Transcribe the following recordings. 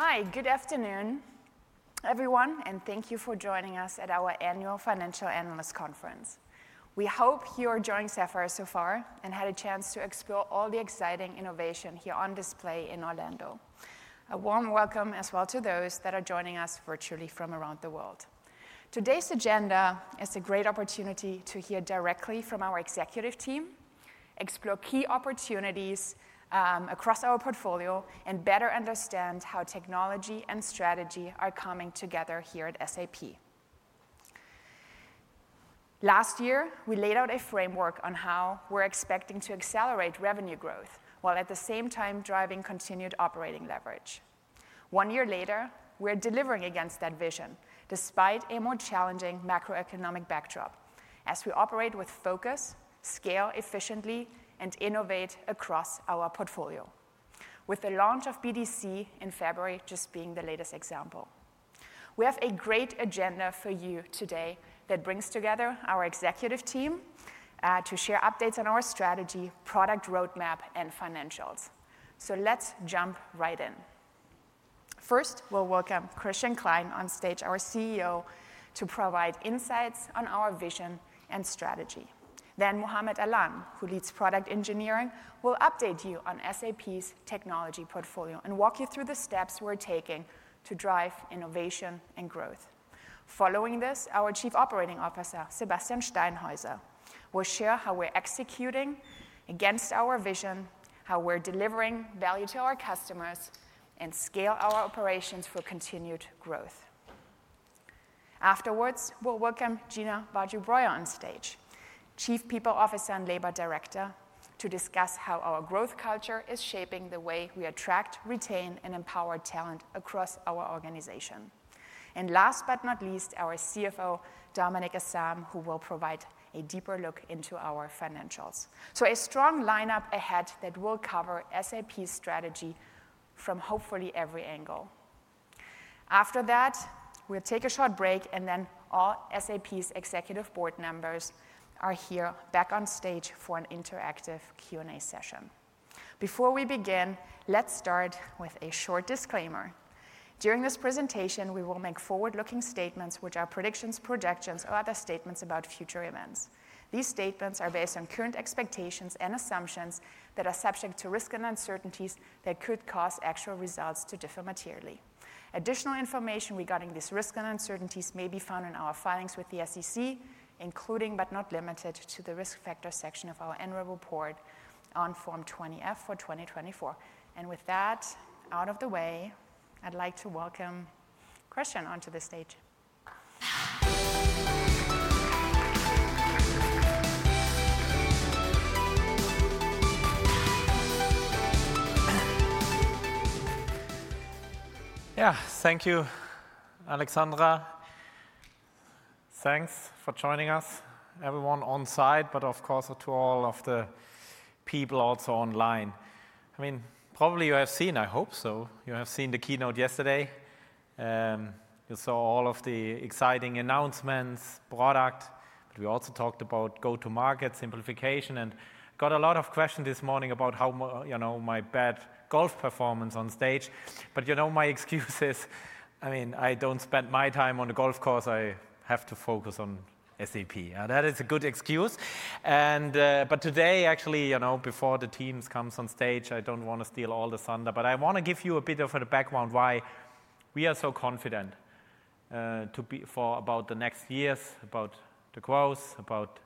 Hi, good afternoon, everyone, and thank you for joining us at our annual Financial Analyst Conference. We hope you're enjoying SAPPHIRE so far and had a chance to explore all the exciting innovation here on display in Orlando. A warm welcome as well to those that are joining us virtually from around the world. Today's agenda is a great opportunity to hear directly from our executive team, explore key opportunities across our portfolio, and better understand how technology and strategy are coming together here at SAP. Last year, we laid out a framework on how we're expecting to accelerate revenue growth while at the same time driving continued operating leverage. One year later, we're delivering against that vision despite a more challenging macroeconomic backdrop as we operate with focus, scale efficiently, and innovate across our portfolio, with the launch of BDC in February just being the latest example. We have a great agenda for you today that brings together our executive team to share updates on our strategy, product roadmap, and financials. Let's jump right in. First, we'll welcome Christian Klein on stage, our CEO, to provide insights on our vision and strategy. Then Muhammad Alam, who leads product engineering, will update you on SAP's technology portfolio and walk you through the steps we're taking to drive innovation and growth. Following this, our Chief Operating Officer, Sebastian Steinhäuser, will share how we're executing against our vision, how we're delivering value to our customers, and scale our operations for continued growth. Afterwards, we'll welcome Gina Vargiu-Breuer on stage, Chief People Officer and Labor Director, to discuss how our growth culture is shaping the way we attract, retain, and empower talent across our organization. Last but not least, our CFO, Dominik Asam, who will provide a deeper look into our financials. A strong lineup ahead that will cover SAP's strategy from hopefully every angle. After that, we'll take a short break, and then all SAP's Executive Board members are here back on stage for an interactive Q&A session. Before we begin, let's start with a short disclaimer. During this presentation, we will make forward-looking statements, which are predictions, projections, or other statements about future events. These statements are based on current expectations and assumptions that are subject to risk and uncertainties that could cause actual results to differ materially. Additional information regarding these risks and uncertainties may be found in our filings with the SEC, including but not limited to the risk factor section of our annual report on Form 20-F for 2024. With that out of the way, I'd like to welcome Christian onto the stage. Yeah, thank you, Alexandra. Thanks for joining us, everyone on site, but of course, to all of the people also online. I mean, probably you have seen, I hope so, you have seen the keynote yesterday. You saw all of the exciting announcements, product, but we also talked about go-to-market simplification and got a lot of questions this morning about how, you know, my bad golf performance on stage. You know, my excuse is, I mean, I do not spend my time on the golf course. I have to focus on SAP. That is a good excuse. Actually, you know, before the teams come on stage, I do not want to steal all the thunder, but I want to give you a bit of a background why we are so confident for about the next years, about the growth, about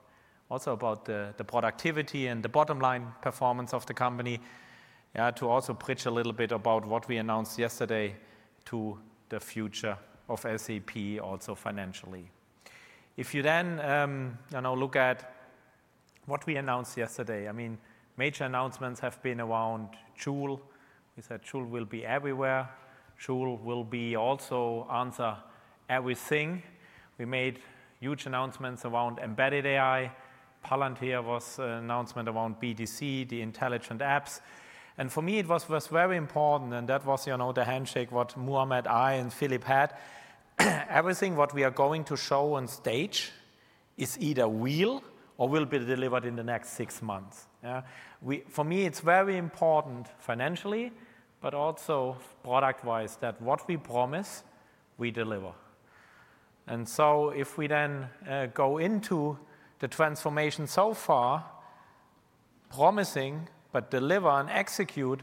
also about the productivity and the bottom line performance of the company, yeah, to also preach a little bit about what we announced yesterday to the future of SAP, also financially. If you then look at what we announced yesterday, I mean, major announcements have been around Joule. We said Joule will be everywhere. Joule will also answer everything. We made huge announcements around embedded AI. Palantir was an announcement around BDC, the intelligent apps. And for me, it was very important, and that was the handshake what Muhammad Alam and Philip had. Everything what we are going to show on stage is either real or will be delivered in the next six months. For me, it's very important financially, but also product-Wise that what we promise, we deliver. If we then go into the transformation so far, promising but deliver and execute,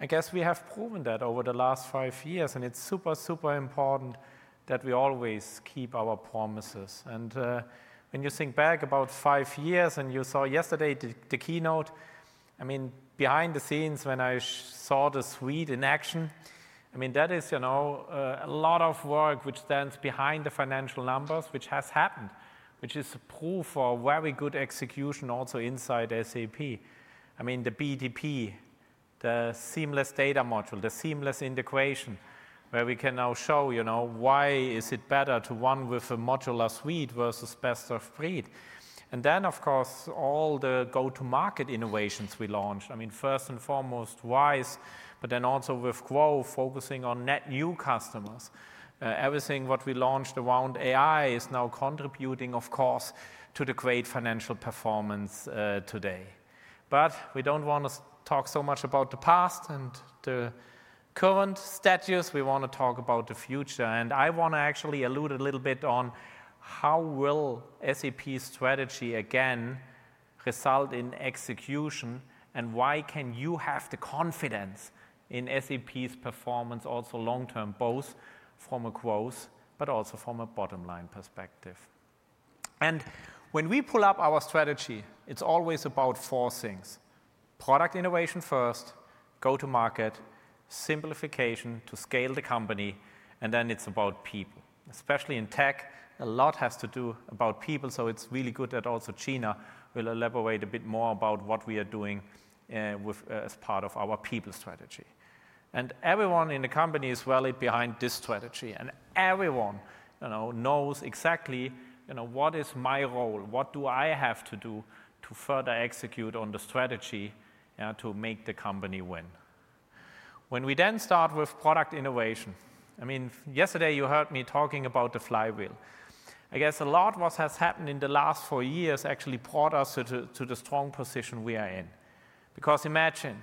I guess we have proven that over the last five years, and it's super, super important that we always keep our promises. When you think back about five years and you saw yesterday the keynote, I mean, behind the scenes when I saw the suite in action, I mean, that is a lot of work which stands behind the financial numbers, which has happened, which is proof of very good execution also inside SAP. I mean, the BTP, the seamless data module, the seamless integration, where we can now show why is it better to run with a modular suite versus best-of-breed. Of course, all the go-to-market innovations we launched. I mean, first and foremost, Wise, but then also with GROW focusing on net new customers. Everything what we launched around AI is now contributing, of course, to the great financial performance today. We do not want to talk so much about the past and the current status. We want to talk about the future. I want to actually allude a little bit on how will SAP's strategy again result in execution and why can you have the confidence in SAP's performance also long-term, both from a growth but also from a bottom line perspective. When we pull up our strategy, it's always about four things: product innovation first, go-to-market, simplification to scale the company, and then it's about people. Especially in tech, a lot has to do about people. It is really good that also Gina will elaborate a bit more about what we are doing as part of our people strategy. Everyone in the company is really behind this strategy, and everyone knows exactly what is my role, what do I have to do to further execute on the strategy to make the company win. When we then start with product innovation, I mean, yesterday you heard me talking about the flywheel. I guess a lot of what has happened in the last four years actually brought us to the strong position we are in. Imagine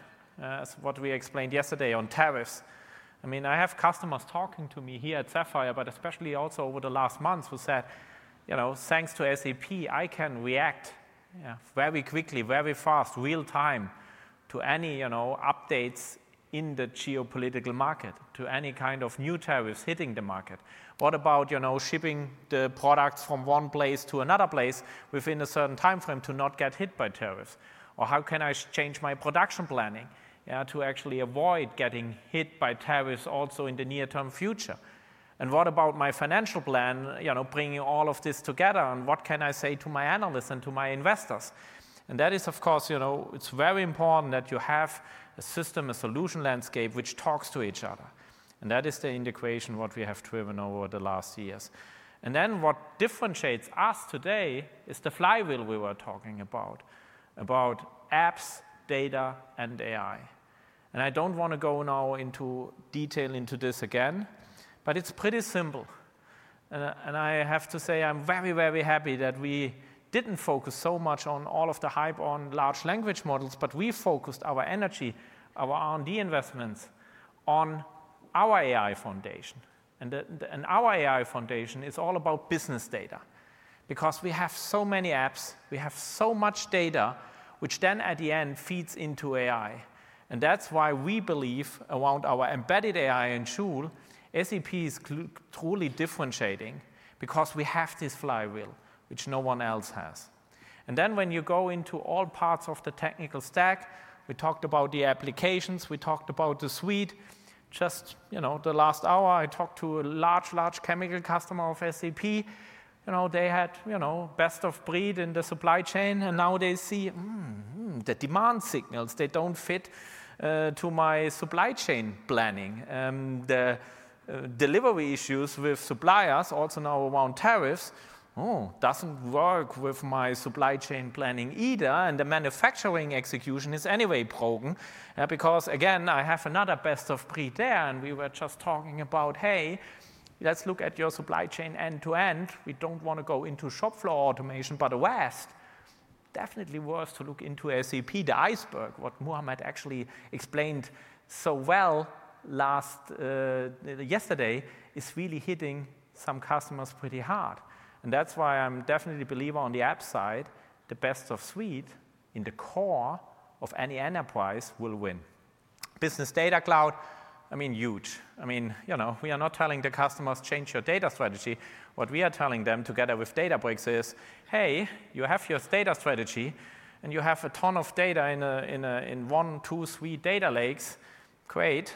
what we explained yesterday on tariffs. I mean, I have customers talking to me here at SAPPHIRE, but especially also over the last months who said, thanks to SAP, I can react very quickly, very fast, real-time to any updates in the geopolitical market, to any kind of new tariffs hitting the market. What about shipping the products from one place to another place within a certain timeframe to not get hit by tariffs? Or how can I change my production planning to actually avoid getting hit by tariffs also in the near-term future? What about my financial plan, bringing all of this together? What can I say to my analysts and to my investors? It is, of course, very important that you have a system, a solution landscape which talks to each other. That is the integration we have driven over the last years. What differentiates us today is the flywheel we were talking about, about apps, data, and AI. I do not want to go now into detail into this again, but it is pretty simple. I have to say I am very, very happy that we did not focus so much on all of the hype on large language models, but we focused our energy, our R&D investments on our AI foundation. Our AI foundation is all about business data because we have so many apps, we have so much data, which then at the end feeds into AI. That is why we believe around our embedded AI and Joule, SAP is truly differentiating because we have this flywheel which no one else has. When you go into all parts of the technical stack, we talked about the applications, we talked about the suite. Just the last hour, I talked to a large, large chemical customer of SAP. They had best-of-breed in the supply chain, and now they see the demand signals. They do not fit to my supply chain planning. The delivery issues with suppliers also now around tariffs, oh, does not work with my supply chain planning either. The manufacturing execution is anyway broken because, again, I have another best-of-breed there. We were just talking about, hey, let's look at your supply chain end-to-end. We do not want to go into shop floor automation, but the west, definitely worth to look into SAP. The iceberg, what Muhammad actually explained so well yesterday, is really hitting some customers pretty hard. That is why I am definitely a believer on the app side. The best-of-breed in the core of any enterprise will win. Business data cloud, I mean, huge. I mean, we are not telling the customers change your data strategy. What we are telling them together with Databricks is, hey, you have your data strategy and you have a ton of data in one, two, three data lakes. Great.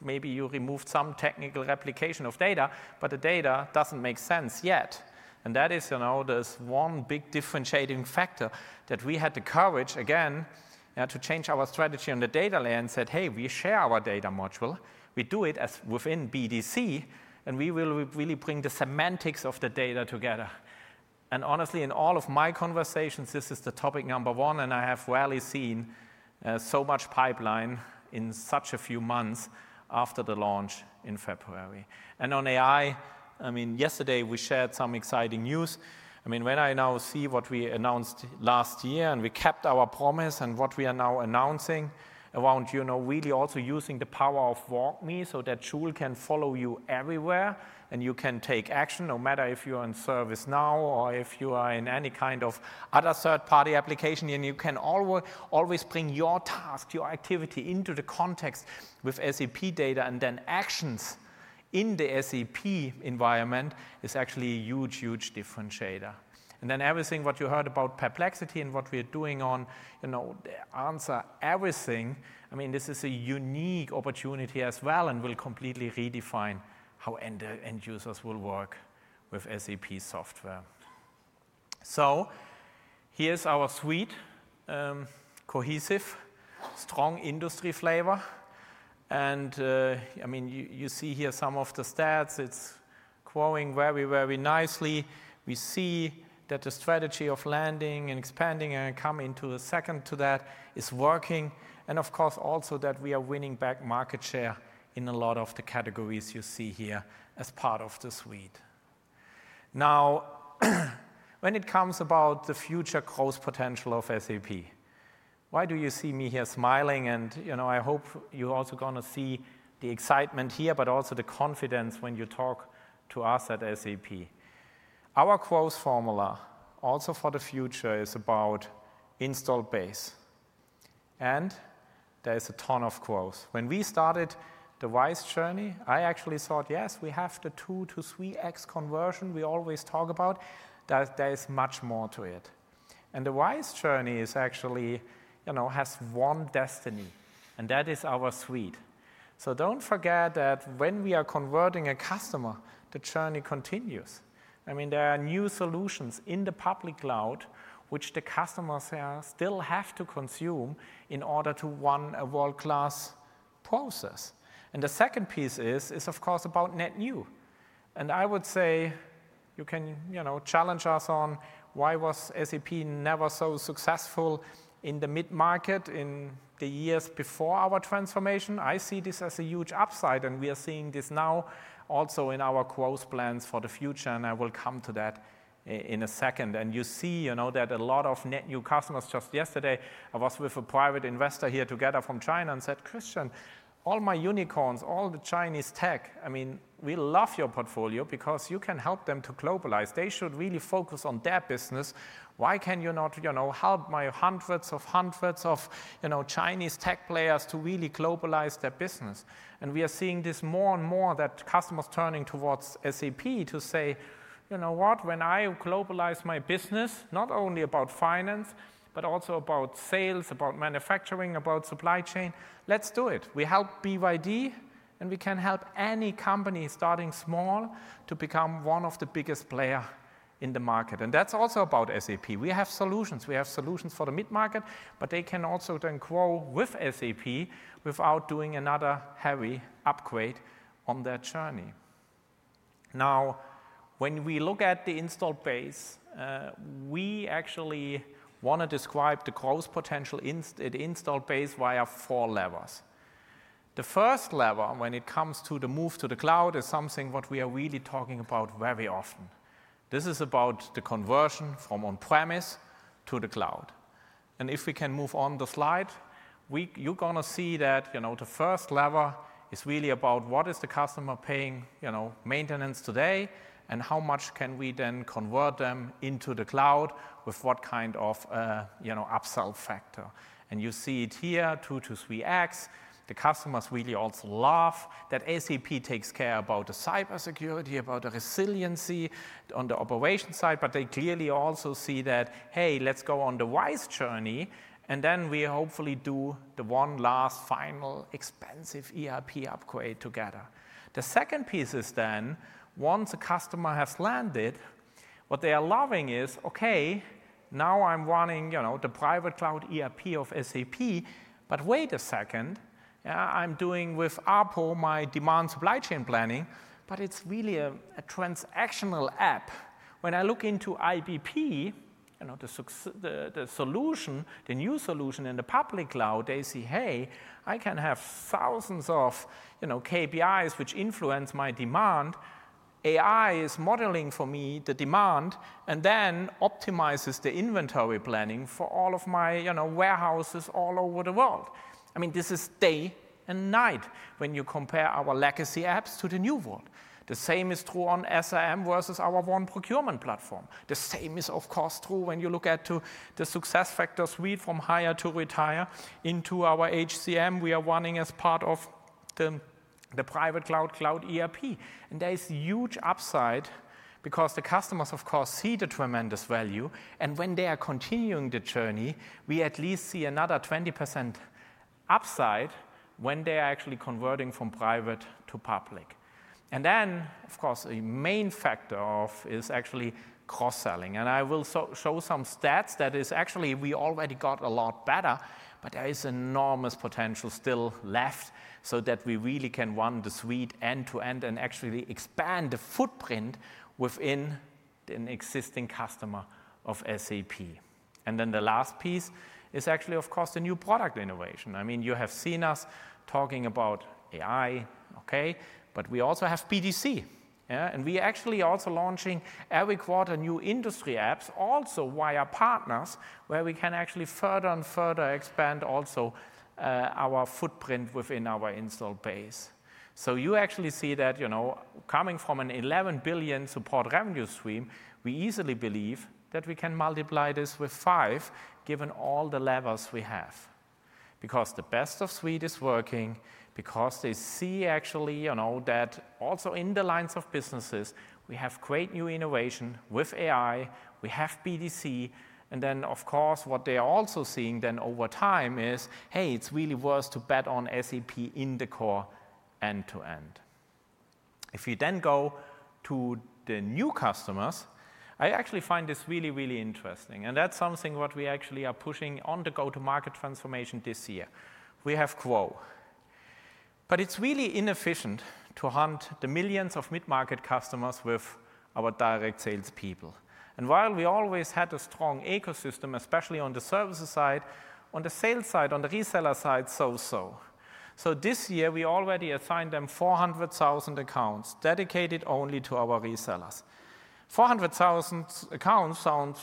Maybe you removed some technical replication of data, but the data does not make sense yet. That is this one big differentiating factor that we had the courage, again, to change our strategy on the data layer and said, hey, we share our data module. We do it within BDC, and we will really bring the semantics of the data together. Honestly, in all of my conversations, this is the topic number one, and I have rarely seen so much pipeline in such a few months after the launch in February. On AI, I mean, yesterday we shared some exciting news. I mean, when I now see what we announced last year and we kept our promise and what we are now announcing around really also using the power of WalKMe so that Joule can follow you everywhere and you can take action no matter if you're in ServiceNow or if you are in any kind of other third-party application, and you can always bring your task, your activity into the context with SAP data and then actions in the SAP environment is actually a huge, huge differentiator. Everything what you heard about Perplexity and what we are doing on the answer everything, I mean, this is a unique opportunity as well and will completely redefine how end users will work with SAP software. Here is our suite, cohesive, strong industry flavor. I mean, you see here some of the stats. It's growing very, very nicely. We see that the strategy of landing and expanding and coming to a second to that is working. Of course, also that we are winning back market share in a lot of the categories you see here as part of the suite. Now, when it comes about the future growth potential of SAP, why do you see me here smiling? I hope you're also going to see the excitement here, but also the confidence when you talk to us at SAP. Our growth formula also for the future is about install base. There's a ton of growth. When we started the Wise journey, I actually thought, yes, we have the two to three X conversion we always talk about. There is much more to it. The Wise journey actually has one destiny, and that is our suite. Do not forget that when we are converting a customer, the journey continues. I mean, there are new solutions in the public cloud, which the customers still have to consume in order to run a world-class process. The second piece is, of course, about net new. I would say you can challenge us on why was SAP never so successful in the mid-market in the years before our transformation. I see this as a huge upside, and we are seeing this now also in our growth plans for the future. I will come to that in a second. You see that a lot of net new customers just yesterday, I was with a private investor here together from China and said, "Christian, all my unicorns, all the Chinese tech, I mean, we love your portfolio because you can help them to globalize. They should really focus on their business. Why can you not help my hundreds of hundreds of Chinese tech players to really globalize their business? We are seeing this more and more, that customers turning towards SAP to say, "You know what? When I globalize my business, not only about finance, but also about sales, about manufacturing, about supply chain, let's do it. We help BYD, and we can help any company starting small to become one of the biggest players in the market." That is also about SAP. We have solutions. We have solutions for the mid-market, but they can also then grow with SAP without doing another heavy upgrade on their journey. Now, when we look at the install base, we actually want to describe the growth potential at install base via four levers. The first lever, when it comes to the move to the cloud, is something what we are really talking about very often. This is about the conversion from on-premise to the cloud. If we can move on the slide, you're going to see that the first lever is really about what is the customer paying maintenance today and how much can we then convert them into the cloud with what kind of upsell factor. You see it here, two to three X. The customers really also love that SAP takes care about the cybersecurity, about the resiliency on the operation side, but they clearly also see that, hey, let's go on the Wise journey, and then we hopefully do the one last final expensive ERP upgrade together. The second piece is then once a customer has landed, what they are loving is, "Okay, now I'm running the private cloud ERP of SAP, but wait a second. I'm doing with Apple my demand supply chain planning, but it's really a transactional app." When I look into IBP, the solution, the new solution in the public cloud, they see, "Hey, I can have thousands of KPIs which influence my demand. AI is modeling for me the demand and then optimizes the inventory planning for all of my warehouses all over the world." I mean, this is day and night when you compare our legacy apps to the new world. The same is true on SRM versus our one procurement platform. The same is, of course, true when you look at the SuccessFactors suite from hire to retire into our HCM we are running as part of the private cloud cloud ERP. There is huge upside because the customers, of course, see the tremendous value. When they are continuing the journey, we at least see another 20% upside when they are actually converting from private to public. A main factor is actually cross-selling. I will show some stats that is actually we already got a lot better, but there is enormous potential still left so that we really can run the suite end-to-end and actually expand the footprint within an existing customer of SAP. The last piece is actually, of course, the new product innovation. I mean, you have seen us talking about AI, okay, but we also have BDC. We actually are also launching every quarter new industry apps also via partners where we can actually further and further expand also our footprint within our install base. You actually see that coming from an 11 billion support revenue stream, we easily believe that we can multiply this with five given all the levers we have. The best-of-breed is working because they see actually that also in the lines of businesses, we have great new innovation with AI, we have BDC. Of course, what they are also seeing then over time is, hey, it's really worth to bet on SAP in the core end-to-end. If you then go to the new customers, I actually find this really, really interesting. That's something what we actually are pushing on the go-to-market transformation this year. We have growth. It is really inefficient to hunt the millions of mid-market customers with our direct salespeople. While we always had a strong ecosystem, especially on the services side, on the sales side, on the reseller side, so-so. This year, we already assigned them 400,000 accounts dedicated only to our resellers. 400,000 accounts sounds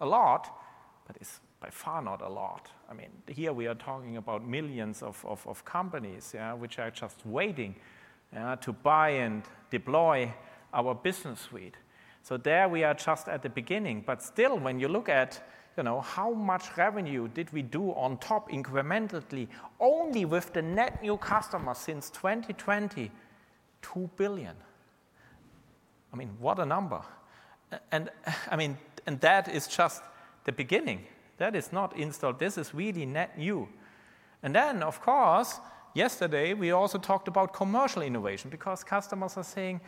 a lot, but it is by far not a lot. I mean, here we are talking about millions of companies which are just waiting to buy and deploy our business suite. We are just at the beginning. Still, when you look at how much revenue did we do on top incrementally only with the net new customers since 2020, 2 billion. I mean, what a number. That is just the beginning. That is not installed. This is really net new. Yesterday we also talked about commercial innovation because customers are saying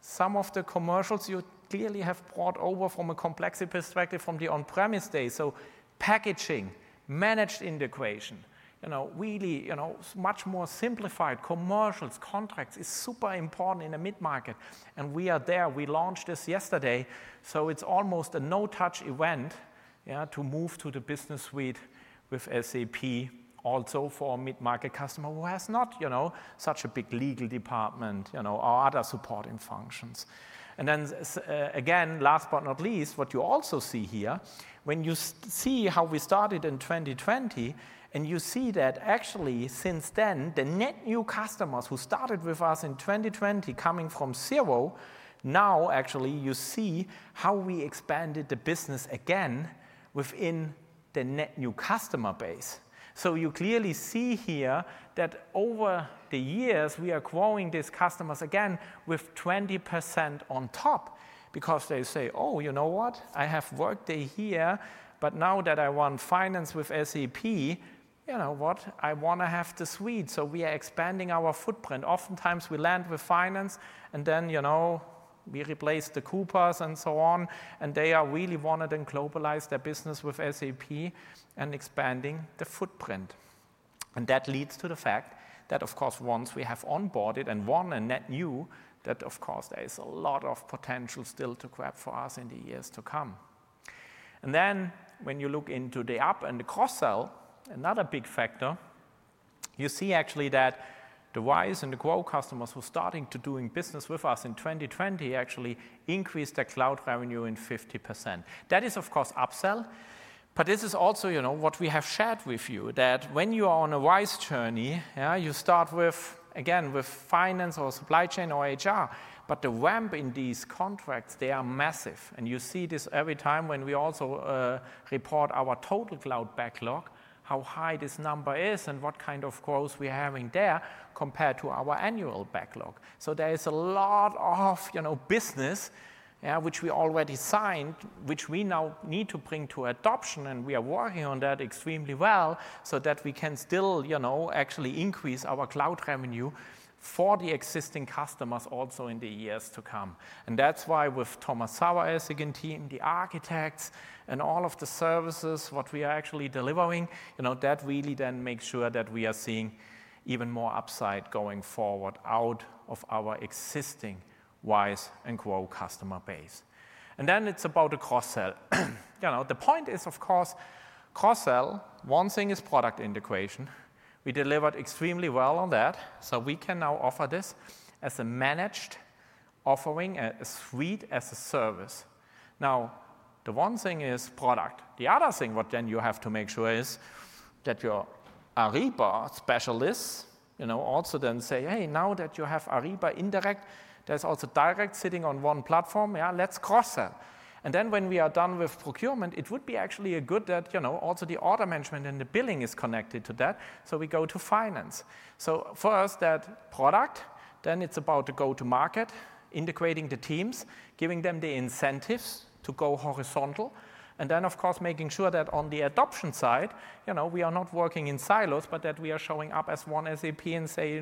some of the commercials you clearly have brought over from a complexity perspective from the on-premise day. Packaging, managed integration, really much more simplified commercials, contracts is super important in a mid-market. We are there. We launched this yesterday. It is almost a no-touch event to move to the business suite with SAP also for a mid-market customer who has not such a big legal department or other supporting functions. Last but not least, what you also see here, when you see how we started in 2020, and you see that actually since then, the net new customers who started with us in 2020 coming from zero, now actually you see how we expanded the business again within the net new customer base. You clearly see here that over the years, we are growing these customers again with 20% on top because they say, "Oh, you know what? I have worked here here, but now that I want finance with SAP, you know what? I want to have the suite." We are expanding our footprint. Oftentimes we land with finance, and then we replace the Coopers and so on, and they are really wanting to globalize their business with SAP and expanding the footprint. That leads to the fact that, of course, once we have onboarded and won a net new, that, of course, there is a lot of potential still to grab for us in the years to come. When you look into the up and the cross-sell, another big factor, you see actually that the Wise and the GROW customers who are starting to do business with us in 2020 actually increased their cloud revenue by 50%. That is, of course, upsell. This is also what we have shared with you, that when you are on a Wise journey, you start with, again, with finance or supply chain or HR. The ramp in these contracts, they are massive. You see this every time when we also report our total cloud backlog, how high this number is and what kind of growth we are having there compared to our annual backlog. There is a lot of business which we already signed, which we now need to bring to adoption. We are working on that extremely well so that we can still actually increase our cloud revenue for the existing customers also in the years to come. That is why with Thomas Saueressig and team, the architects and all of the services what we are actually delivering, that really then makes sure that we are seeing even more upside going forward out of our existing Wise and GROW customer base. It is about the cross-sell. The point is, of course, cross-sell, one thing is product integration. We delivered extremely well on that. We can now offer this as a managed offering, a suite as a service. Now, the one thing is product. The other thing what then you have to make sure is that your Ariba specialists also then say, "Hey, now that you have Ariba indirect, there is also direct sitting on one platform. Yeah, let's cross-sell. And then when we are done with procurement, it would be actually good that also the order management and the billing is connected to that. We go to finance. First that product, then it's about the go-to-market, integrating the teams, giving them the incentives to go horizontal. Of course, making sure that on the adoption side, we are not working in silos, but that we are showing up as one SAP and say,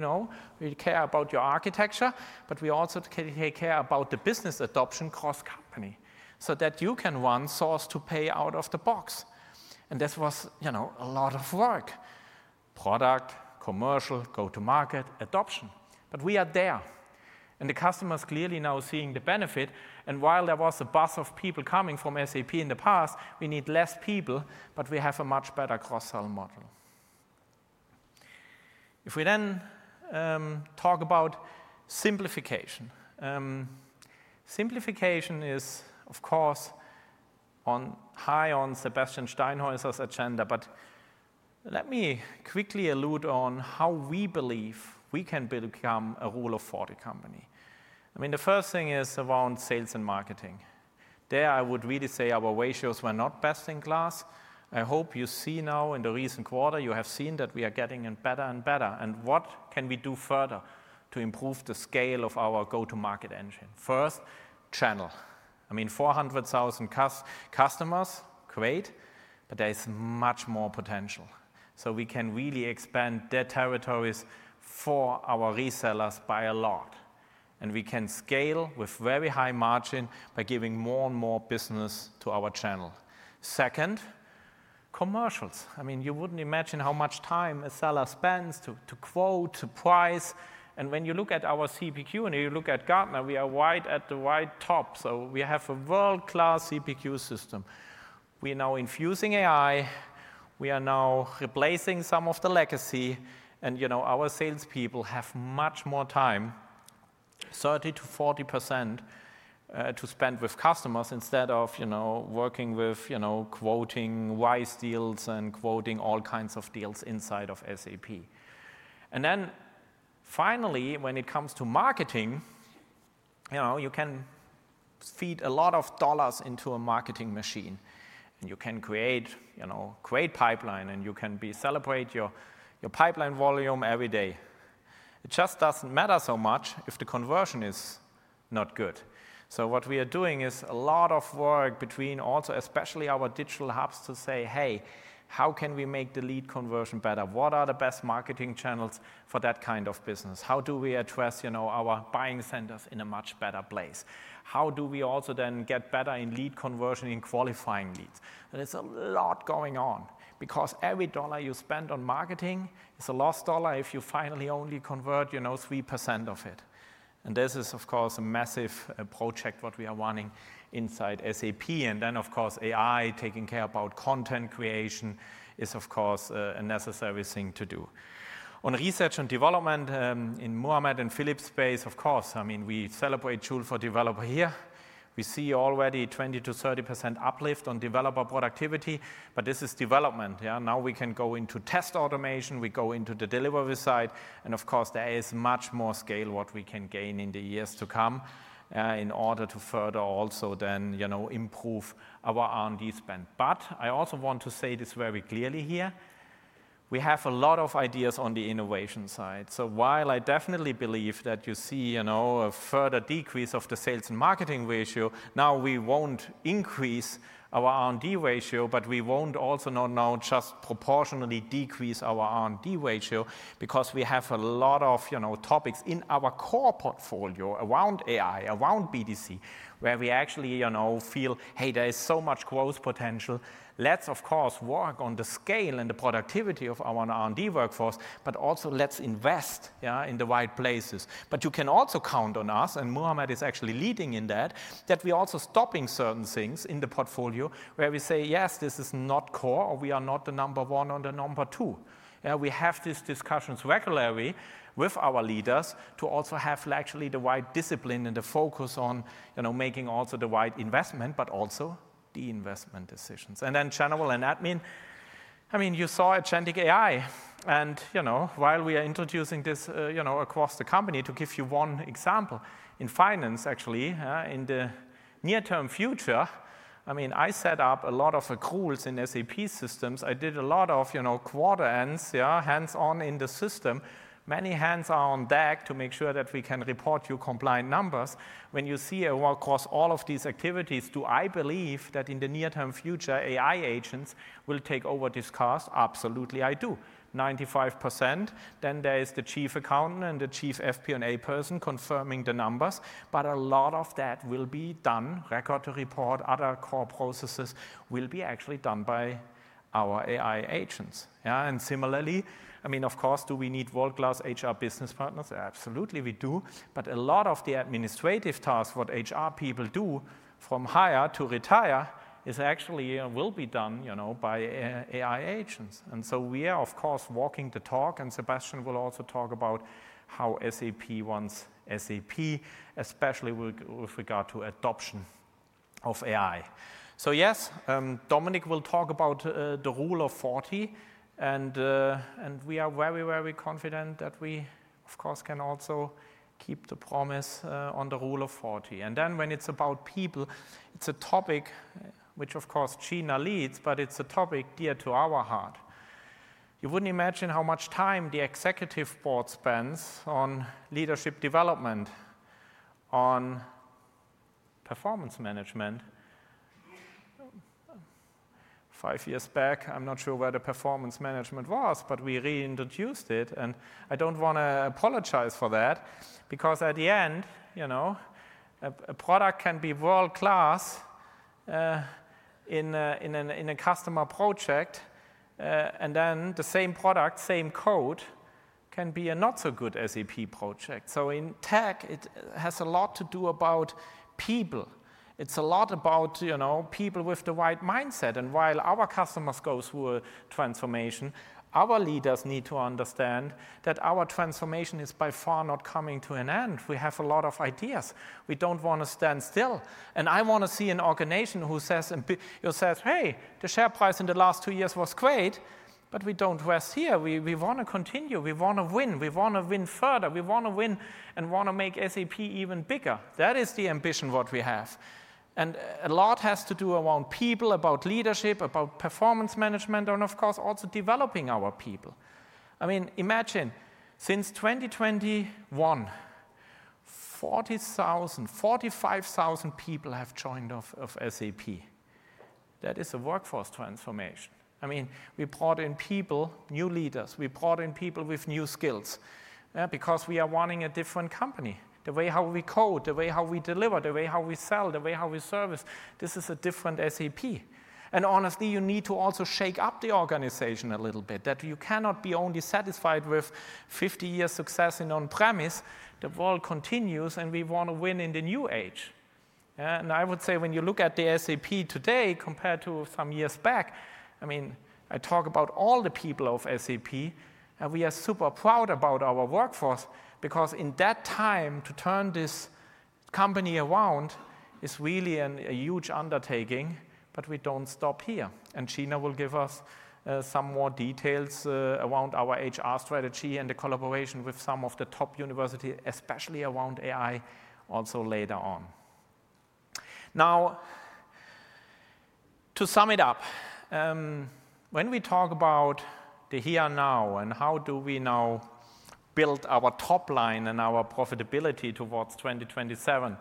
"We care about your architecture, but we also take care about the business adoption cross-company so that you can run source to pay out of the box." This was a lot of work. Product, commercial, go-to-market, adoption. We are there. The customer is clearly now seeing the benefit. While there was a bus of people coming from SAP in the past, we need fewer people, but we have a much better cross-sell model. If we then talk about simplification. Simplification is, of course, high on Sebastian Steinhäuser's agenda, but let me quickly allude on how we believe we can become a rule-of-40 company. I mean, the first thing is around sales and marketing. There I would really say our ratios were not best in class. I hope you see now in the recent quarter, you have seen that we are getting better and better. What can we do further to improve the scale of our go-to-market engine? First, channel. I mean, 400,000 customers, great, but there is much more potential. We can really expand their territories for our resellers by a lot. We can scale with very high margin by giving more and more business to our channel. Second, commercials. I mean, you wouldn't imagine how much time a seller spends to quote, to price. When you look at our CPQ and you look at Gartner, we are right at the right top. We have a world-class CPQ system. We are now infusing AI. We are now replacing some of the legacy. Our salespeople have much more time, 30-40%, to spend with customers instead of working with quoting Wise deals and quoting all kinds of deals inside of SAP. Finally, when it comes to marketing, you can feed a lot of dollars into a marketing machine. You can create a great pipeline, and you can celebrate your pipeline volume every day. It just doesn't matter so much if the conversion is not good. What we are doing is a lot of work between also, especially our digital hubs to say, "Hey, how can we make the lead conversion better? What are the best marketing channels for that kind of business? How do we address our buying centers in a much better place? How do we also then get better in lead conversion and qualifying leads?" It is a lot going on because every dollar you spend on marketing is a lost dollar if you finally only convert 3% of it. This is, of course, a massive project what we are running inside SAP. Of course, AI taking care about content creation is, of course, a necessary thing to do. On research and development in Muhammad and Philip's space, of course, I mean, we celebrate Joule for Developer here. We see already 20-30% uplift on developer productivity. This is development. Now we can go into test automation. We go into the delivery side. Of course, there is much more scale what we can gain in the years to come in order to further also then improve our R&D spend. I also want to say this very clearly here. We have a lot of ideas on the innovation side. While I definitely believe that you see a further decrease of the sales and marketing ratio, now we won't increase our R&D ratio, but we won't also now just proportionally decrease our R&D ratio because we have a lot of topics in our core portfolio around AI, around BDC, where we actually feel, "Hey, there is so much growth potential. Let's, of course, work on the scale and the productivity of our R&D workforce, but also let's invest in the right places. You can also count on us, and Muhammad is actually leading in that, that we're also stopping certain things in the portfolio where we say, "Yes, this is not core, or we are not the number one or the number two." We have these discussions regularly with our leaders to also have actually the right discipline and the focus on making also the right investment, but also the investment decisions. I mean, you saw Agentic AI. While we are introducing this across the company, to give you one example, in finance, actually, in the near-term future, I mean, I set up a lot of accruals in SAP systems. I did a lot of quarter ends, hands-on in the system, many hands-on DAG to make sure that we can report your compliant numbers. When you see across all of these activities, do I believe that in the near-term future, AI agents will take over this cost? Absolutely, I do. 95%, then there is the chief accountant and the chief FP&A person confirming the numbers. A lot of that will be done record to report, other core processes will be actually done by our AI agents. Similarly, I mean, of course, do we need world-class HR business partners? Absolutely, we do. A lot of the administrative tasks what HR people do from hire to retire is actually will be done by AI agents. We are, of course, walking the talk, and Sebastian will also talk about how SAP wants SAP, especially with regard to adoption of AI. Yes, Dominik will talk about the rule of 40. We are very, very confident that we, of course, can also keep the promise on the rule of 40. When it is about people, it is a topic which, of course, Gina leads, but it is a topic dear to our heart. You would not imagine how much time the executive board spends on leadership development, on performance management. Five years back, I am not sure where the performance management was, but we reintroduced it. I do not want to apologize for that because at the end, a product can be world-class in a customer project, and then the same product, same code can be a not-so-good SAP project. In tech, it has a lot to do about people. It's a lot about people with the right mindset. While our customers go through a transformation, our leaders need to understand that our transformation is by far not coming to an end. We have a lot of ideas. We don't want to stand still. I want to see an organization who says, "Hey, the share price in the last two years was great, but we don't rest here. We want to continue. We want to win. We want to win further. We want to win and want to make SAP even bigger." That is the ambition what we have. A lot has to do around people, about leadership, about performance management, and of course, also developing our people. I mean, imagine since 2021, 40,000-45,000 people have joined SAP. That is a workforce transformation. I mean, we brought in people, new leaders. We brought in people with new skills because we are running a different company. The way how we code, the way how we deliver, the way how we sell, the way how we service, this is a different SAP. Honestly, you need to also shake up the organization a little bit that you cannot be only satisfied with 50 years' success in on-premise. The world continues, and we want to win in the new age. I would say when you look at the SAP today compared to some years back, I mean, I talk about all the people of SAP, and we are super proud about our workforce because in that time, to turn this company around is really a huge undertaking. We do not stop here. Gina will give us some more details around our HR strategy and the collaboration with some of the top universities, especially around AI also later on. Now, to sum it up, when we talk about the here now and how do we now build our top line and our profitability towards 2027,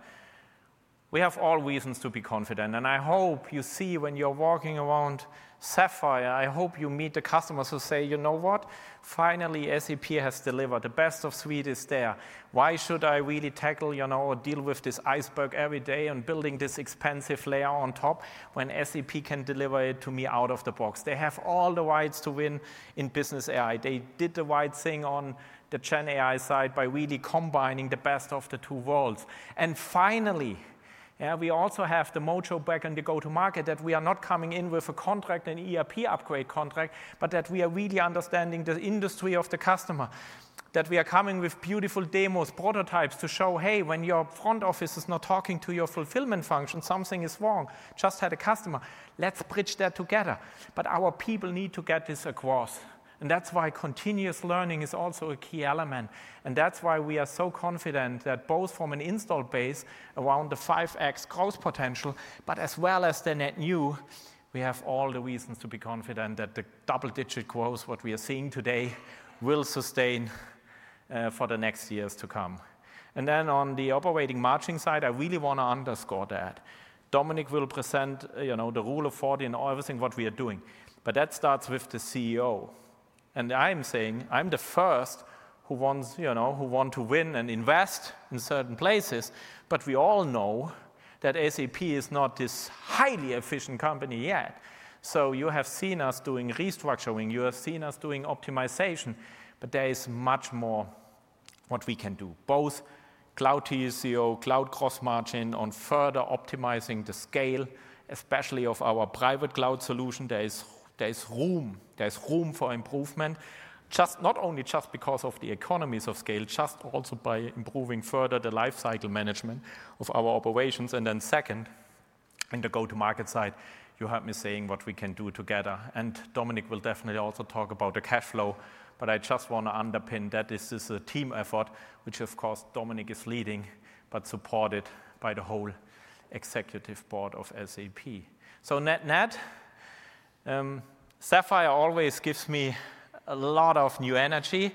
we have all reasons to be confident. I hope you see when you're walking around Sapphire, I hope you meet the customers who say, "You know what? Finally, SAP has delivered. The best of Sweden is there. Why should I really tackle or deal with this iceberg every day and building this expensive layer on top when SAP can deliver it to me out of the box?" They have all the rights to win in business AI. They did the right thing on the GenAI side by really combining the best of the two worlds. Finally, we also have the mojo back on the go-to-market that we are not coming in with a contract and ERP upgrade contract, but that we are really understanding the industry of the customer, that we are coming with beautiful demos, prototypes to show, "Hey, when your front office is not talking to your fulfillment function, something is wrong. Just had a customer. Let's bridge that together." Our people need to get this across. That is why continuous learning is also a key element. That is why we are so confident that both from an install base around the 5X growth potential, as well as the net new, we have all the reasons to be confident that the double-digit growth what we are seeing today will sustain for the next years to come. On the operating margin side, I really want to underscore that. Dominik will present the rule of 40 and everything what we are doing. That starts with the CEO. I am saying I'm the first who want to win and invest in certain places. We all know that SAP is not this highly efficient company yet. You have seen us doing restructuring. You have seen us doing optimization. There is much more what we can do, both cloud TCO, cloud cross-margin on further optimizing the scale, especially of our private cloud solution. There is room. There's room for improvement, not only just because of the economies of scale, just also by improving further the lifecycle management of our operations. Second, in the go-to-market side, you heard me saying what we can do together. Dominik will definitely also talk about the cash flow. I just want to underpin that this is a team effort, which of course Dominik is leading, but supported by the whole executive board of SAP. Net-net, Sapphire always gives me a lot of new energy.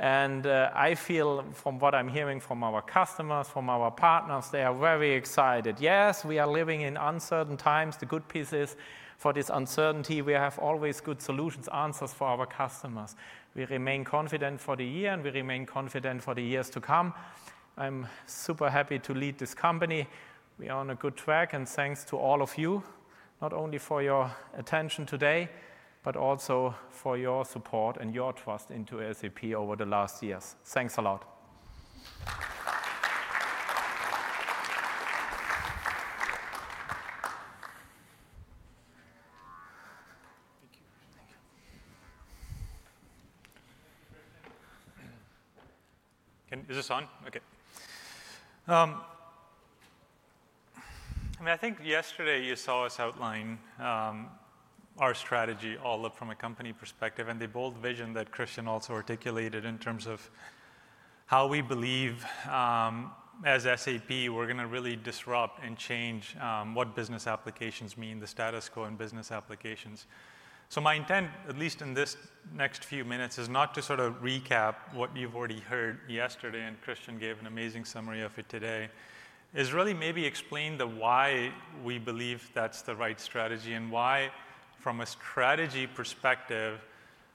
I feel from what I'm hearing from our customers, from our partners, they are very excited. Yes, we are living in uncertain times. The good piece is for this uncertainty, we have always good solutions, answers for our customers. We remain confident for the year, and we remain confident for the years to come. I'm super happy to lead this company. We are on a good track. Thanks to all of you, not only for your attention today, but also for your support and your trust into SAP over the last years. Thanks a lot. Thank you. Thank you. Is this on? Okay. I mean, I think yesterday you saw us outline our strategy all from a company perspective. The bold vision that Christian also articulated in terms of how we believe as SAP, we're going to really disrupt and change what business applications mean, the status quo in business applications. My intent, at least in this next few minutes, is not to sort of recap what you've already heard yesterday, and Christian gave an amazing summary of it today, is really maybe explain the why we believe that's the right strategy and why from a strategy perspective,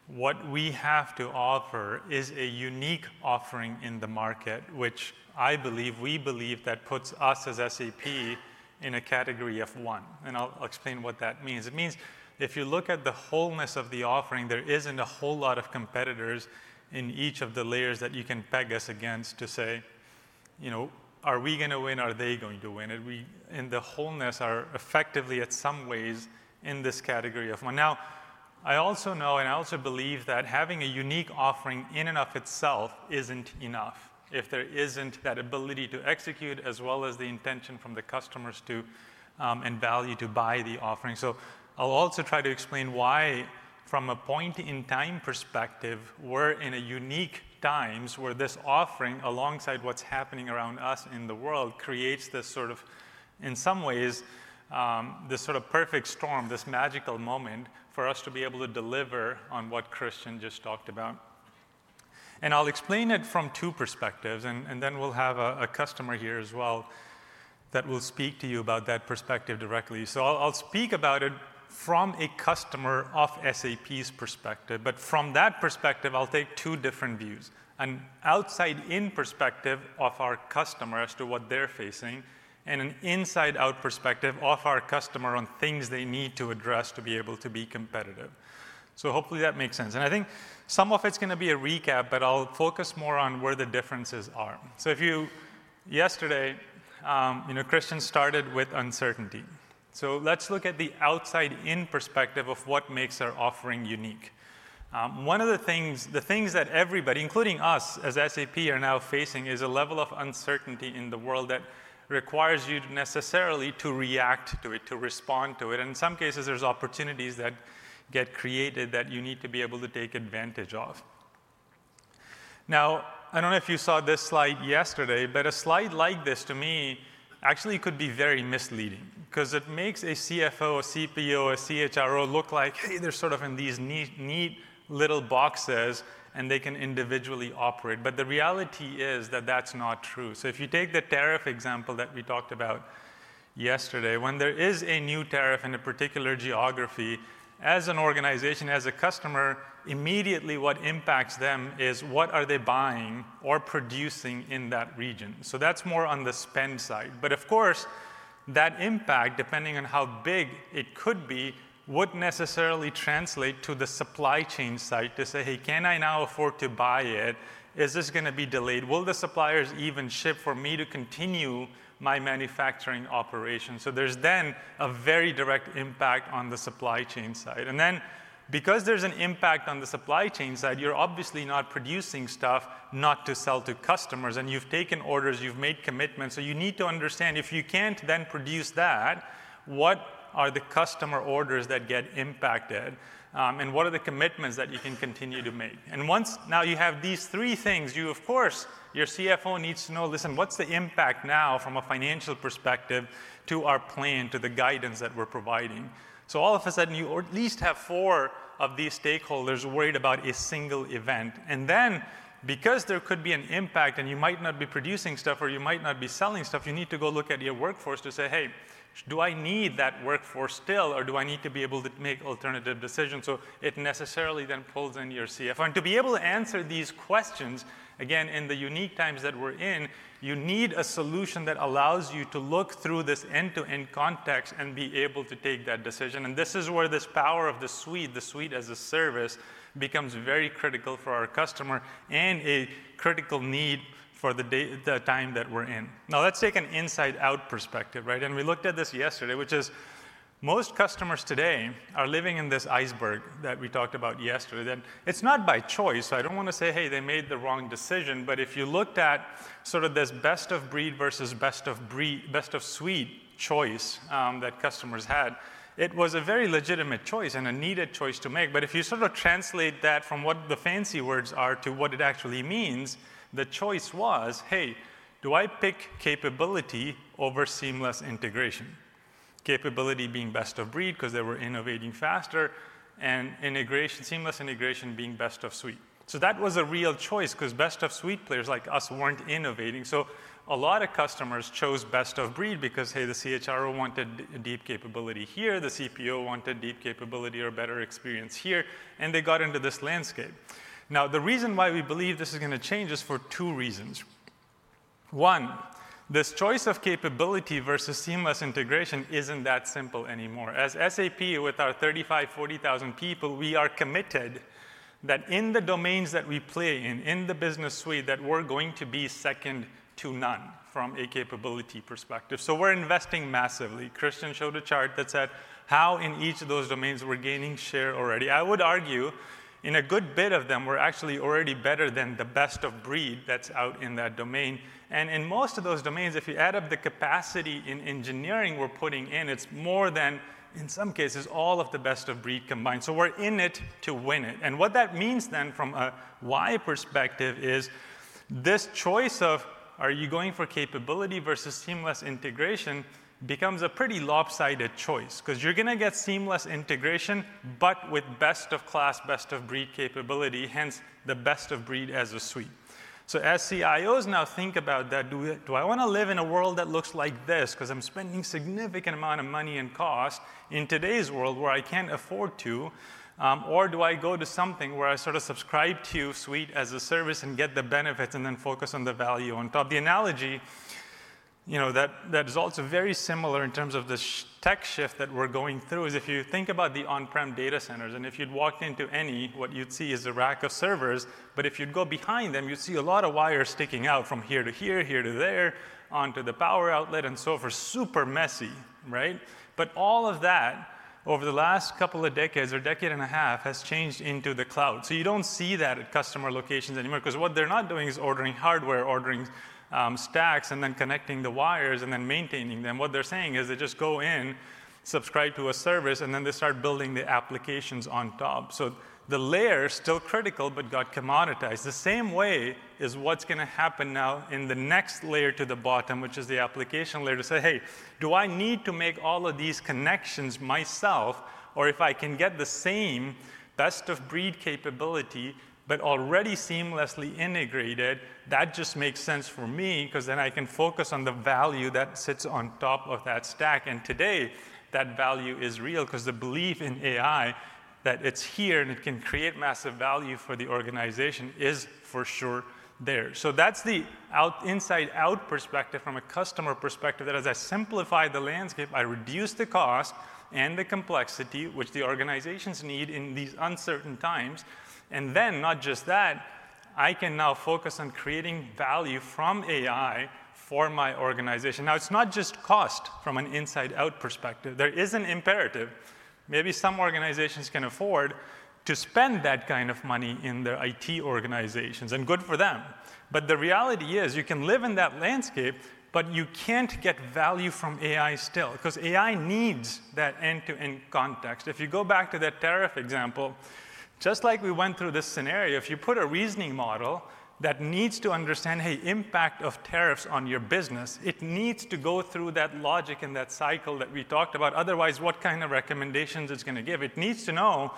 what we have to offer is a unique offering in the market, which I believe we believe that puts us as SAP in a category of one. I'll explain what that means. It means if you look at the wholeness of the offering, there isn't a whole lot of competitors in each of the layers that you can peg us against to say, "Are we going to win? Are they going to win?" The wholeness are effectively at some ways in this category of one. I also know and I also believe that having a unique offering in and of itself isn't enough if there isn't that ability to execute as well as the intention from the customers to and value to buy the offering. I'll also try to explain why from a point-in-time perspective, we're in unique times where this offering alongside what's happening around us in the world creates this sort of, in some ways, this sort of perfect storm, this magical moment for us to be able to deliver on what Christian just talked about. I'll explain it from two perspectives. We'll have a customer here as well that will speak to you about that perspective directly. I'll speak about it from a customer of SAP's perspective. From that perspective, I'll take two different views: an outside-in perspective of our customer as to what they're facing and an inside-out perspective of our customer on things they need to address to be able to be competitive. Hopefully that makes sense. I think some of it's going to be a recap, but I'll focus more on where the differences are. Yesterday, Christian started with uncertainty. Let's look at the outside-in perspective of what makes our offering unique. One of the things, the things that everybody, including us as SAP, are now facing is a level of uncertainty in the world that requires you necessarily to react to it, to respond to it. In some cases, there's opportunities that get created that you need to be able to take advantage of. I don't know if you saw this slide yesterday, but a slide like this to me actually could be very misleading because it makes a CFO, a CPO, a CHRO look like, "Hey, they're sort of in these neat little boxes, and they can individually operate." The reality is that that's not true. If you take the tariff example that we talked about yesterday, when there is a new tariff in a particular geography, as an organization, as a customer, immediately what impacts them is what are they buying or producing in that region. That is more on the spend side. Of course, that impact, depending on how big it could be, would necessarily translate to the supply chain side to say, "Hey, can I now afford to buy it? Is this going to be delayed? Will the suppliers even ship for me to continue my manufacturing operation?" There is then a very direct impact on the supply chain side. Because there is an impact on the supply chain side, you are obviously not producing stuff not to sell to customers. You have taken orders. You have made commitments. You need to understand if you can't then produce that, what are the customer orders that get impacted? What are the commitments that you can continue to make? Now you have these three things. You, of course, your CFO needs to know, "Listen, what's the impact now from a financial perspective to our plan, to the guidance that we're providing?" All of a sudden, you at least have four of these stakeholders worried about a single event. Because there could be an impact and you might not be producing stuff or you might not be selling stuff, you need to go look at your workforce to say, "Hey, do I need that workforce still, or do I need to be able to make alternative decisions?" It necessarily then pulls in your CFO. To be able to answer these questions, again, in the unique times that we're in, you need a solution that allows you to look through this end-to-end context and be able to take that decision. This is where this power of the suite, the suite as a service becomes very critical for our customer and a critical need for the time that we're in. Now, let's take an inside-out perspective, right? We looked at this yesterday, which is most customers today are living in this iceberg that we talked about yesterday. It's not by choice. I don't want to say, "Hey, they made the wrong decision." If you looked at sort of this best of breed versus best of suite choice that customers had, it was a very legitimate choice and a needed choice to make. If you sort of translate that from what the fancy words are to what it actually means, the choice was, "Hey, do I pick capability over seamless integration?" Capability being best of breed because they were innovating faster and seamless integration being best of suite. That was a real choice because best of suite players like us were not innovating. A lot of customers chose best of breed because, "Hey, the CHRO wanted deep capability here. The CPO wanted deep capability or better experience here." They got into this landscape. Now, the reason why we believe this is going to change is for two reasons. One, this choice of capability versus seamless integration is not that simple anymore. As SAP with our 35,000-40,000 people, we are committed that in the domains that we play in, in the business suite that we're going to be second to none from a capability perspective. We are investing massively. Christian showed a chart that said how in each of those domains we're gaining share already. I would argue in a good bit of them, we're actually already better than the best of breed that's out in that domain. In most of those domains, if you add up the capacity in engineering we're putting in, it's more than, in some cases, all of the best of breed combined. We are in it to win it. What that means then from a why perspective is this choice of, "Are you going for capability versus seamless integration?" becomes a pretty lopsided choice because you're going to get seamless integration, but with best of class, best of breed capability, hence the best of breed as a suite. As CIOs now think about that, "Do I want to live in a world that looks like this because I'm spending a significant amount of money and cost in today's world where I can't afford to? Or do I go to something where I sort of subscribe to suite as a service and get the benefits and then focus on the value on top? The analogy that results very similar in terms of the tech shift that we're going through is if you think about the on-prem data centers, and if you'd walked into any, what you'd see is a rack of servers. If you'd go behind them, you'd see a lot of wires sticking out from here to here, here to there onto the power outlet and so forth. Super messy, right? All of that over the last couple of decades or decade and a half has changed into the cloud. You do not see that at customer locations anymore because what they're not doing is ordering hardware, ordering stacks, and then connecting the wires and then maintaining them. What they're saying is they just go in, subscribe to a service, and then they start building the applications on top. The layer is still critical but got commoditized. The same way is what's going to happen now in the next layer to the bottom, which is the application layer to say, "Hey, do I need to make all of these connections myself? Or if I can get the same best of breed capability but already seamlessly integrated, that just makes sense for me because then I can focus on the value that sits on top of that stack." Today, that value is real because the belief in AI that it's here and it can create massive value for the organization is for sure there. That's the inside-out perspective from a customer perspective that as I simplify the landscape, I reduce the cost and the complexity, which the organizations need in these uncertain times. Not just that, I can now focus on creating value from AI for my organization. Now, it's not just cost from an inside-out perspective. There is an imperative. Maybe some organizations can afford to spend that kind of money in their IT organizations. Good for them. The reality is you can live in that landscape, but you can't get value from AI still because AI needs that end-to-end context. If you go back to that tariff example, just like we went through this scenario, if you put a reasoning model that needs to understand, "Hey, impact of tariffs on your business," it needs to go through that logic and that cycle that we talked about. OtherWise, what kind of recommendations it's going to give? It needs to know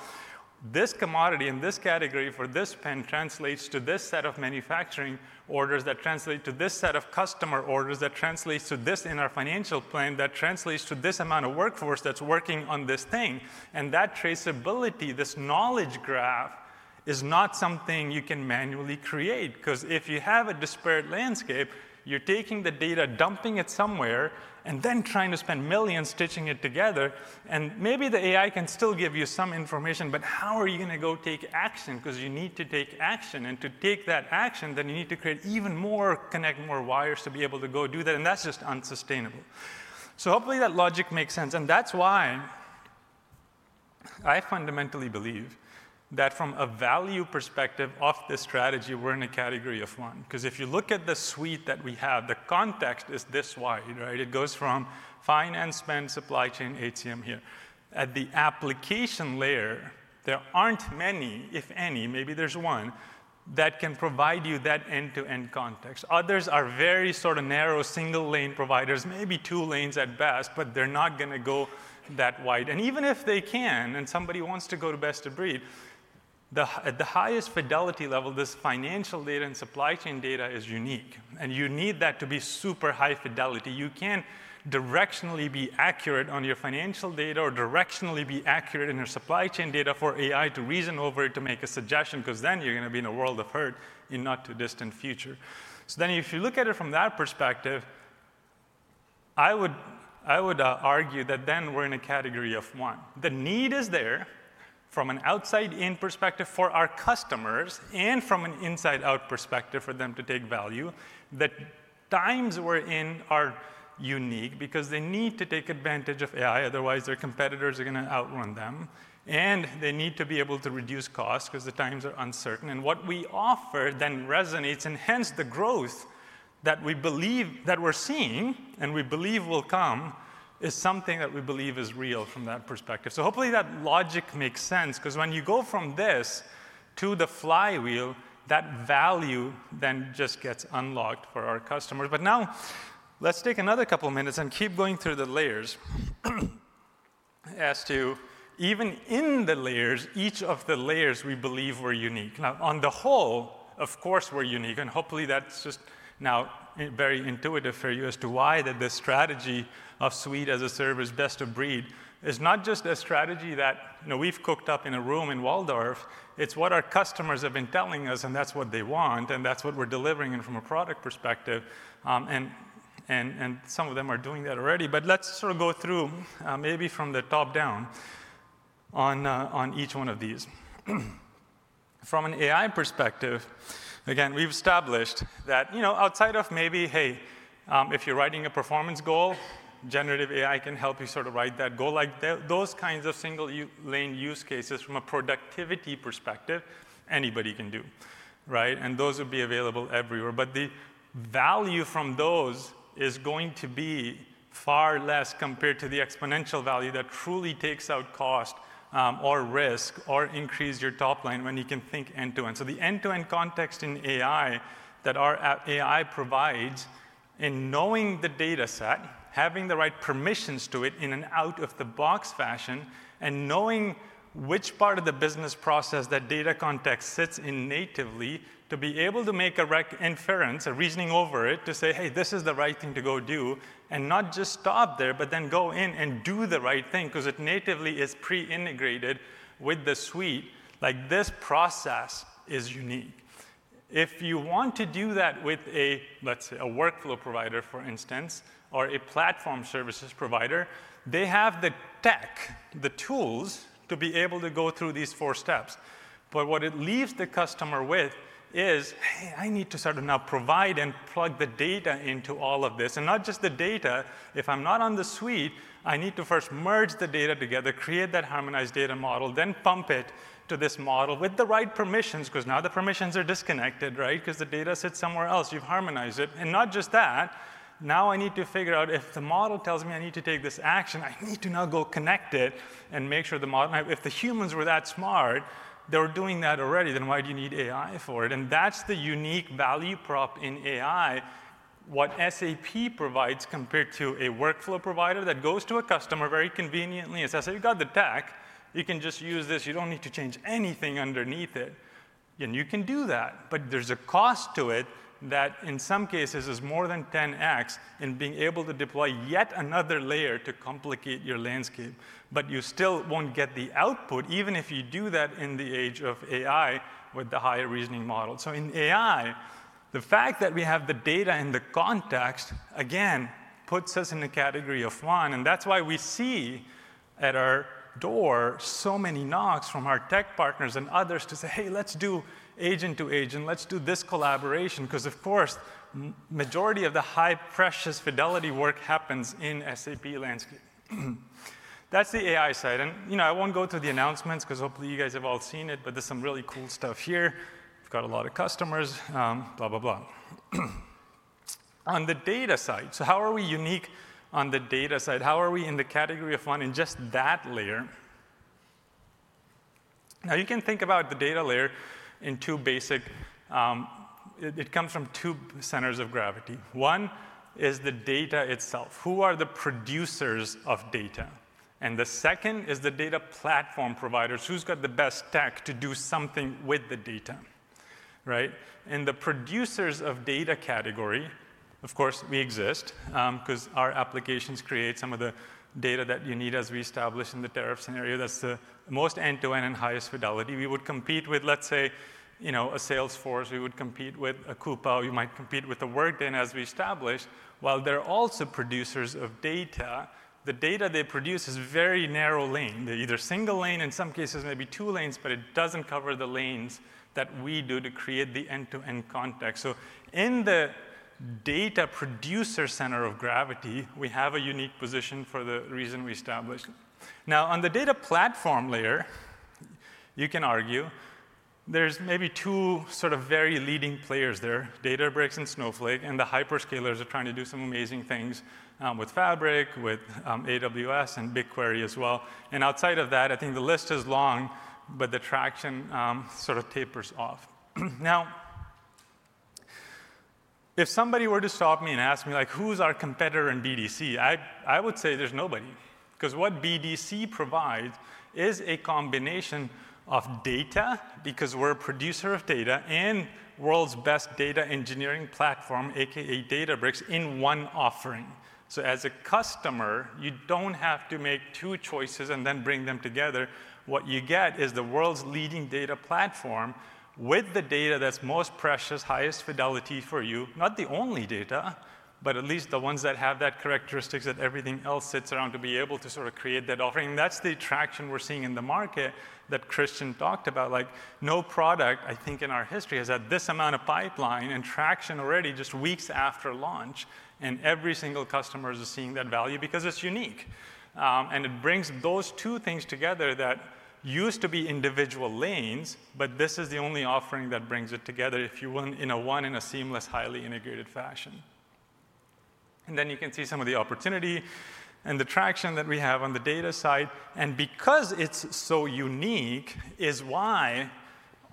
this commodity in this category for this pen translates to this set of manufacturing orders that translate to this set of customer orders that translates to this in our financial plan that translates to this amount of workforce that's working on this thing. And that traceability, this knowledge graph is not something you can manually create because if you have a disparate landscape, you're taking the data, dumping it somewhere, and then trying to spend millions stitching it together. And maybe the AI can still give you some information, but how are you going to go take action? Because you need to take action. And to take that action, then you need to create even more, connect more wires to be able to go do that. That's just unsustainable. Hopefully that logic makes sense. That is why I fundamentally believe that from a value perspective of this strategy, we're in a category of one because if you look at the suite that we have, the context is this wide, right? It goes from finance, spend, supply chain, ATM here. At the application layer, there aren't many, if any, maybe there's one that can provide you that end-to-end context. Others are very sort of narrow single-lane providers, maybe two lanes at best, but they're not going to go that wide. Even if they can and somebody wants to go to best of breed, at the highest fidelity level, this financial data and supply chain data is unique. You need that to be super high fidelity. You can't directionally be accurate on your financial data or directionally be accurate in your supply chain data for AI to reason over it to make a suggestion because then you're going to be in a world of hurt in not too distant future. If you look at it from that perspective, I would argue that then we're in a category of one. The need is there from an outside-in perspective for our customers and from an inside-out perspective for them to take value. The times we're in are unique because they need to take advantage of AI. OtherWise, their competitors are going to outrun them. They need to be able to reduce costs because the times are uncertain. What we offer then resonates. Hence the growth that we believe that we're seeing and we believe will come is something that we believe is real from that perspective. Hopefully that logic makes sense because when you go from this to the flywheel, that value then just gets unlocked for our customers. Now let's take another couple of minutes and keep going through the layers as to even in the layers, each of the layers we believe we're unique. On the whole, of course, we're unique. Hopefully that's just now very intuitive for you as to why this strategy of suite as a service best of breed is not just a strategy that we've cooked up in a room in Walldorf. It's what our customers have been telling us, and that's what they want, and that's what we're delivering from a product perspective. Some of them are doing that already. Let's sort of go through maybe from the top down on each one of these. From an AI perspective, again, we've established that outside of maybe, "Hey, if you're writing a performance goal, generative AI can help you sort of write that goal." Those kinds of single-lane use cases from a productivity perspective, anybody can do, right? Those would be available everywhere. The value from those is going to be far less compared to the exponential value that truly takes out cost or risk or increases your top line when you can think end-to-end. The end-to-end context in AI that our AI provides in knowing the data set, having the right permissions to it in an out-of-the-box fashion, and knowing which part of the business process that data context sits in natively to be able to make a reckoning, inference, a reasoning over it to say, "Hey, this is the right thing to go do," and not just stop there, but then go in and do the right thing because it natively is pre-integrated with the suite. This process is unique. If you want to do that with a, let's say, a workflow provider, for instance, or a platform services provider, they have the tech, the tools to be able to go through these four steps. What it leaves the customer with is, "Hey, I need to sort of now provide and plug the data into all of this." Not just the data. If I'm not on the suite, I need to first merge the data together, create that harmonized data model, then pump it to this model with the right permissions because now the permissions are disconnected, right? The data sits somewhere else. You've harmonized it. Not just that. Now I need to figure out if the model tells me I need to take this action, I need to now go connect it and make sure the model—if the humans were that smart, they were doing that already, then why do you need AI for it? That is the unique value prop in AI, what SAP provides compared to a workflow provider that goes to a customer very conveniently and says, "Hey, you got the tech. You can just use this. You do not need to change anything underneath it." You can do that. There is a cost to it that in some cases is more than 10x in being able to deploy yet another layer to complicate your landscape. You still will not get the output even if you do that in the age of AI with the higher reasoning model. In AI, the fact that we have the data and the context, again, puts us in a category of one. That is why we see at our door so many knocks from our tech partners and others to say, "Hey, let's do agent to agent. Let's do this collaboration." Because, of course, the majority of the high, precious fidelity work happens in SAP landscape. That's the AI side. I won't go through the announcements because hopefully you guys have all seen it, but there's some really cool stuff here. We've got a lot of customers, blah, blah, blah. On the data side, how are we unique on the data side? How are we in the category of one in just that layer? Now, you can think about the data layer in two basic—it comes from two centers of gravity. One is the data itself. Who are the producers of data? The second is the data platform providers. Who's got the best tech to do something with the data, right? In the producers of data category, of course, we exist because our applications create some of the data that you need as we establish in the tariff scenario. That's the most end-to-end and highest fidelity. We would compete with, let's say, a Salesforce. We would compete with a Coupa. You might compete with a Workday as we established. While they're also producers of data, the data they produce is very narrow lane. They're either single lane, in some cases, maybe two lanes, but it doesn't cover the lanes that we do to create the end-to-end context. In the data producer center of gravity, we have a unique position for the reason we established. Now, on the data platform layer, you can argue there's maybe two sort of very leading players there: Databricks and Snowflake. The hyperscalers are trying to do some amazing things with Fabric, with AWS, and BigQuery as well. Outside of that, I think the list is long, but the traction sort of tapers off. Now, if somebody were to stop me and ask me, "Who's our competitor in BDC?" I would say there's nobody because what BDC provides is a combination of data because we're a producer of data and the world's best data engineering platform, a.k.a. Databricks, in one offering. As a customer, you don't have to make two choices and then bring them together. What you get is the world's leading data platform with the data that's most precious, highest fidelity for you. Not the only data, but at least the ones that have that characteristic that everything else sits around to be able to sort of create that offering. That is the traction we are seeing in the market that Christian talked about. No product, I think, in our history has had this amount of pipeline and traction already just weeks after launch. Every single customer is seeing that value because it is unique. It brings those two things together that used to be individual lanes, but this is the only offering that brings it together in a one and a seamless, highly integrated fashion. You can see some of the opportunity and the traction that we have on the data side. Because it's so unique is why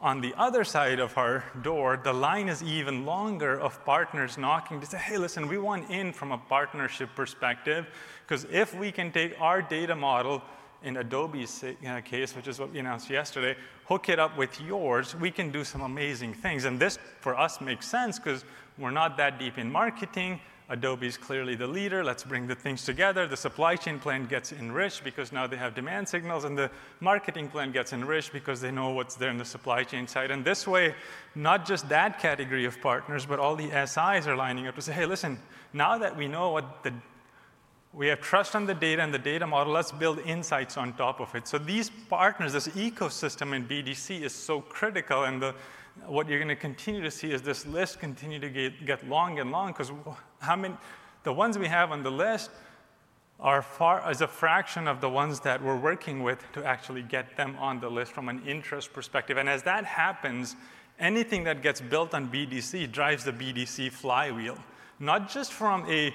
on the other side of our door, the line is even longer of partners knocking to say, "Hey, listen, we want in from a partnership perspective because if we can take our data model in Adobe's case, which is what we announced yesterday, hook it up with yours, we can do some amazing things." This for us makes sense because we're not that deep in marketing. Adobe is clearly the leader. Let's bring the things together. The supply chain plan gets enriched because now they have demand signals, and the marketing plan gets enriched because they know what's there in the supply chain side. This way, not just that category of partners, but all the SIs are lining up to say, "Hey, listen, now that we know what we have trust on the data and the data model, let's build insights on top of it." These partners, this ecosystem in BDC is so critical. What you're going to continue to see is this list continue to get long and long because the ones we have on the list are far as a fraction of the ones that we're working with to actually get them on the list from an interest perspective. As that happens, anything that gets built on BDC drives the BDC flywheel, not just from a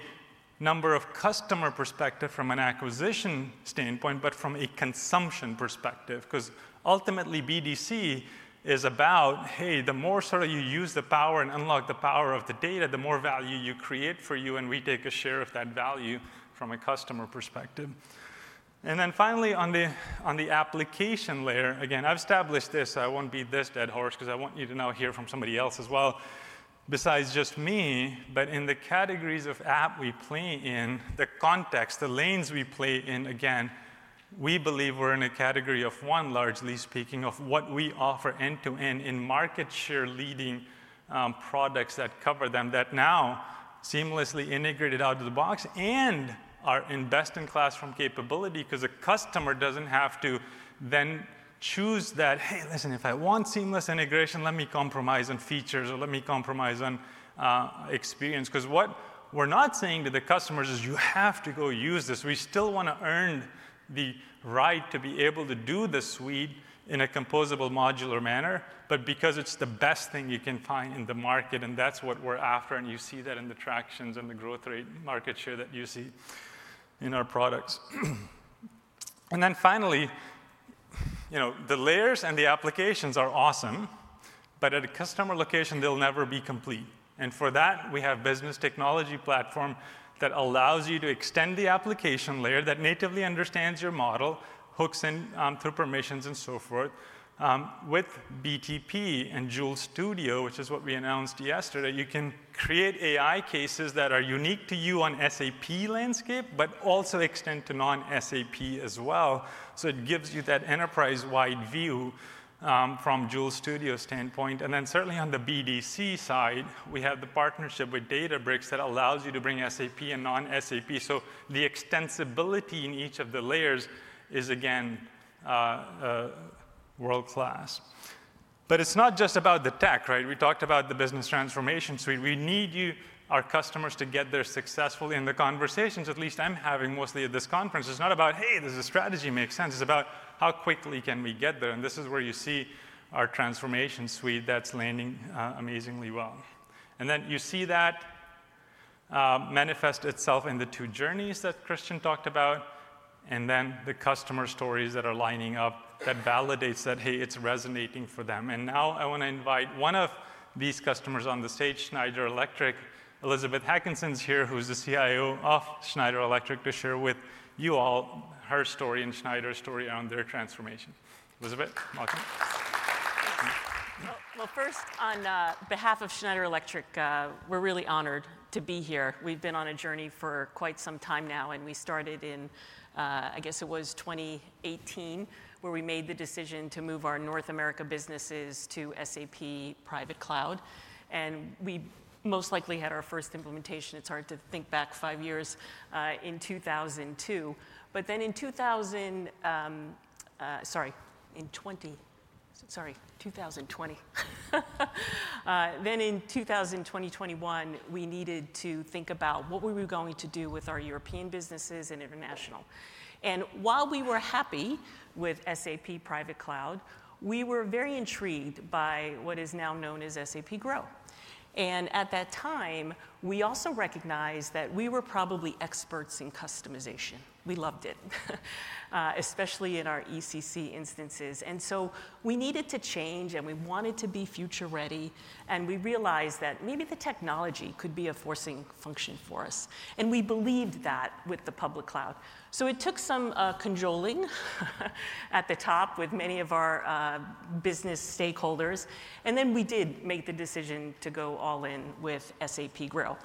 number of customer perspective from an acquisition standpoint, but from a consumption perspective because ultimately BDC is about, "Hey, the more sort of you use the power and unlock the power of the data, the more value you create for you, and we take a share of that value from a customer perspective." Finally, on the application layer, again, I have established this. I will not beat this dead horse because I want you to now hear from somebody else as well besides just me. In the categories of app we play in, the context, the lanes we play in, again, we believe we're in a category of one, largely speaking, of what we offer end-to-end in market share leading products that cover them that now seamlessly integrated out of the box and are in best-in-class from capability because a customer doesn't have to then choose that, "Hey, listen, if I want seamless integration, let me compromise on features or let me compromise on experience." Because what we're not saying to the customers is, "You have to go use this." We still want to earn the right to be able to do the suite in a composable modular manner, but because it's the best thing you can find in the market, and that's what we're after. You see that in the tractions and the growth rate market share that you see in our products. Finally, the layers and the applications are awesome, but at a customer location, they'll never be complete. For that, we have a business technology platform that allows you to extend the application layer that natively understands your model, hooks in through permissions and so forth. With BTP and Joule Studio, which is what we announced yesterday, you can create AI cases that are unique to you on SAP landscape, but also extend to non-SAP as well. It gives you that enterprise-wide view from Joule Studio standpoint. Certainly on the BDC side, we have the partnership with Databricks that allows you to bring SAP and non-SAP. The extensibility in each of the layers is, again, world-class. It's not just about the tech, right? We talked about the business transformation suite. We need our customers to get there successfully in the conversations, at least I'm having mostly at this conference. It's not about, "Hey, does the strategy make sense?" It's about how quickly can we get there. This is where you see our transformation suite that's landing amazingly well. You see that manifest itself in the two journeys that Christian talked about, and the customer stories that are lining up that validates that, "Hey, it's resonating for them." Now I want to invite one of these customers on the stage, Schneider Electric. Elizabeth Hackenson's here, who's the CIO of Schneider Electric, to share with you all her story and Schneider's story around their transformation. Elizabeth, welcome. First, on behalf of Schneider Electric, we're really honored to be here. We've been on a journey for quite some time now, and we started in, I guess it was 2018, where we made the decision to move our North America businesses to SAP Private Cloud. We most likely had our first implementation. It's hard to think back five years in 2002. In 2020, 2021, we needed to think about what we were going to do with our European businesses and international. While we were happy with SAP Private Cloud, we were very intrigued by what is now known as SAP GROW. At that time, we also recognized that we were probably experts in customization. We loved it, especially in our ECC instances. We needed to change, and we wanted to be future-ready. We realized that maybe the technology could be a forcing function for us. We believed that with the public cloud. It took some cajoling at the top with many of our business stakeholders. We did make the decision to go all in with SAP Grow.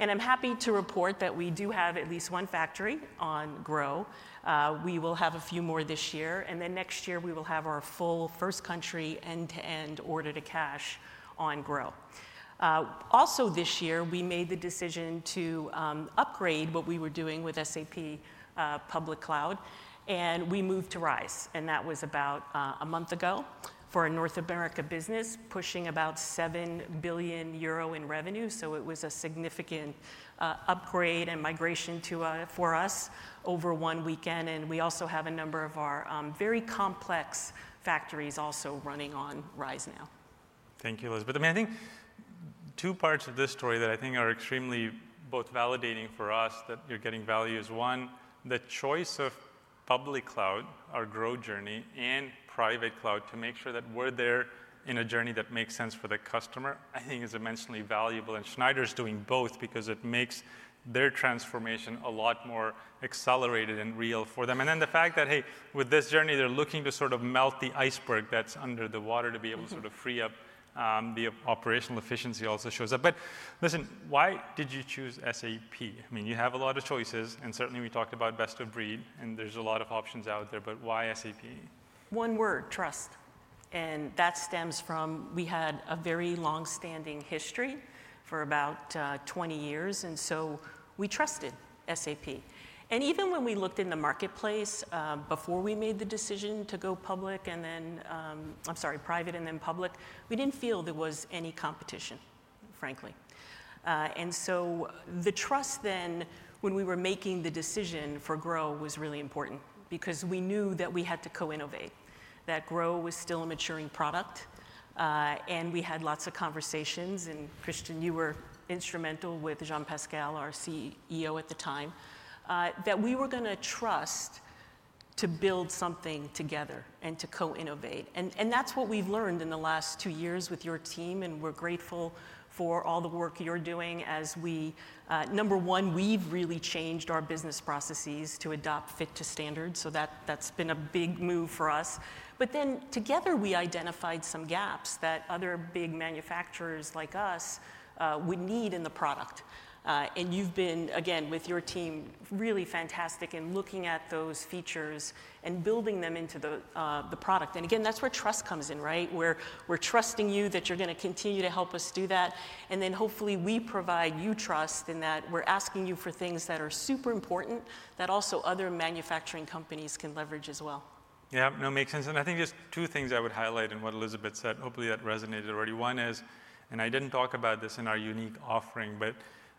I'm happy to report that we do have at least one factory on Grow. We will have a few more this year. Next year, we will have our full first country end-to-end order to cash on Grow. Also this year, we made the decision to upgrade what we were doing with SAP Public Cloud. We moved to Rise. That was about a month ago for a North America business, pushing about 7 billion euro in revenue. It was a significant upgrade and migration for us over one weekend. We also have a number of our very complex factories also running on Rise now. Thank you, Elizabeth. I mean, I think two parts of this story that I think are extremely both validating for us that you're getting value is one, the choice of public cloud, our growth journey, and private cloud to make sure that we're there in a journey that makes sense for the customer, I think is immensely valuable. Schneider's doing both because it makes their transformation a lot more accelerated and real for them. The fact that, hey, with this journey, they're looking to sort of melt the iceberg that's under the water to be able to sort of free up the operational efficiency also shows up. Listen, why did you choose SAP? I mean, you have a lot of choices, and certainly we talked about best of breed, and there's a lot of options out there, but why SAP? One word, trust. That stems from we had a very long-standing history for about 20 years, and so we trusted SAP. Even when we looked in the marketplace before we made the decision to go public and then, I'm sorry, private and then public, we did not feel there was any competition, frankly. The trust then when we were making the decision for GROW was really important because we knew that we had to co-innovate, that GROW was still a maturing product. We had lots of conversations, and Christian, you were instrumental with Jean-Pascal, our CEO at the time, that we were going to trust to build something together and to co-innovate. That is what we have learned in the last two years with your team, and we are grateful for all the work you are doing as we, number one, we have really changed our business processes to adopt fit to standard. That has been a big move for us. Together, we identified some gaps that other big manufacturers like us would need in the product. You have been, again, with your team, really fantastic in looking at those features and building them into the product. That is where trust comes in, right? We are trusting you that you are going to continue to help us do that. Hopefully we provide you trust in that we are asking you for things that are super important that also other manufacturing companies can leverage as well. Yeah, no, makes sense. I think just two things I would highlight in what Elizabeth said. Hopefully that resonated already. One is, and I didn't talk about this in our unique offering, but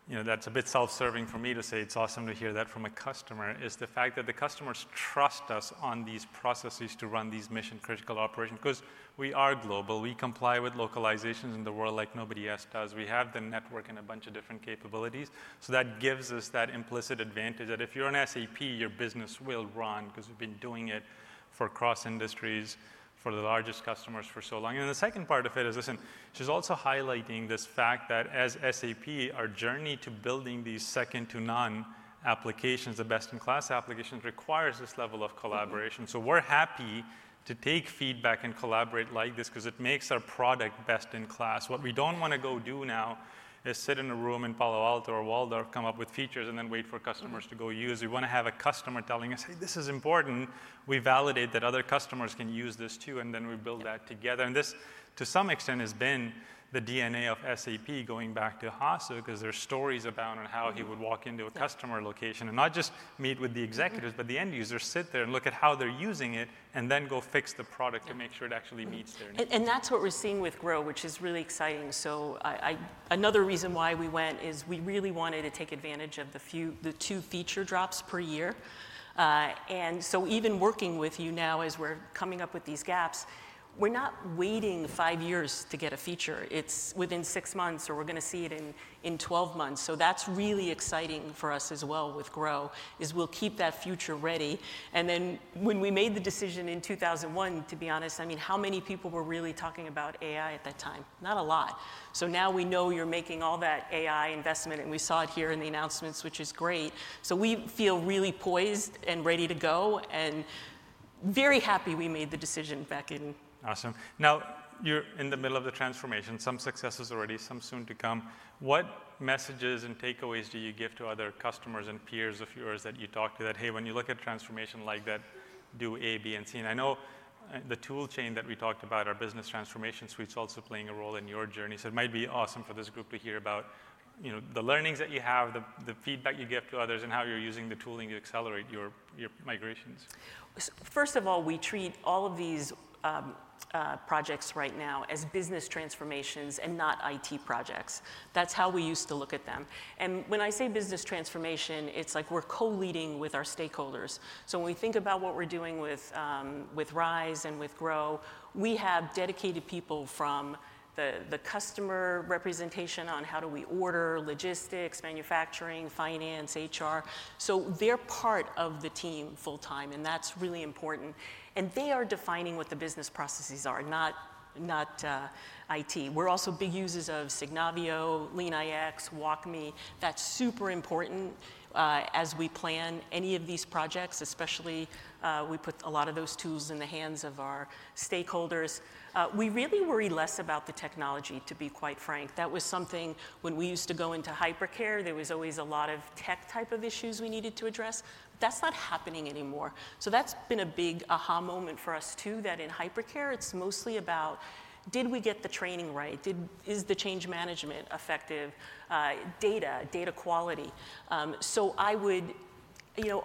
that's a bit self-serving for me to say. It's awesome to hear that from a customer, is the fact that the customers trust us on these processes to run these mission-critical operations because we are global. We comply with localizations in the world like nobody else does. We have the network and a bunch of different capabilities. That gives us that implicit advantage that if you're an SAP, your business will run because we've been doing it for cross industries for the largest customers for so long. The second part of it is, listen, she's also highlighting this fact that as SAP, our journey to building these second-to-none applications, the best-in-class applications requires this level of collaboration. We're happy to take feedback and collaborate like this because it makes our product best in class. What we don't want to go do now is sit in a room in Palo Alto or Walldorf, come up with features, and then wait for customers to go use. We want to have a customer telling us, "Hey, this is important." We validate that other customers can use this too, and then we build that together. This, to some extent, has been the DNA of SAP going back to Hasso because there are stories about how he would walk into a customer location and not just meet with the executives, but the end users, sit there and look at how they're using it, and then go fix the product to make sure it actually meets their needs. That's what we're seeing with GROW, which is really exciting. Another reason why we went is we really wanted to take advantage of the two feature drops per year. Even working with you now as we're coming up with these gaps, we're not waiting five years to get a feature. It's within six months or we're going to see it in 12 months. That's really exciting for us as well with Grow, is we'll keep that future ready. When we made the decision in 2001, to be honest, I mean, how many people were really talking about AI at that time? Not a lot. Now we know you're making all that AI investment, and we saw it here in the announcements, which is great. We feel really poised and ready to go and very happy we made the decision back in. Awesome. Now you're in the middle of the transformation. Some successes already, some soon to come. What messages and takeaways do you give to other customers and peers of yours that you talk to that, "Hey, when you look at a transformation like that, do A, B, and C?" I know the tool chain that we talked about, our business transformation suite's also playing a role in your journey. It might be awesome for this group to hear about the learnings that you have, the feedback you give to others, and how you're using the tooling to accelerate your migrations. First of all, we treat all of these projects right now as business transformations and not IT projects. That's how we used to look at them. When I say business transformation, it's like we're co-leading with our stakeholders. When we think about what we're doing with RISE and with GROW, we have dedicated people from the customer representation on how do we order, logistics, manufacturing, finance, HR. They're part of the team full-time, and that's really important. They are defining what the business processes are, not IT. We're also big users of Signavio, LeanIX, WalkMe. That's super important as we plan any of these projects, especially we put a lot of those tools in the hands of our stakeholders. We really worry less about the technology, to be quite frank. That was something when we used to go into hypercare, there was always a lot of tech type of issues we needed to address. That's not happening anymore. That's been a big aha moment for us too, that in hypercare, it's mostly about, did we get the training right? Is the change management effective? Data, data quality. I would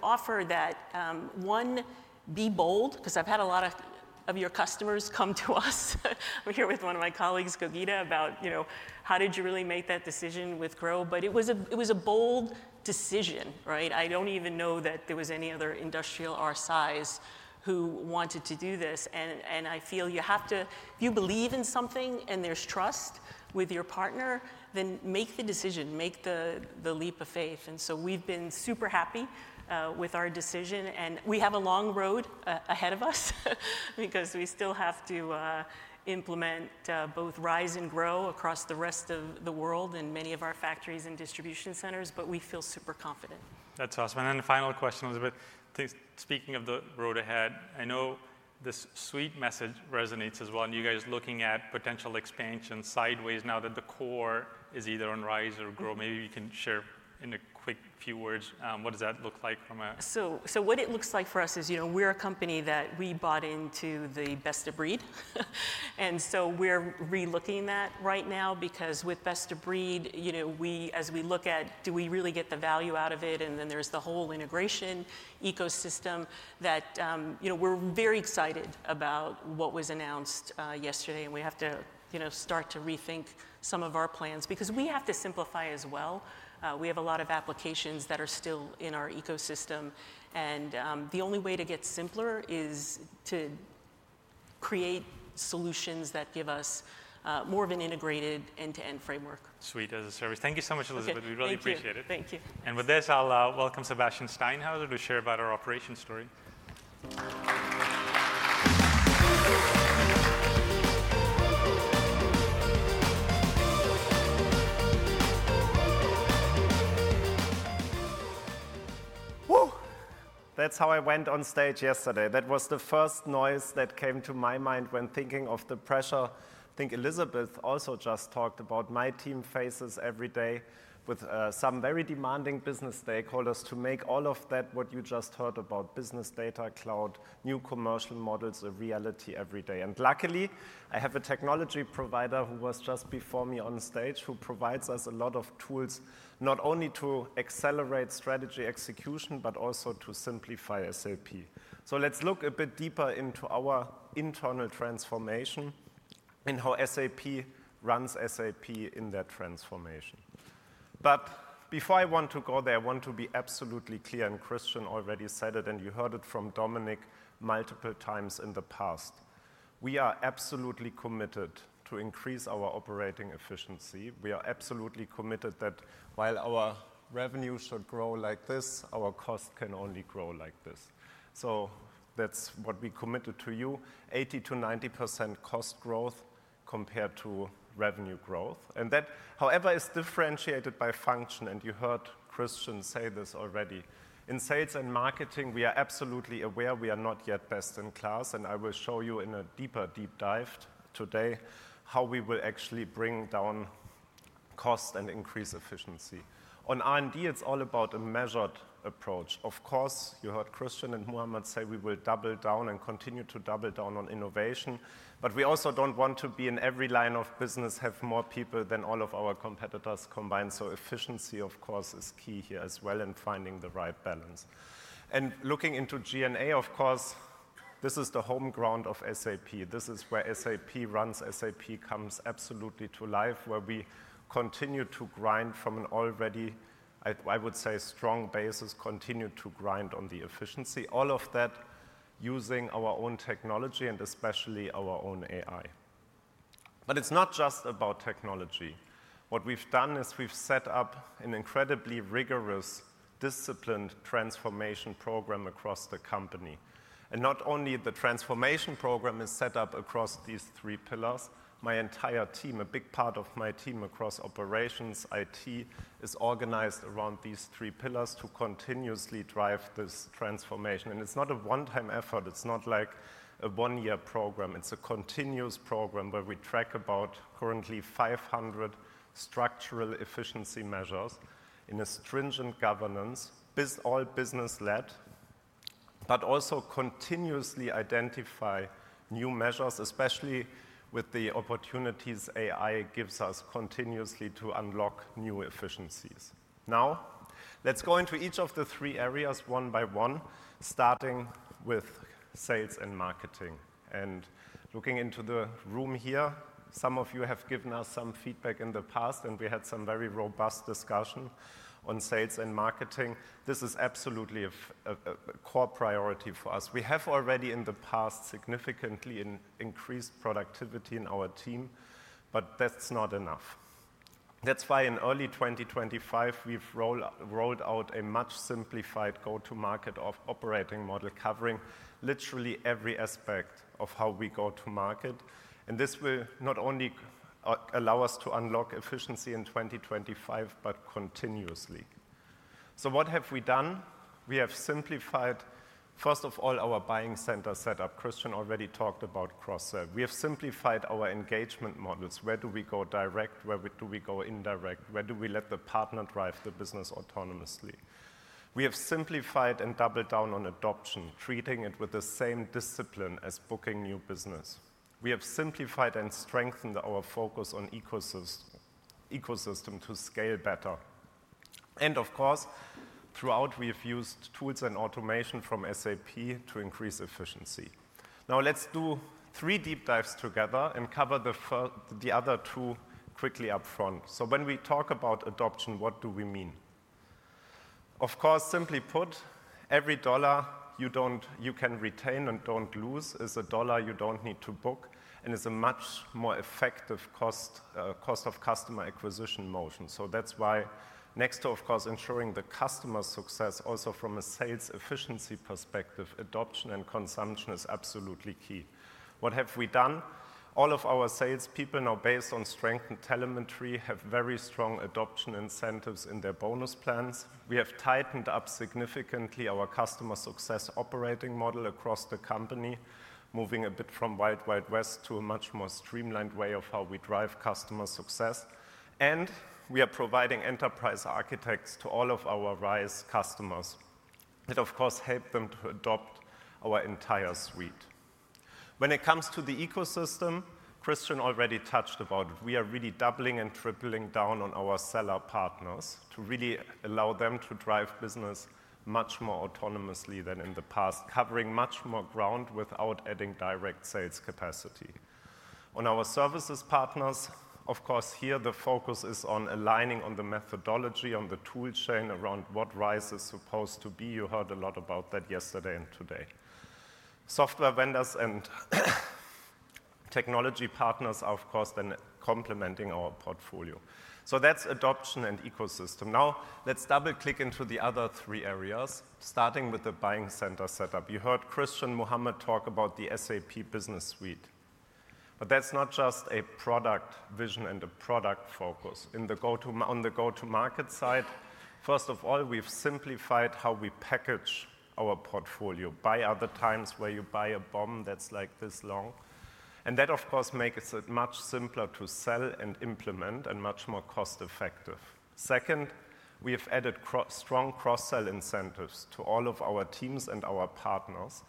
offer that, one, be bold because I've had a lot of your customers come to us. I'm here with one of my colleagues, Gogita, about how did you really make that decision with GROW? It was a bold decision, right? I don't even know that there was any other industrial our size who wanted to do this. I feel you have to, if you believe in something and there's trust with your partner, then make the decision, make the leap of faith. We have been super happy with our decision. We have a long road ahead of us because we still have to implement both RISE and GROW across the rest of the world and many of our factories and distribution centers, but we feel super confident. That's awesome. The final question, Elizabeth, speaking of the road ahead, I know this suite message resonates as well. You guys are looking at potential expansion sideways now that the core is either on RISE or GROW. Maybe you can share in a quick few words, what does that look like for you? What it looks like for us is we're a company that we bought into the best of breed. We're relooking that right now because with best of breed, as we look at, do we really get the value out of it? There is the whole integration ecosystem that we're very excited about, what was announced yesterday. We have to start to rethink some of our plans because we have to simplify as well. We have a lot of applications that are still in our ecosystem. The only way to get simpler is to create solutions that give us more of an integrated end-to-end framework. Suite as a service. Thank you so much, Elizabeth. We really appreciate it. Thank you. With this, I'll welcome Sebastian Steinhäuser to share about our operation story. Whoo. That's how I went on stage yesterday. That was the first noise that came to my mind when thinking of the pressure. I think Elizabeth also just talked about my team faces every day with some very demanding business stakeholders to make all of that what you just heard about business data cloud, new commercial models a reality every day. Luckily, I have a technology provider who was just before me on stage who provides us a lot of tools, not only to accelerate strategy execution, but also to simplify SAP. Let's look a bit deeper into our internal transformation and how SAP runs SAP in that transformation. Before I go there, I want to be absolutely clear, and Christian already said it, and you heard it from Dominik multiple times in the past. We are absolutely committed to increase our operating efficiency. We are absolutely committed that while our revenue should grow like this, our cost can only grow like this. That's what we committed to you, 80-90% cost growth compared to revenue growth. That, however, is differentiated by function. You heard Christian say this already. In sales and marketing, we are absolutely aware we are not yet best in class. I will show you in a deeper, deep dive today how we will actually bring down cost and increase efficiency. On R&D, it's all about a measured approach. Of course, you heard Christian and Muhammad say we will double down and continue to double down on innovation. We also do not want to be in every line of business, have more people than all of our competitors combined. Efficiency, of course, is key here as well in finding the right balance. Looking into G&A, of course, this is the homeground of SAP. This is where SAP runs. SAP comes absolutely to life where we continue to grind from an already, I would say, strong basis, continue to grind on the efficiency, all of that using our own technology and especially our own AI. It is not just about technology. What we have done is we have set up an incredibly rigorous, disciplined transformation program across the company. Not only the transformation program is set up across these three pillars, my entire team, a big part of my team across operations, IT is organized around these three pillars to continuously drive this transformation. It is not a one-time effort. It is not like a one-year program. It is a continuous program where we track about currently 500 structural efficiency measures in a stringent governance, all business-led, but also continuously identify new measures, especially with the opportunities AI gives us continuously to unlock new efficiencies. Now, let's go into each of the three areas one by one, starting with sales and marketing. Looking into the room here, some of you have given us some feedback in the past, and we had some very robust discussion on sales and marketing. This is absolutely a core priority for us. We have already in the past significantly increased productivity in our team, but that's not enough. That's why in early 2025, we've rolled out a much simplified go-to-market operating model covering literally every aspect of how we go to market. This will not only allow us to unlock efficiency in 2025, but continuously. What have we done? We have simplified, first of all, our buying center setup. Christian already talked about cross-serve. We have simplified our engagement models. Where do we go direct? Where do we go indirect? Where do we let the partner drive the business autonomously? We have simplified and doubled down on adoption, treating it with the same discipline as booking new business. We have simplified and strengthened our focus on ecosystem to scale better. Of course, throughout, we have used tools and automation from SAP to increase efficiency. Now let's do three deep dives together and cover the other two quickly upfront. When we talk about adoption, what do we mean? Of course, simply put, every dollar you can retain and don't lose is a dollar you don't need to book, and it's a much more effective cost of customer acquisition motion. That's why next to, of course, ensuring the customer success, also from a sales efficiency perspective, adoption and consumption is absolutely key. What have we done? All of our salespeople now, based on strength and telemetry, have very strong adoption incentives in their bonus plans. We have tightened up significantly our customer success operating model across the company, moving a bit from wild, wild west to a much more streamlined way of how we drive customer success. We are providing enterprise architects to all of our RISE customers that, of course, help them to adopt our entire suite. When it comes to the ecosystem, Christian already touched about it. We are really doubling and tripling down on our seller partners to really allow them to drive business much more autonomously than in the past, covering much more ground without adding direct sales capacity. On our services partners, of course, here the focus is on aligning on the methodology, on the tool chain arond what RISE is supposed to be. You heard a lot about that yesterday and today. Software vendors and technology partners are, of course, then complementing our portfolio. That is adoption and ecosystem. Now let's double-click into the other three areas, starting with the buying center setup. You heard Christian Muhammad talk about the SAP business suite. That's not just a product vision and a product focus. On the go-to-market side, first of all, we've simplified how we package our portfolio. By other times where you buy a bomb that's like this long. That, of course, makes it much simpler to sell and implement and much more cost-effective. Second, we have added strong cross-sell incentives to all of our teams and our partners.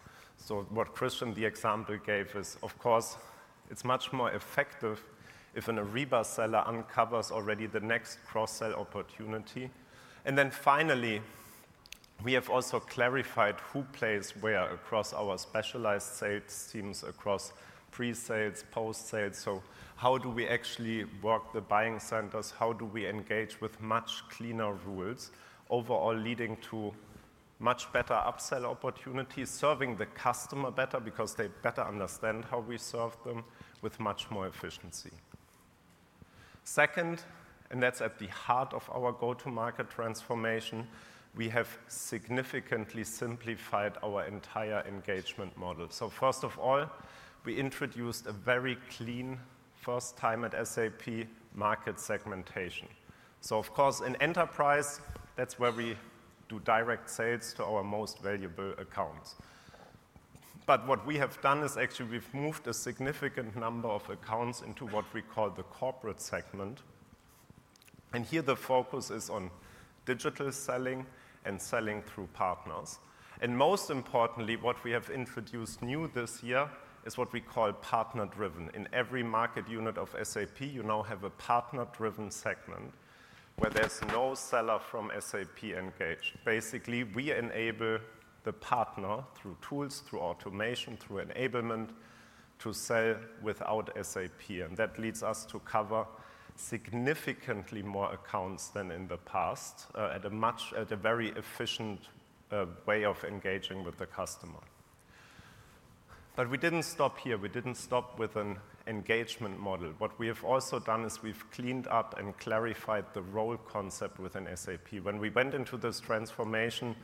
What Christian, the example gave, is, of course, it's much more effective if an Ariba seller uncovers already the next cross-sell opportunity. Finally, we have also clarified who plays where across our specialized sales teams, across pre-sales, post-sales. How do we actually work the buying centers? How do we engage with much cleaner rules, overall leading to much better upsell opportunities, serving the customer better because they better understand how we serve them with much more efficiency. Second, and that's at the heart of our go-to-market transformation, we have significantly simplified our entire engagement model. First of all, we introduced a very clean, first-time at SAP market segmentation. Of course, in enterprise, that's where we do direct sales to our most valuable accounts. What we have done is actually we've moved a significant number of accounts into what we call the corporate segment. Here the focus is on digital selling and selling through partners. Most importantly, what we have introduced new this year is what we call partner-driven. In every market unit of SAP, you now have a partner-driven segment where there's no seller from SAP engaged. Basically, we enable the partner through tools, through automation, through enablement to sell without SAP. That leads us to cover significantly more accounts than in the past in a very efficient way of engaging with the customer. We did not stop here. We did not stop with an engagement model. What we have also done is we have cleaned up and clarified the role concept within SAP. When we went into this transformation,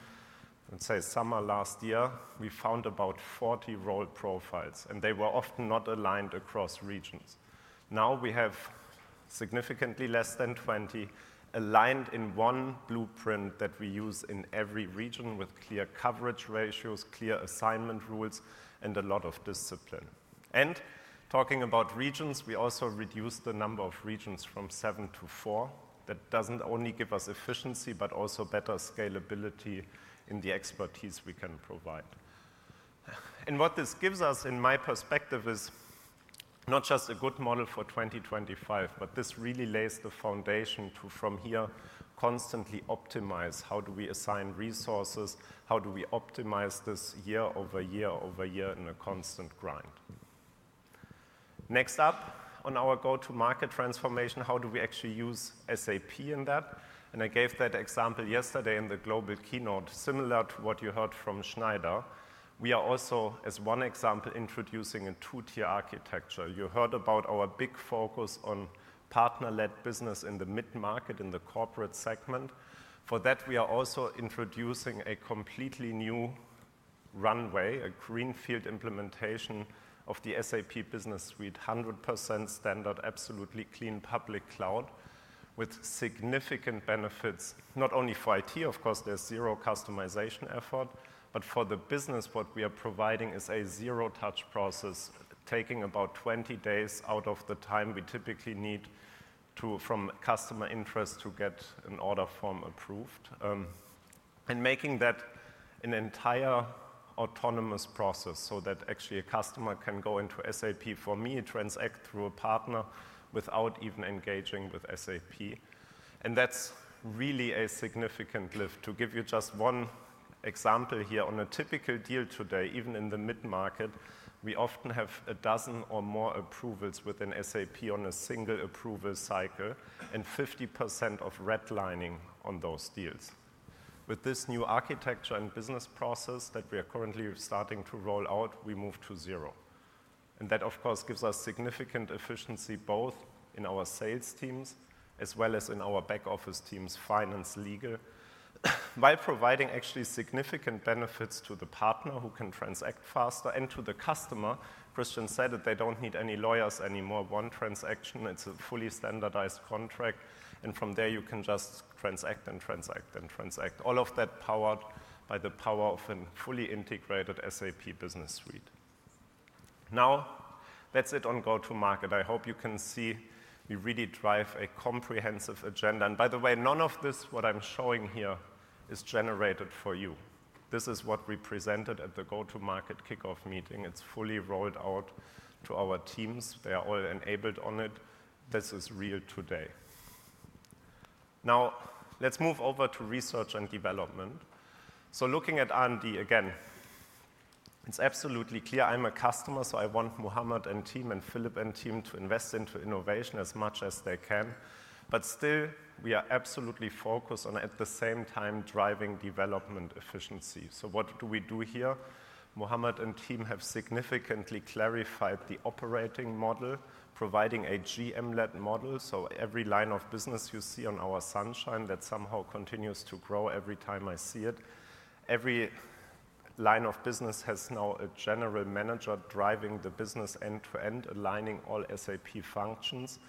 let's say summer last year, we found about 40 role profiles, and they were often not aligned across regions. Now we have significantly less than 20 aligned in one blueprint that we use in every region with clear coverage ratios, clear assignment rules, and a lot of discipline. Talking about regions, we also reduced the number of regions from seven to four. That does not only give us efficiency, but also better scalability in the expertise we can provide. What this gives us, in my perspective, is not just a good model for 2025, but this really lays the foundation to, from here, constantly optimize how do we assign resources, how do we optimize this year over year over year in a constant grind. Next up on our go-to-market transformation, how do we actually use SAP in that? I gave that example yesterday in the global keynote, similar to what you heard from Schneider. We are also, as one example, introducing a two-tier architecture. You heard about our big focus on partner-led business in the mid-market in the corporate segment. For that, we are also introducing a completely new runway, a greenfield implementation of the SAP business suite, 100% standard, absolutely clean public cloud with significant benefits, not only for IT. Of course, there's zero customization effort, but for the business, what we are providing is a zero-touch process, taking about 20 days out of the time we typically need from customer interest to get an order form approved and making that an entire autonomous process so that actually a customer can go into SAP for me, transact through a partner without even engaging with SAP. That's really a significant lift. To give you just one example here, on a typical deal today, even in the mid-market, we often have a dozen or more approvals within SAP on a single approval cycle and 50% of redlining on those deals. With this new architecture and business process that we are currently starting to roll out, we move to zero. That, of course, gives us significant efficiency both in our sales teams as well as in our back-office teams, finance, legal, while providing actually significant benefits to the partner who can transact faster and to the customer. Christian said that they do not need any lawyers anymore. One transaction, it is a fully standardized contract. From there, you can just transact and transact and transact, all of that powered by the power of a fully integrated SAP business suite. That is it on go-to-market. I hope you can see we really drive a comprehensive agenda. By the way, none of this what I am showing here is generated for you. This is what we presented at the go-to-market kickoff meeting. It is fully rolled out to our teams. They are all enabled on it. This is real today. Now, let us move over to research and development. Looking at R&D again, it's absolutely clear I'm a customer, so I want Muhammad and team and Philip and team to invest into innovation as much as they can. Still, we are absolutely focused on, at the same time, driving development efficiency. What do we do here? Muhammad and team have significantly clarified the operating model, providing a GM-led model. Every line of business you see on our sunshine, that somehow continues to grow every time I see it. Every line of business has now a general manager driving the business end-to-end, aligning all SAP functions.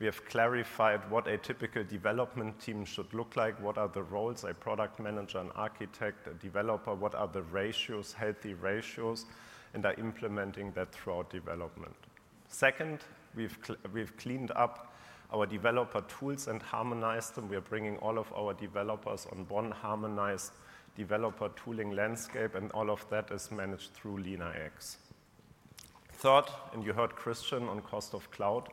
We have clarified what a typical development team should look like, what are the roles? A product manager, an architect, a developer, what are the ratios, healthy ratios? They're implementing that throughout development. Second, we've cleaned up our developer tools and harmonized them. We are bringing all of our developers on one harmonized developer tooling landscape, and all of that is managed through LeanIX. Third, and you heard Christian on cost of cloud.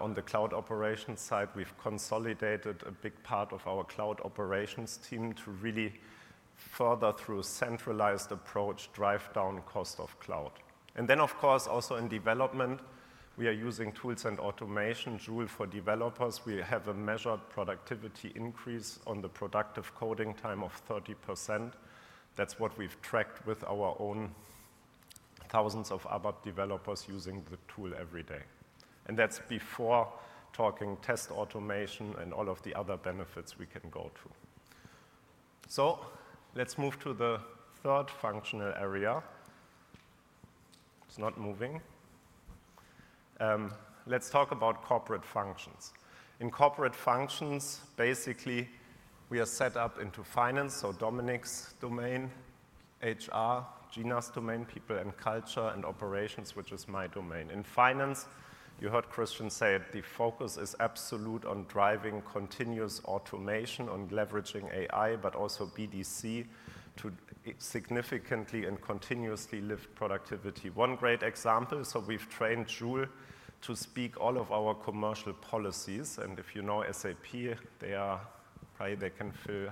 On the cloud operations side, we have consolidated a big part of our cloud operations team to really further, through a centralized approach, drive down cost of cloud. Of course, also in development, we are using tools and automation, Joule for developers. We have a measured productivity increase on the productive coding time of 30%. That is what we have tracked with our own thousands of other developers using the tool every day. That is before talking test automation and all of the other benefits we can go to. Let us move to the third functional area. It is not moving. Let us talk about corporate functions. In corporate functions, basically, we are set up into finance, so Dominik's domain, HR, Gina's domain, people and culture, and operations, which is my domain. In finance, you heard Christian say it, the focus is absolute on driving continuous automation on leveraging AI, but also BDC to significantly and continuously lift productivity. One great example, we have trained Joule to speak all of our commercial policies. If you know SAP, they are probably, they can fill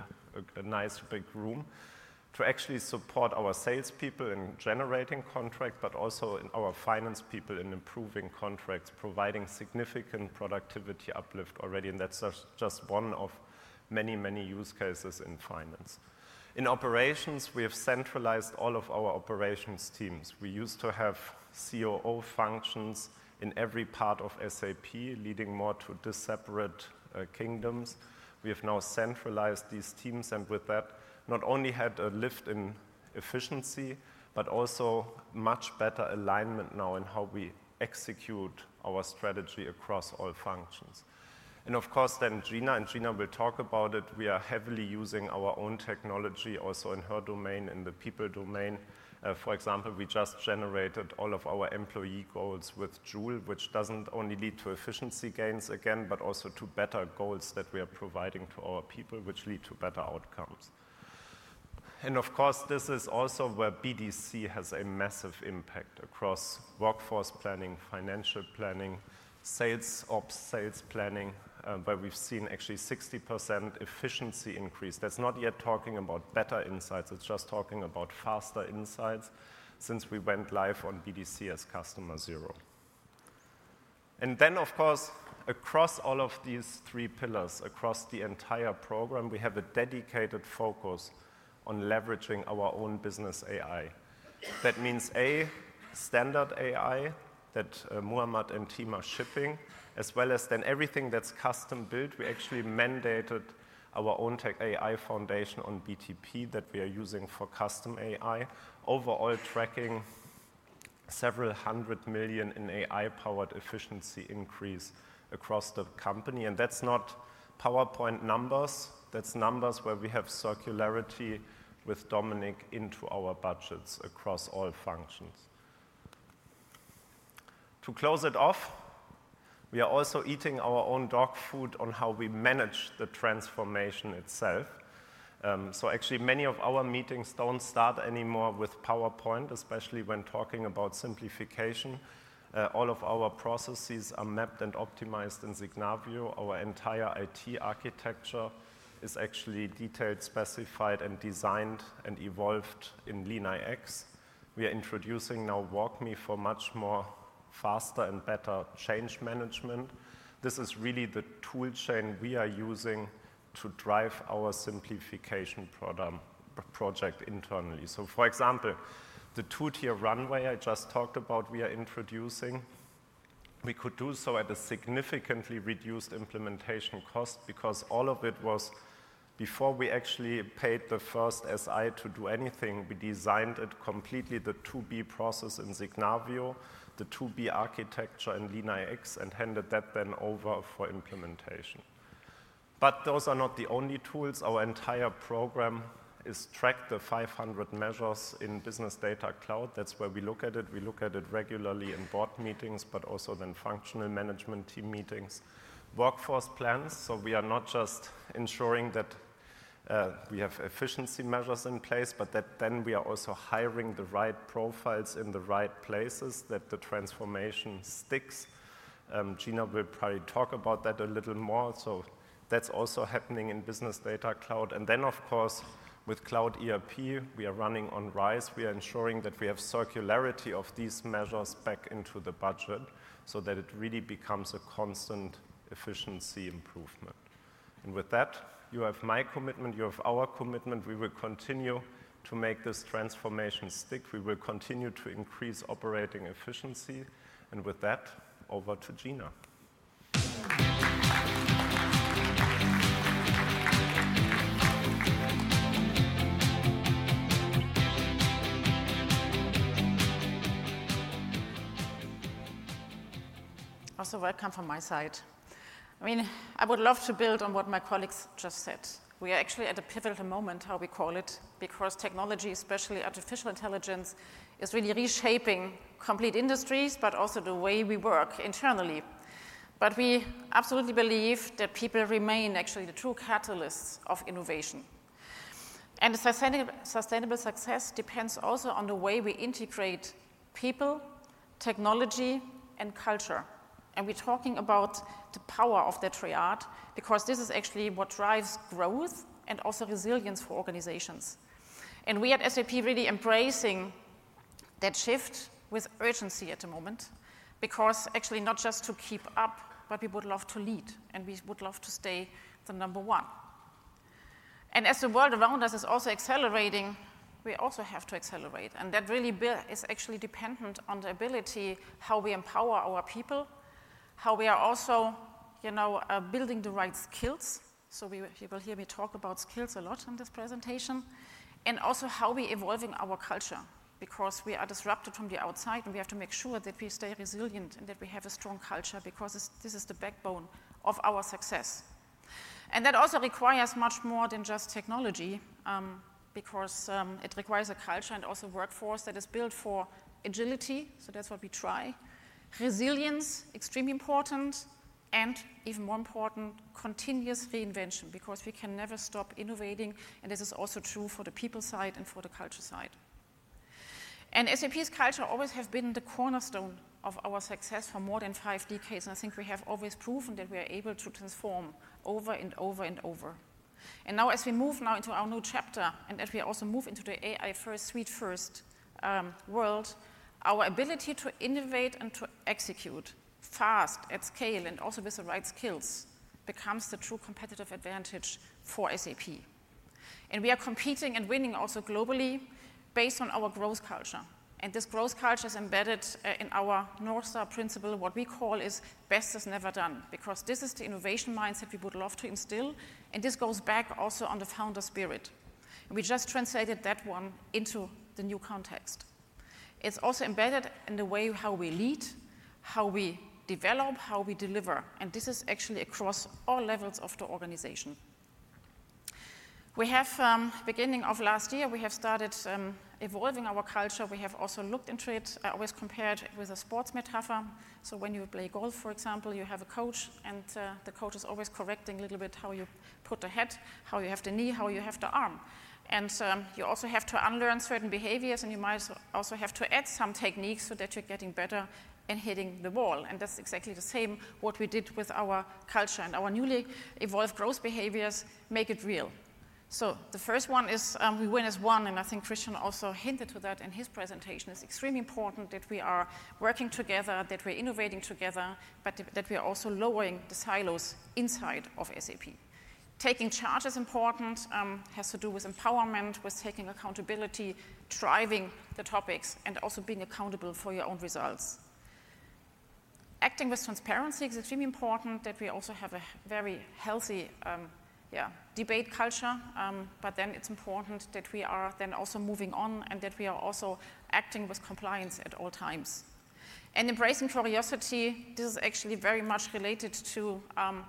a nice big room to actually support our salespeople in generating contracts, but also our finance people in improving contracts, providing significant productivity uplift already. That is just one of many, many use cases in finance. In operations, we have centralized all of our operations teams. We used to have COO functions in every part of SAP, leading more to disseparate kingdoms. We have now centralized these teams and with that, not only had a lift in efficiency, but also much better alignment now in how we execute our strategy across all functions. Of course, Gina will talk about it. We are heavily using our own technology, also in her domain, in the people domain. For example, we just generated all of our employee goals with Joule, which does not only lead to efficiency gains again, but also to better goals that we are providing to our people, which lead to better outcomes. This is also where BDC has a massive impact across workforce planning, financial planning, sales ops, sales planning, where we have seen actually 60% efficiency increase. That is not yet talking about better insights. It is just talking about faster insights since we went live on BDC as customer zero. Of course, across all of these three pillars, across the entire program, we have a dedicated focus on leveraging our own business AI. That means, A, standard AI that Muhammad and team are shipping, as well as then everything that's custom built. We actually mandated our own tech AI foundation on BTP that we are using for custom AI, overall tracking several hundred million in AI-powered efficiency increase across the company. That's not PowerPoint numbers. That's numbers where we have circularity with Dominik into our budgets across all functions. To close it off, we are also eating our own dog food on how we manage the transformation itself. Actually, many of our meetings don't start anymore with PowerPoint, especially when talking about simplification. All of our processes are mapped and optimized in Signavio. Our entire IT architecture is actually detailed, specified, and designed and evolved in LeanIX. We are introducing now WalkMe for much more faster and better change management. This is really the toolchain we are using to drive our simplification project internally. For example, the two-tier runway I just talked about, we are introducing. We could do so at a significantly reduced implementation cost because all of it was before we actually paid the first SI to do anything. We designed it completely, the 2B process in Signavio, the 2B architecture in LeanIX, and handed that then over for implementation. Those are not the only tools. Our entire program is tracked to 500 measures in Business Data Cloud. That's where we look at it. We look at it regularly in board meetings, but also then functional management team meetings, workforce plans. We are not just ensuring that we have efficiency measures in place, but that then we are also hiring the right profiles in the right places that the transformation sticks. Gina will probably talk about that a little more. That is also happening in Business Data Cloud. Of course, with Cloud ERP, we are running on RISE. We are ensuring that we have circularity of these measures back into the budget so that it really becomes a constant efficiency improvement. You have my commitment, you have our commitment. We will continue to make this transformation stick. We will continue to increase operating efficiency. With that, over to Gina. Also, welcome from my side. I mean, I would love to build on what my colleagues just said. We are actually at a pivotal moment, how we call it, because technology, especially artificial intelligence, is really reshaping complete industries, but also the way we work internally. We absolutely believe that people remain actually the true catalysts of innovation. Sustainable success depends also on the way we integrate people, technology, and culture. We are talking about the power of the triad because this is actually what drives growth and also resilience for organizations. We at SAP are really embracing that shift with urgency at the moment because actually not just to keep up, but we would love to lead, and we would love to stay the number one. As the world around us is also accelerating, we also have to accelerate. That really is actually dependent on the ability how we empower our people, how we are also building the right skills. You will hear me talk about skills a lot in this presentation and also how we are evolving our culture because we are disrupted from the outside, and we have to make sure that we stay resilient and that we have a strong culture because this is the backbone of our success. That also requires much more than just technology because it requires a culture and also a workforce that is built for agility. That is what we try. Resilience, extremely important, and even more important, continuous reinvention because we can never stop innovating. This is also true for the people side and for the culture side. SAP's culture always has been the cornerstone of our success for more than five decades. I think we have always proven that we are able to transform over and over and over. Now, as we move into our new chapter and as we also move into the AI first, suite first world, our ability to innovate and to execute fast at scale and also with the right skills becomes the true competitive advantage for SAP. We are competing and winning also globally based on our growth culture. This growth culture is embedded in our North Star principle, what we call is best is never done because this is the innovation mindset we would love to instill. This goes back also on the founder spirit. We just translated that one into the new context. It's also embedded in the way how we lead, how we develop, how we deliver. This is actually across all levels of the organization. We have, beginning of last year, we have started evolving our culture. We have also looked into it. I always compared it with a sports metaphor. When you play golf, for example, you have a coach, and the coach is always correcting a little bit how you put the head, how you have the knee, how you have the arm. You also have to unlearn certain behaviors, and you might also have to add some techniques so that you're getting better and hitting the ball. That's exactly the same what we did with our culture and our newly evolved growth behaviors make it real. The first one is we win as one, and I think Christian also hinted to that in his presentation. It's extremely important that we are working together, that we're innovating together, but that we are also lowering the silos inside of SAP. Taking charge is important. It has to do with empowerment, with taking accountability, driving the topics, and also being accountable for your own results. Acting with transparency is extremely important, that we also have a very healthy, yeah, debate culture. It is important that we are then also moving on and that we are also acting with compliance at all times. Embracing curiosity, this is actually very much related to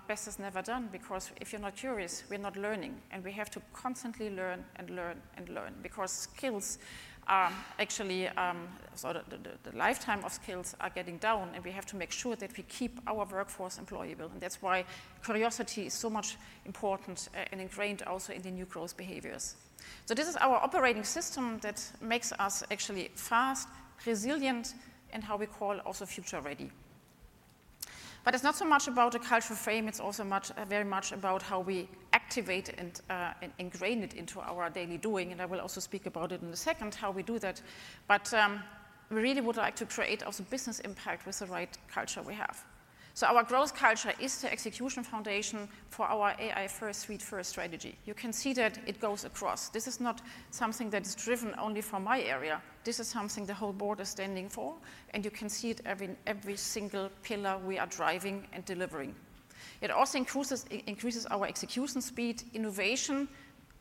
best is never done because if you're not curious, we're not learning. We have to constantly learn and learn and learn because skills are actually sort of the lifetime of skills are getting down, and we have to make sure that we keep our workforce employable. That's why curiosity is so much important and ingrained also in the new growth behaviors. This is our operating system that makes us actually fast, resilient, and how we call also future ready. It is not so much about the culture frame. It is also very much about how we activate and ingrain it into our daily doing. I will also speak about it in a second, how we do that. We really would like to create also business impact with the right culture we have. Our growth culture is the execution foundation for our AI first, suite first strategy. You can see that it goes across. This is not something that is driven only from my area. This is something the whole board is standing for, and you can see it every single pillar we are driving and delivering. It also increases our execution speed, innovation,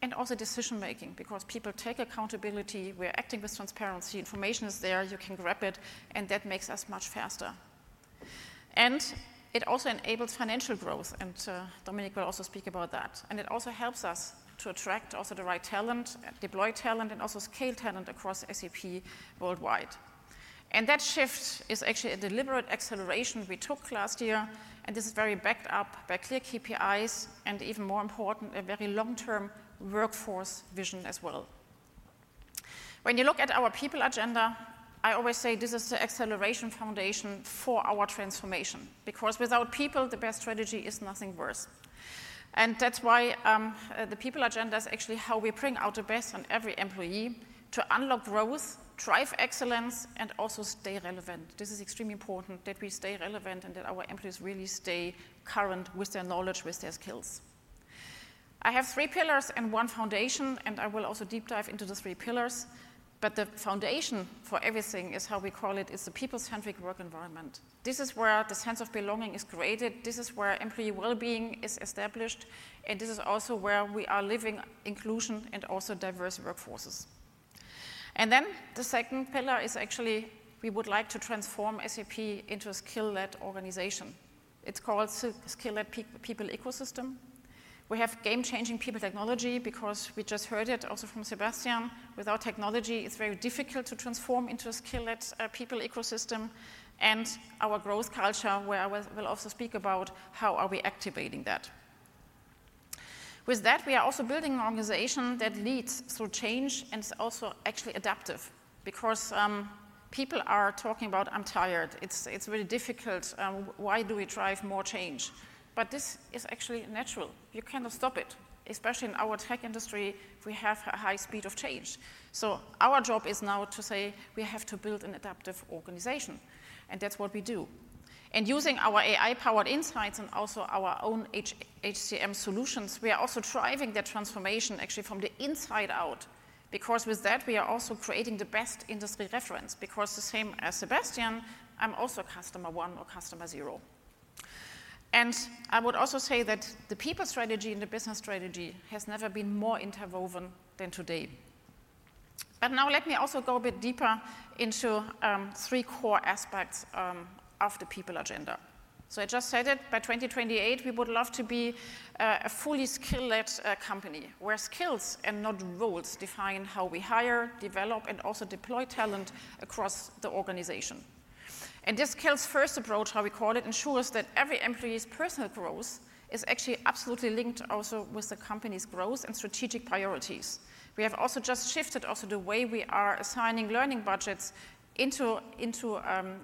and also decision making because people take accountability. We are acting with transparency. Information is there. You can grab it, and that makes us much faster. It also enables financial growth, and Dominik will also speak about that. It also helps us to attract also the right talent, deploy talent, and also scale talent across SAP worldwide. That shift is actually a deliberate acceleration we took last year, and this is very backed up by clear KPIs and even more important, a very long-term workforce vision as well. When you look at our people agenda, I always say this is the acceleration foundation for our transformation because without people, the best strategy is nothing worse. That is why the people agenda is actually how we bring out the best on every employee to unlock growth, drive excellence, and also stay relevant. This is extremely important that we stay relevant and that our employees really stay current with their knowledge, with their skills. I have three pillars and one foundation, and I will also deep dive into the three pillars. The foundation for everything is how we call it is the people-centric work environment. This is where the sense of belonging is created. This is where employee well-being is established, and this is also where we are living inclusion and also diverse workforces. The second pillar is actually we would like to transform SAP into a skill-led organization. It's called killed People Ecosystem. We have game-changing people technology because we just heard it also from Sebastian. Without technology, it's very difficult to transform into a Skilled People Ecosystem and our growth culture where I will also speak about how are we activating that. With that, we are also building an organization that leads through change and is also actually adaptive because people are talking about, "I'm tired. It's really difficult. Why do we drive more change?" This is actually natural. You cannot stop it, especially in our tech industry. We have a high speed of change. Our job is now to say we have to build an adaptive organization, and that's what we do. Using our AI-powered insights and also our own HCM solutions, we are also driving that transformation actually from the inside out because with that, we are also creating the best industry reference because the same as Sebastian, I'm also customer one or customer zero. I would also say that the people strategy and the business strategy has never been more interwoven than today. Now let me also go a bit deeper into three core aspects of the people agenda. I just said it. By 2028, we would love to be a fully skilled company where skills and not roles define how we hire, develop, and also deploy talent across the organization. This skills-first approach, how we call it, ensures that every employee's personal growth is actually absolutely linked also with the company's growth and strategic priorities. We have also just shifted the way we are assigning learning budgets into the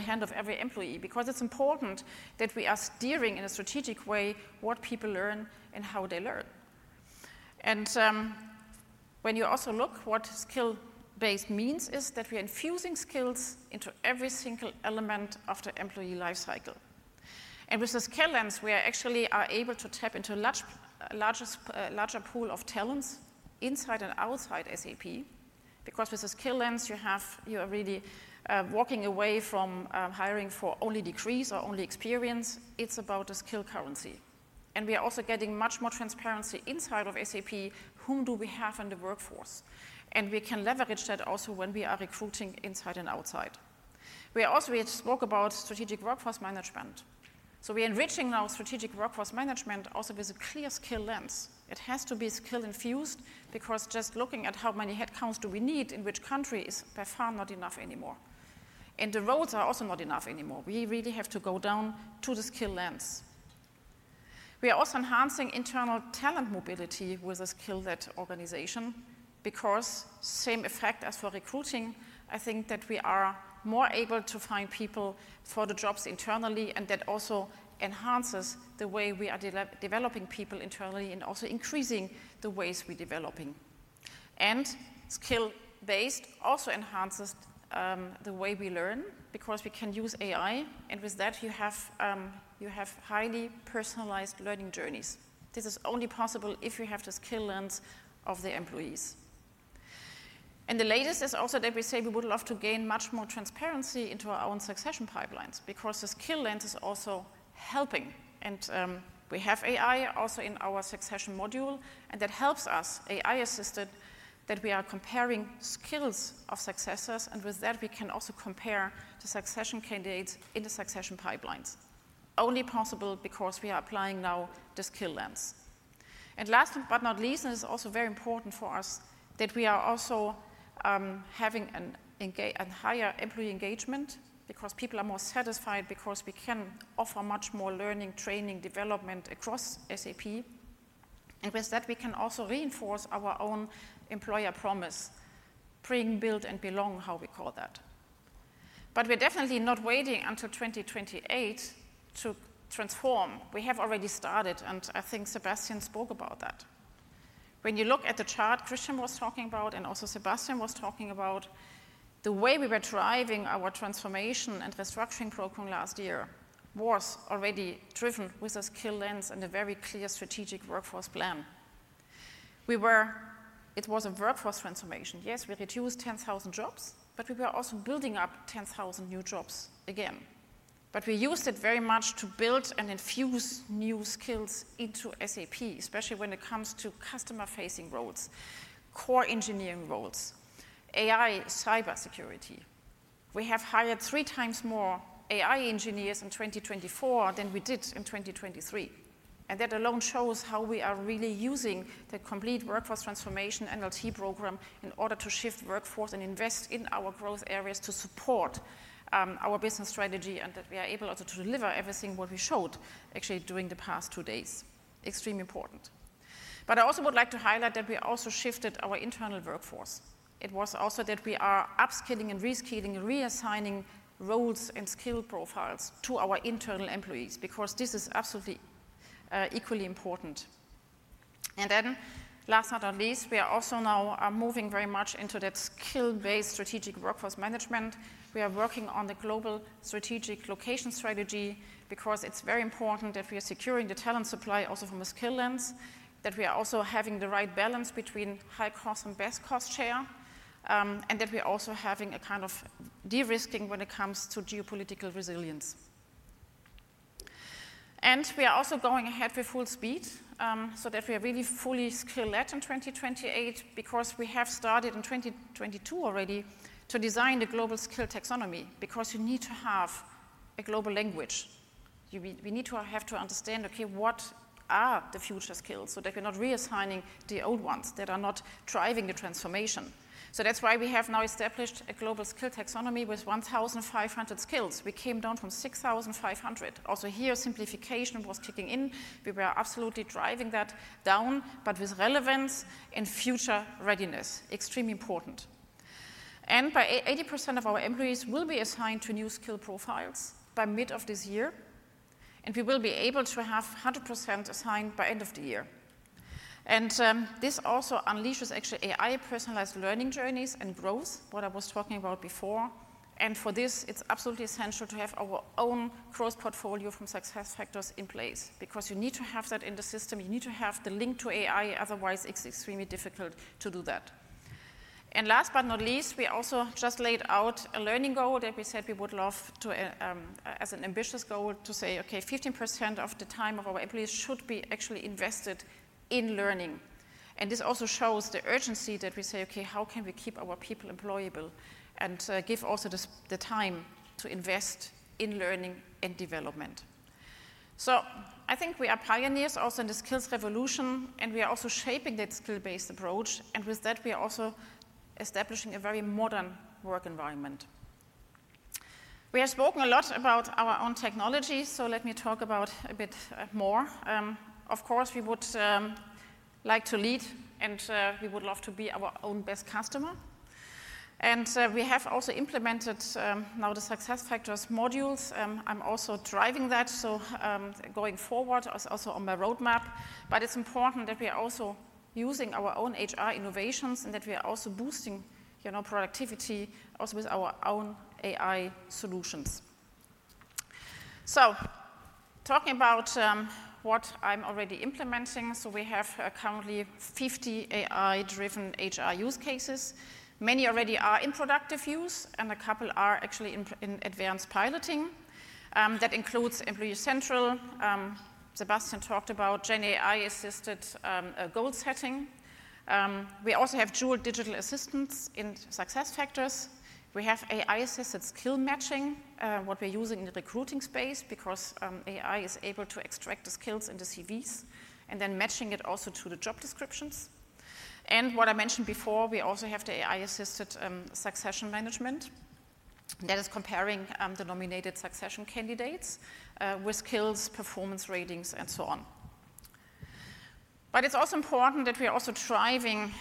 hand of every employee because it is important that we are steering in a strategic way what people learn and how they learn. When you also look what skill-based means is that we are infusing skills into every single element of the employee lifecycle. With the skill lens, we actually are able to tap into a larger pool of talents inside and outside SAP because with the skill lens, you are really walking away from hiring for only degrees or only experience. It's about the skill currency. We are also getting much more transparency inside of SAP, whom do we have in the workforce? We can leverage that also when we are recruiting inside and outside. We also spoke about strategic workforce management. We are enriching now strategic workforce management also with a clear skill lens. It has to be skill-infused because just looking at how many headcounts do we need in which country is by far not enough anymore. The roles are also not enough anymore. We really have to go down to the skill lens. We are also enhancing internal talent mobility with a skill-led organization because same effect as for recruiting. I think that we are more able to find people for the jobs internally, and that also enhances the way we are developing people internally and also increasing the ways we are developing. Skill-based also enhances the way we learn because we can use AI. With that, you have highly personalized learning journeys. This is only possible if you have the skill lens of the employees. The latest is also that we say we would love to gain much more transparency into our own succession pipelines because the skill lens is also helping. We have AI also in our succession module, and that helps us, AI-assisted, that we are comparing skills of successors. With that, we can also compare the succession candidates in the succession pipelines. Only possible because we are applying now the skill lens. Last but not least, and this is also very important for us, we are also having a higher employee engagement because people are more satisfied because we can offer much more learning, training, development across SAP. With that, we can also reinforce our own employer promise, bring, build, and belong, how we call that. We are definitely not waiting until 2028 to transform. We have already started, and I think Sebastian spoke about that. When you look at the chart Christian was talking about and also Sebastian was talking about, the way we were driving our transformation and restructuring program last year was already driven with a skill lens and a very clear strategic workforce plan. It was a workforce transformation. Yes, we reduced 10,000 jobs, but we were also building up 10,000 new jobs again. We used it very much to build and infuse new skills into SAP, especially when it comes to customer-facing roles, core engineering roles, AI, cybersecurity. We have hired three times more AI engineers in 2024 than we did in 2023. That alone shows how we are really using the complete workforce transformation NLT program in order to shift workforce and invest in our growth areas to support our business strategy and that we are able to deliver everything what we showed actually during the past two days. Extremely important. I also would like to highlight that we also shifted our internal workforce. It was also that we are upskilling and reskilling and reassigning roles and skill profiles to our internal employees because this is absolutely equally important. Last but not least, we are also now moving very much into that skill-based strategic workforce management. We are working on the global strategic location strategy because it's very important that we are securing the talent supply also from a skill lens, that we are also having the right balance between high cost and best cost share, and that we are also having a kind of de-risking when it comes to geopolitical resilience. We are also going ahead with full speed so that we are really fully skilled in 2028 because we have started in 2022 already to design the global skill taxonomy because you need to have a global language. We need to have to understand, okay, what are the future skills so that we're not reassigning the old ones that are not driving the transformation. That's why we have now established a global skill taxonomy with 1,500 skills. We came down from 6,500. Also here, simplification was kicking in. We were absolutely driving that down, but with relevance and future readiness. Extremely important. By mid of this year, 80% of our employees will be assigned to new skill profiles, and we will be able to have 100% assigned by end of the year. This also unleashes actually AI personalized learning journeys and growth, what I was talking about before. For this, it is absolutely essential to have our own growth portfolio from SuccessFactors in place because you need to have that in the system. You need to have the link to AI; otherWise, it is extremely difficult to do that. Last but not least, we also just laid out a learning goal that we said we would love to have as an ambitious goal to say, okay, 15% of the time of our employees should be actually invested in learning. This also shows the urgency that we say, okay, how can we keep our people employable and give also the time to invest in learning and development? I think we are pioneers also in the skills revolution, and we are also shaping that skill-based approach. With that, we are also establishing a very modern work environment. We have spoken a lot about our own technology, so let me talk about a bit more. Of course, we would like to lead, and we would love to be our own best customer. We have also implemented now the SuccessFactors modules. I'm also driving that. Going forward, I was also on my roadmap, but it's important that we are also using our own HR innovations and that we are also boosting productivity also with our own AI solutions. Talking about what I'm already implementing, we have currently 50 AI-driven HR use cases. Many already are in productive use, and a couple are actually in advanced piloting. That includes Employee Central. Sebastian talked about GenAI-assisted goal setting. We also have dual digital assistance in SuccessFactors. We have AI-assisted skill matching, what we're using in the recruiting space because AI is able to extract the skills in the CVs and then matching it also to the job descriptions. What I mentioned before, we also have the AI-assisted succession management. That is comparing the nominated succession candidates with skills, performance ratings, and so on. It is also important that we are also driving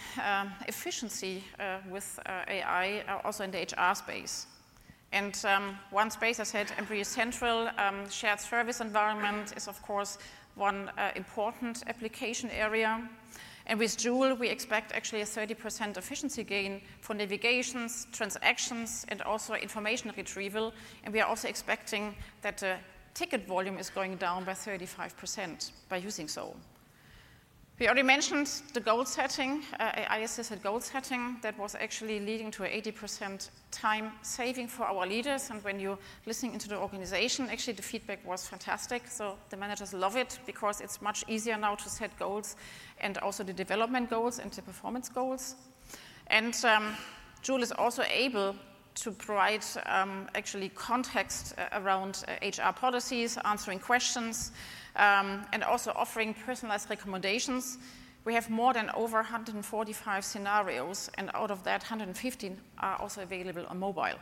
efficiency with AI also in the HR space. One space I said, Employee Central, shared service environment is of course one important application area. With Joule, we expect actually a 30% efficiency gain for navigations, transactions, and also information retrieval. We are also expecting that the ticket volume is going down by 35% by using Zoom. We already mentioned the goal setting, AI-assisted goal setting that was actually leading to an 80% time saving for our leaders. When you're listening into the organization, actually the feedback was fantastic. The managers love it because it's much easier now to set goals and also the development goals and the performance goals. Joule is also able to provide actually context around HR policies, answering questions, and also offering personalized recommendations. We have more than 145 scenarios, and out of that, 150 are also available on mobile.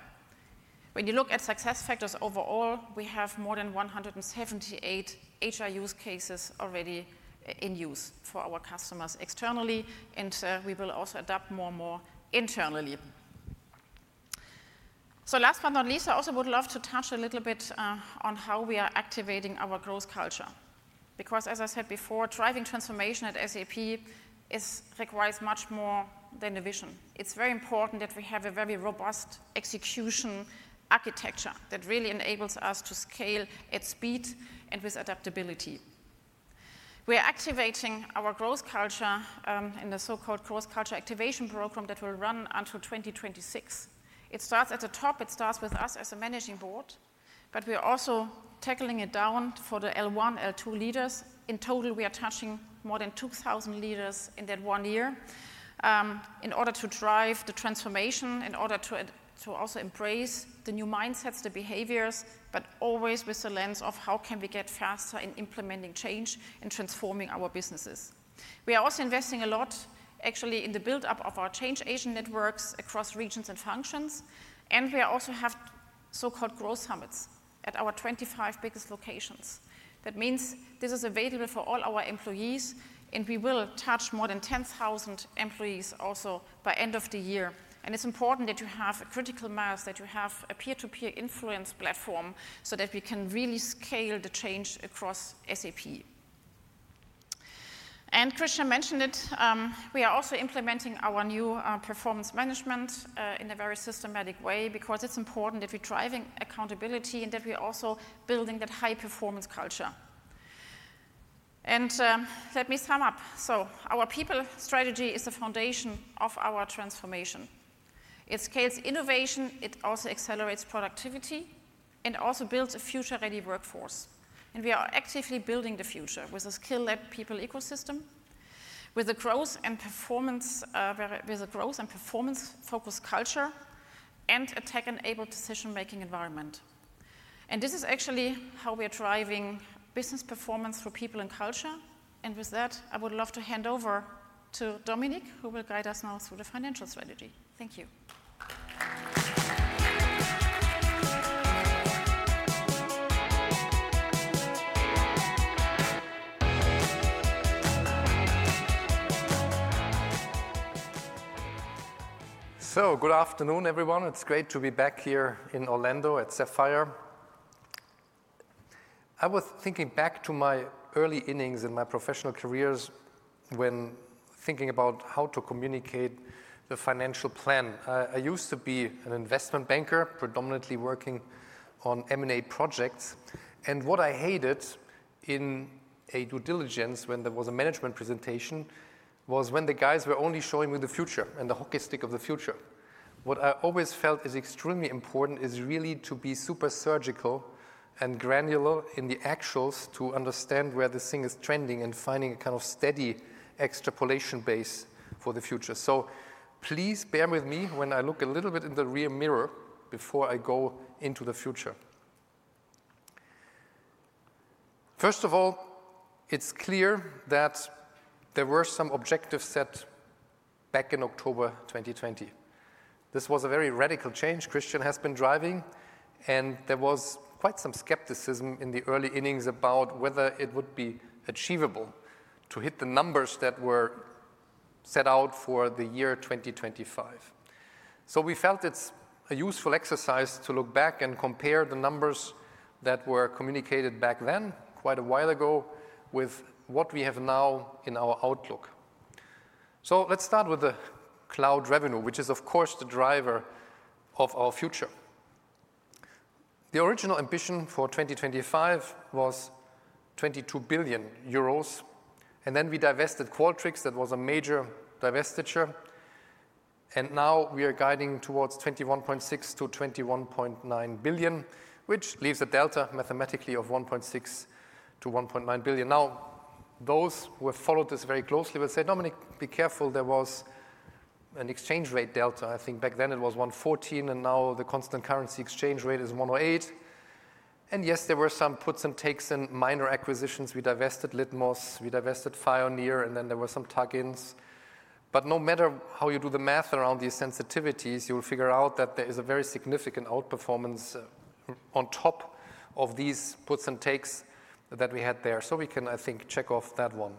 When you look at SuccessFactors overall, we have more than 178 HR use cases already in use for our customers externally, and we will also adapt more and more internally. Last but not least, I also would love to touch a little bit on how we are activating our growth culture because, as I said before, driving transformation at SAP requires much more than a vision. It is very important that we have a very robust execution architecture that really enables us to scale at speed and with adaptability. We are activating our growth culture in the so-called growth culture activation program that will run until 2026. It starts at the top. It starts with us as a Managing Board, but we are also tackling it down for the L1, L2 leaders. In total, we are touching more than 2,000 leaders in that one year in order to drive the transformation, in order to also embrace the new mindsets, the behaviors, but always with the lens of how can we get faster in implementing change and transforming our businesses. We are also investing a lot actually in the buildup of our change agent networks across regions and functions. We also have so-called growth summits at our 25 biggest locations. That means this is available for all our employees, and we will touch more than 10,000 employees also by end of the year. It is important that you have a critical mass, that you have a peer-to-peer influence platform so that we can really scale the change across SAP. Christian mentioned it. We are also implementing our new performance management in a very systematic way because it's important that we're driving accountability and that we are also building that high performance culture. Let me sum up. Our people strategy is the foundation of our transformation. It scales innovation. It also accelerates productivity and also builds a future-ready workforce. We are actively building the future with a skilled people ecosystem, with a growth and performance-focused culture, and a tech-enabled decision-making environment. This is actually how we are driving business performance for people and culture. With that, I would love to hand over to Dominik, who will guide us now through the financial strategy. Thank you. Good afternoon, everyone. It's great to be back here in Orlando at SAPPHIRE. I was thinking back to my early innings in my professional careers when thinking about how to communicate the financial plan. I used to be an investment banker, predominantly working on M&A projects. What I hated in a due diligence when there was a management presentation was when the guys were only showing me the future and the hockey stick of the future. What I always felt is extremely important is really to be super surgical and granular in the actuals to understand where this thing is trending and finding a kind of steady extrapolation base for the future. Please bear with me when I look a little bit in the rear mirror before I go into the future. First of all, it's clear that there were some objectives set back in October 2020. This was a very radical change Christian has been driving, and there was quite some skepticism in the early innings about whether it would be achievable to hit the numbers that were set out for the year 2025. We felt it's a useful exercise to look back and compare the numbers that were communicated back then, quite a while ago, with what we have now in our outlook. Let's start with the cloud revenue, which is of course the driver of our future. The original ambition for 2025 was 22 billion euros, and then we divested Qualtrics. That was a major divestiture. Now we are guiding towards 21.6-21.9 billion, which leaves a delta mathematically of 1.6-EUR1.9 billion. Now, those who have followed this very closely will say, "Dominik, be careful. There was an exchange rate delta. I think back then it was 114, and now the constant currency exchange rate is 108. Yes, there were some puts and takes and minor acquisitions. We divested Litmos. We divested Pioneer, and then there were some tuck-ins. No matter how you do the math around these sensitivities, you will figure out that there is a very significant outperformance on top of these puts and takes that we had there. We can, I think, check off that one.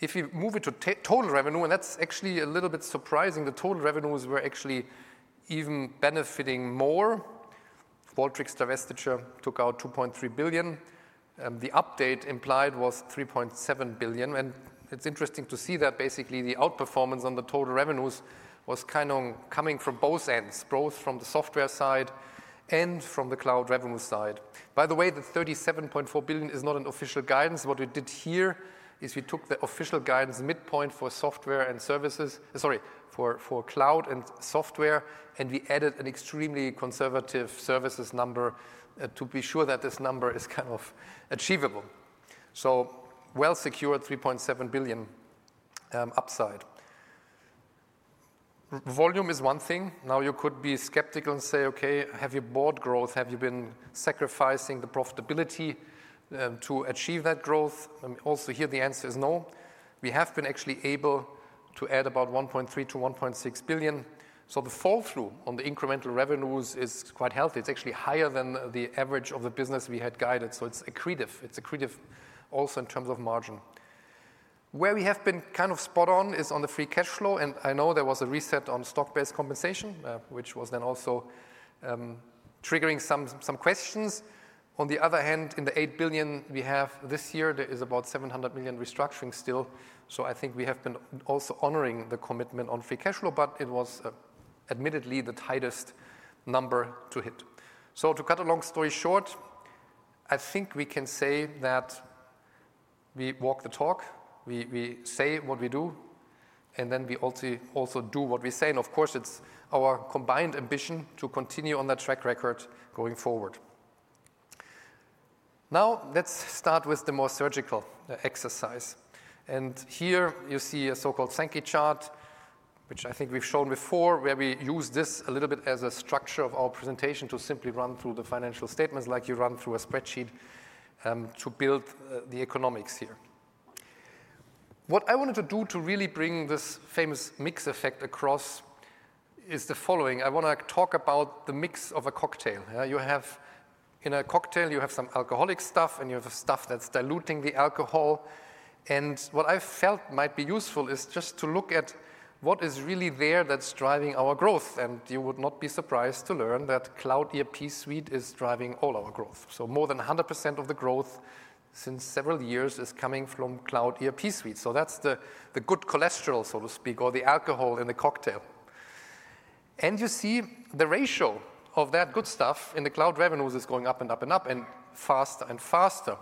If you move it to total revenue, and that's actually a little bit surprising, the total revenues were actually even benefiting more. Qualtrics' divestiture took out 2.3 billion. The update implied was 3.7 billion. It is interesting to see that basically the outperformance on the total revenues was kind of coming from both ends, both from the software side and from the cloud revenue side. By the way, the 37.4 billion is not an official guidance. What we did here is we took the official guidance midpoint for software and services, sorry, for cloud and software, and we added an extremely conservative services number to be sure that this number is kind of achievable. A well-secured EUR 3.7 billion upside. Volume is one thing. Now, you could be skeptical and say, "Okay, have you bought growth? Have you been sacrificing the profitability to achieve that growth?" Also here, the answer is no. We have been actually able to add about 1.3 billion to 1.6 billion. The fall through on the incremental revenues is quite healthy. It's actually higher than the average of the business we had guided. It is accretive. It is accretive also in terms of margin. Where we have been kind of spot on is on the free cash flow. I know there was a reset on stock-based compensation, which was then also triggering some questions. On the other hand, in the 8 billion we have this year, there is about 700 million restructuring still. I think we have been also honoring the commitment on free cash flow, but it was admittedly the tightest number to hit. To cut a long story short, I think we can say that we walk the talk. We say what we do, and then we also do what we say. Of course, it is our combined ambition to continue on that track record going forward. Now, let's start with the more surgical exercise. Here you see a so-called Sankey chart, which I think we've shown before, where we use this a little bit as a structure of our presentation to simply run through the financial statements like you run through a spreadsheet to build the economics here. What I wanted to do to really bring this famous mix effect across is the following. I want to talk about the mix of a cocktail. You have in a cocktail, you have some alcoholic stuff, and you have stuff that's diluting the alcohol. What I felt might be useful is just to look at what is really there that's driving our growth. You would not be surprised to learn that Cloud ERP Suite is driving all our growth. More than 100% of the growth since several years is coming from Cloud ERP Suite. That's the good cholesterol, so to speak, or the alcohol in the cocktail. You see the ratio of that good stuff in the cloud revenues is going up and up and up and faster and faster.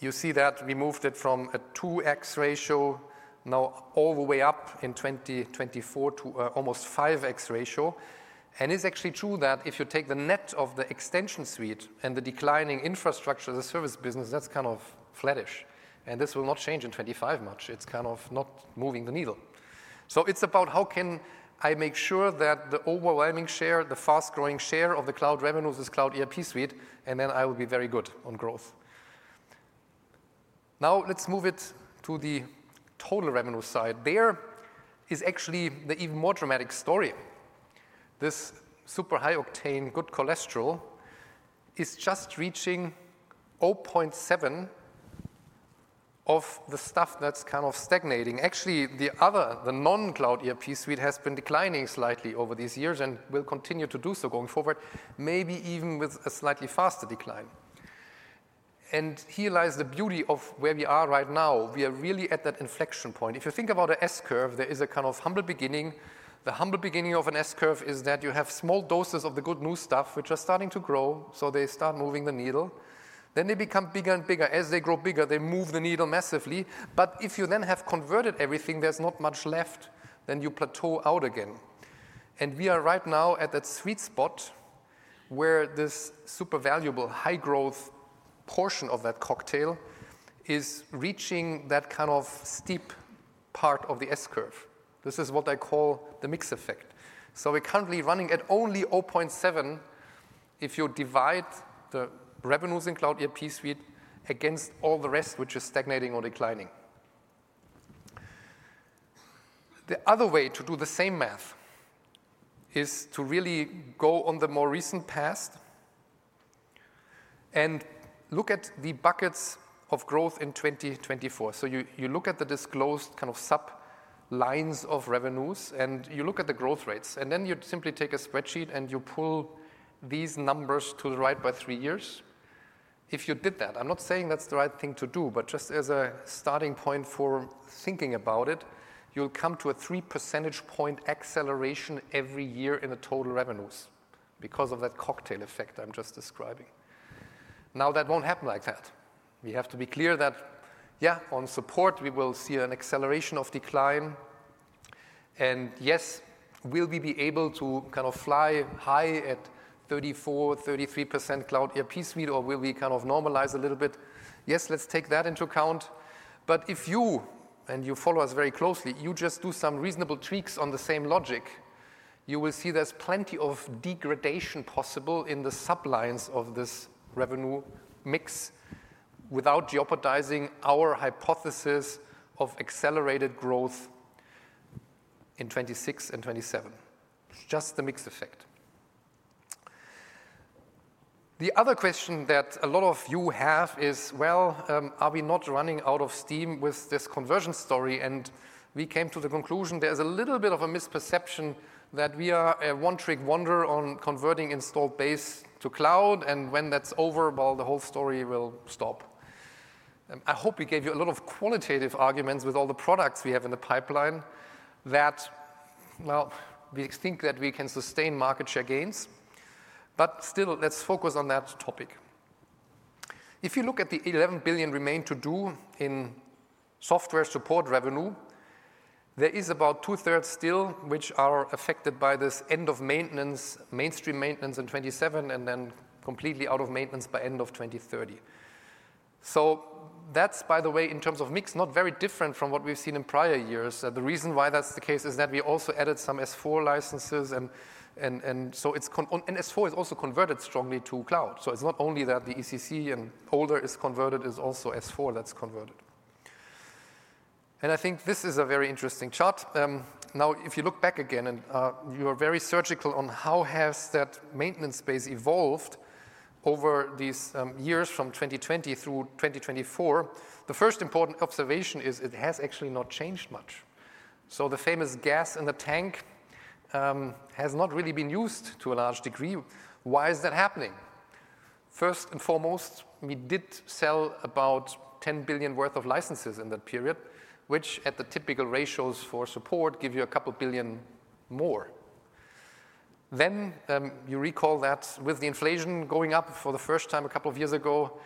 You see that we moved it from a 2x ratio now all the way up in 2024 to almost 5x ratio. It's actually true that if you take the net of the extension suite and the declining infrastructure, the service business, that's kind of flattish. This will not change in 2025 much. It's kind of not moving the needle. It's about how can I make sure that the overwhelming share, the fast-growing share of the cloud revenues is Cloud ERP Suite, and then I will be very good on growth. Now, let's move it to the total revenue side. There is actually the even more dramatic story. This super high-octane good cholesterol is just reaching 0.7 of the stuff that's kind of stagnating. Actually, the other, the non-Cloud ERP Suite has been declining slightly over these years and will continue to do so going forward, maybe even with a slightly faster decline. Here lies the beauty of where we are right now. We are really at that inflection point. If you think about an S-curve, there is a kind of humble beginning. The humble beginning of an S-curve is that you have small doses of the good new stuff, which are starting to grow. They start moving the needle. They become bigger and bigger. As they grow bigger, they move the needle massively. If you then have converted everything, there's not much left. You plateau out again. We are right now at that sweet spot where this super valuable high-growth portion of that cocktail is reaching that kind of steep part of the S-curve. This is what I call the mix effect. We are currently running at only 0.7 if you divide the revenues in Cloud ERP Suite against all the rest, which is stagnating or declining. The other way to do the same math is to really go on the more recent past and look at the buckets of growth in 2024. You look at the disclosed kind of sub-lines of revenues, and you look at the growth rates. Then you simply take a spreadsheet and you pull these numbers to the right by three years. If you did that, I'm not saying that's the right thing to do, but just as a starting point for thinking about it, you'll come to a 3 percentage point acceleration every year in the total revenues because of that cocktail effect I'm just describing. Now, that won't happen like that. We have to be clear that, yeah, on support, we will see an acceleration of decline. And yes, will we be able to kind of fly high at 34%, 33% Cloud ERP Suite, or will we kind of normalize a little bit? Yes, let's take that into account. But if you, and you follow us very closely, you just do some reasonable tweaks on the same logic, you will see there's plenty of degradation possible in the sublines of this revenue mix without jeopardizing our hypothesis of accelerated growth in 2026 and 2027. It's just the mix effect. The other question that a lot of you have is, well, are we not running out of steam with this conversion story? We came to the conclusion there is a little bit of a misperception that we are a one-trick wonder on converting installed base to cloud, and when that is over, the whole story will stop. I hope we gave you a lot of qualitative arguments with all the products we have in the pipeline that, well, we think that we can sustain market share gains. Still, let's focus on that topic. If you look at the 11 billion remained to do in software support revenue, there is about two-thirds still which are affected by this end-of-maintenance, mainstream maintenance in 2027, and then completely out of maintenance by end of 2030. That's, by the way, in terms of mix, not very different from what we've seen in prior years. The reason why that's the case is that we also added some S/4 licenses, and S/4 is also converted strongly to cloud. It's not only that the ECC and older is converted, it's also S/4 that's converted. I think this is a very interesting chart. Now, if you look back again, and you are very surgical on how has that maintenance space evolved over these years from 2020 through 2024, the first important observation is it has actually not changed much. The famous gas in the tank has not really been used to a large degree. Why is that happening? First and foremost, we did sell about 10 billion worth of licenses in that period, which at the typical ratios for support give you a couple billion more. You recall that with the inflation going up for the first time a couple of years ago,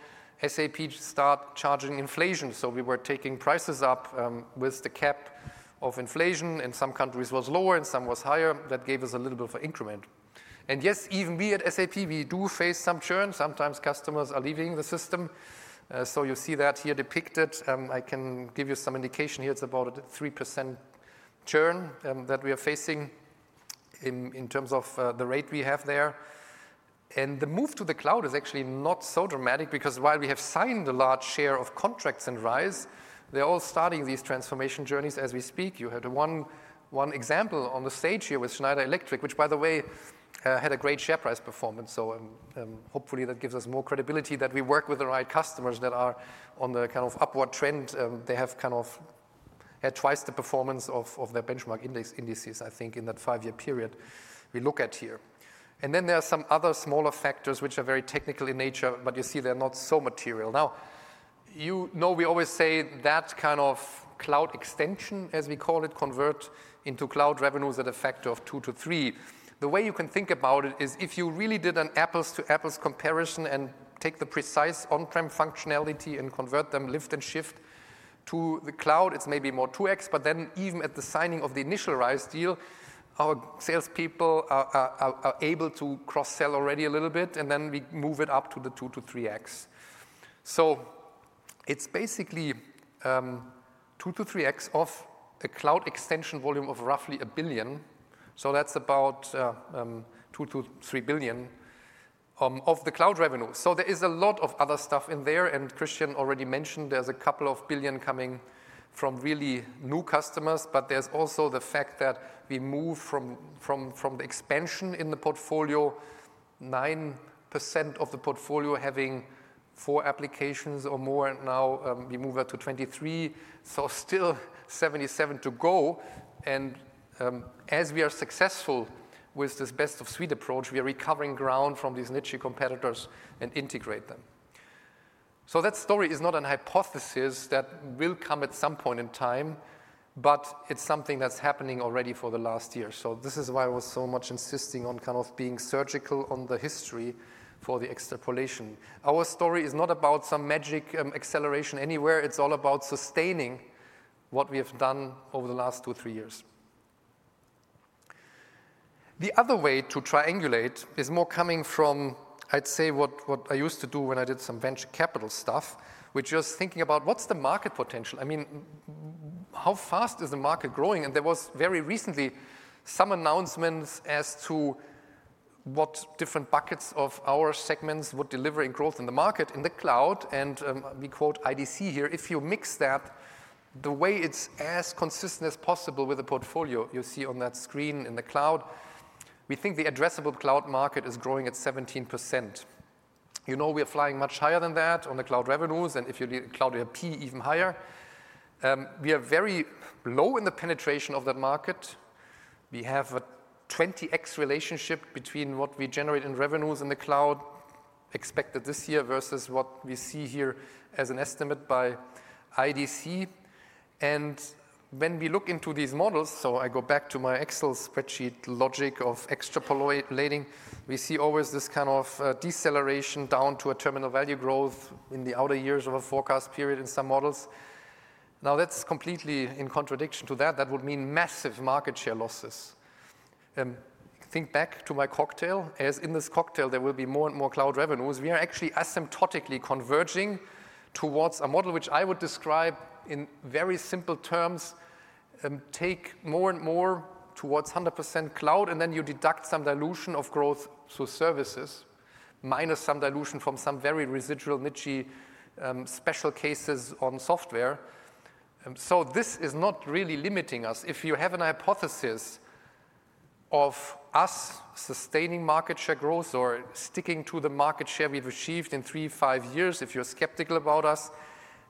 SAP started charging inflation. We were taking prices up with the cap of inflation, and in some countries it was lower and some was higher. That gave us a little bit of an increment. Yes, even we at SAP, we do face some churn. Sometimes customers are leaving the system. You see that here depicted. I can give you some indication here. It's about a 3% churn that we are facing in terms of the rate we have there. The move to the cloud is actually not so dramatic because while we have signed a large share of contracts in RISE, they're all starting these transformation journeys as we speak. You had one example on the stage here with Schneider Electric, which, by the way, had a great share price performance. Hopefully that gives us more credibility that we work with the right customers that are on the kind of upward trend. They have kind of had twice the performance of their benchmark indices, I think, in that five-year period we look at here. There are some other smaller factors which are very technical in nature, but you see they're not so material. You know we always say that kind of cloud extension, as we call it, converts into cloud revenues at a factor of two to three. The way you can think about it is if you really did an apples-to-apples comparison and take the precise on-prem functionality and convert them, lift and shift to the cloud, it's maybe more 2x, but even at the signing of the initial RISE deal, our salespeople are able to cross-sell already a little bit, and we move it up to the 2-3x. It is basically 2-3x of a cloud extension volume of roughly 1 billion. That is about 2-3 billion of the cloud revenue. There is a lot of other stuff in there. Christian already mentioned there is a couple of billion coming from really new customers, but there is also the fact that we move from the expansion in the portfolio, 9% of the portfolio having four applications or more. Now we move it to 23%. Still 77 to go. As we are successful with this best-of-suite approach, we are recovering ground from these niche competitors and integrate them. That story is not a hypothesis that will come at some point in time, but it's something that's happening already for the last year. This is why I was so much insisting on kind of being surgical on the history for the extrapolation. Our story is not about some magic acceleration anywhere. It's all about sustaining what we have done over the last two, three years. The other way to triangulate is more coming from, I'd say, what I used to do when I did some venture capital stuff, which is thinking about what's the market potential. I mean, how fast is the market growing? There was very recently some announcements as to what different buckets of our segments would deliver in growth in the market in the cloud. We quote IDC here, "If you mix that, the way it's as consistent as possible with the portfolio you see on that screen in the cloud, we think the addressable cloud market is growing at 17%." You know we are flying much higher than that on the cloud revenues, and if you need cloud ERP, even higher. We are very low in the penetration of that market. We have a 20x relationship between what we generate in revenues in the cloud expected this year versus what we see here as an estimate by IDC. When we look into these models, I go back to my Excel spreadsheet logic of extrapolating, we see always this kind of deceleration down to a terminal value growth in the outer years of a forecast period in some models. Now, that's completely in contradiction to that. That would mean massive market share losses. Think back to my cocktail. As in this cocktail, there will be more and more cloud revenues. We are actually asymptotically converging towards a model which I would describe in very simple terms, take more and more towards 100% cloud, and then you deduct some dilution of growth to services, minus some dilution from some very residual niche special cases on software. This is not really limiting us. If you have a hypothesis of us sustaining market share growth or sticking to the market share we've achieved in three, five years, if you're skeptical about us,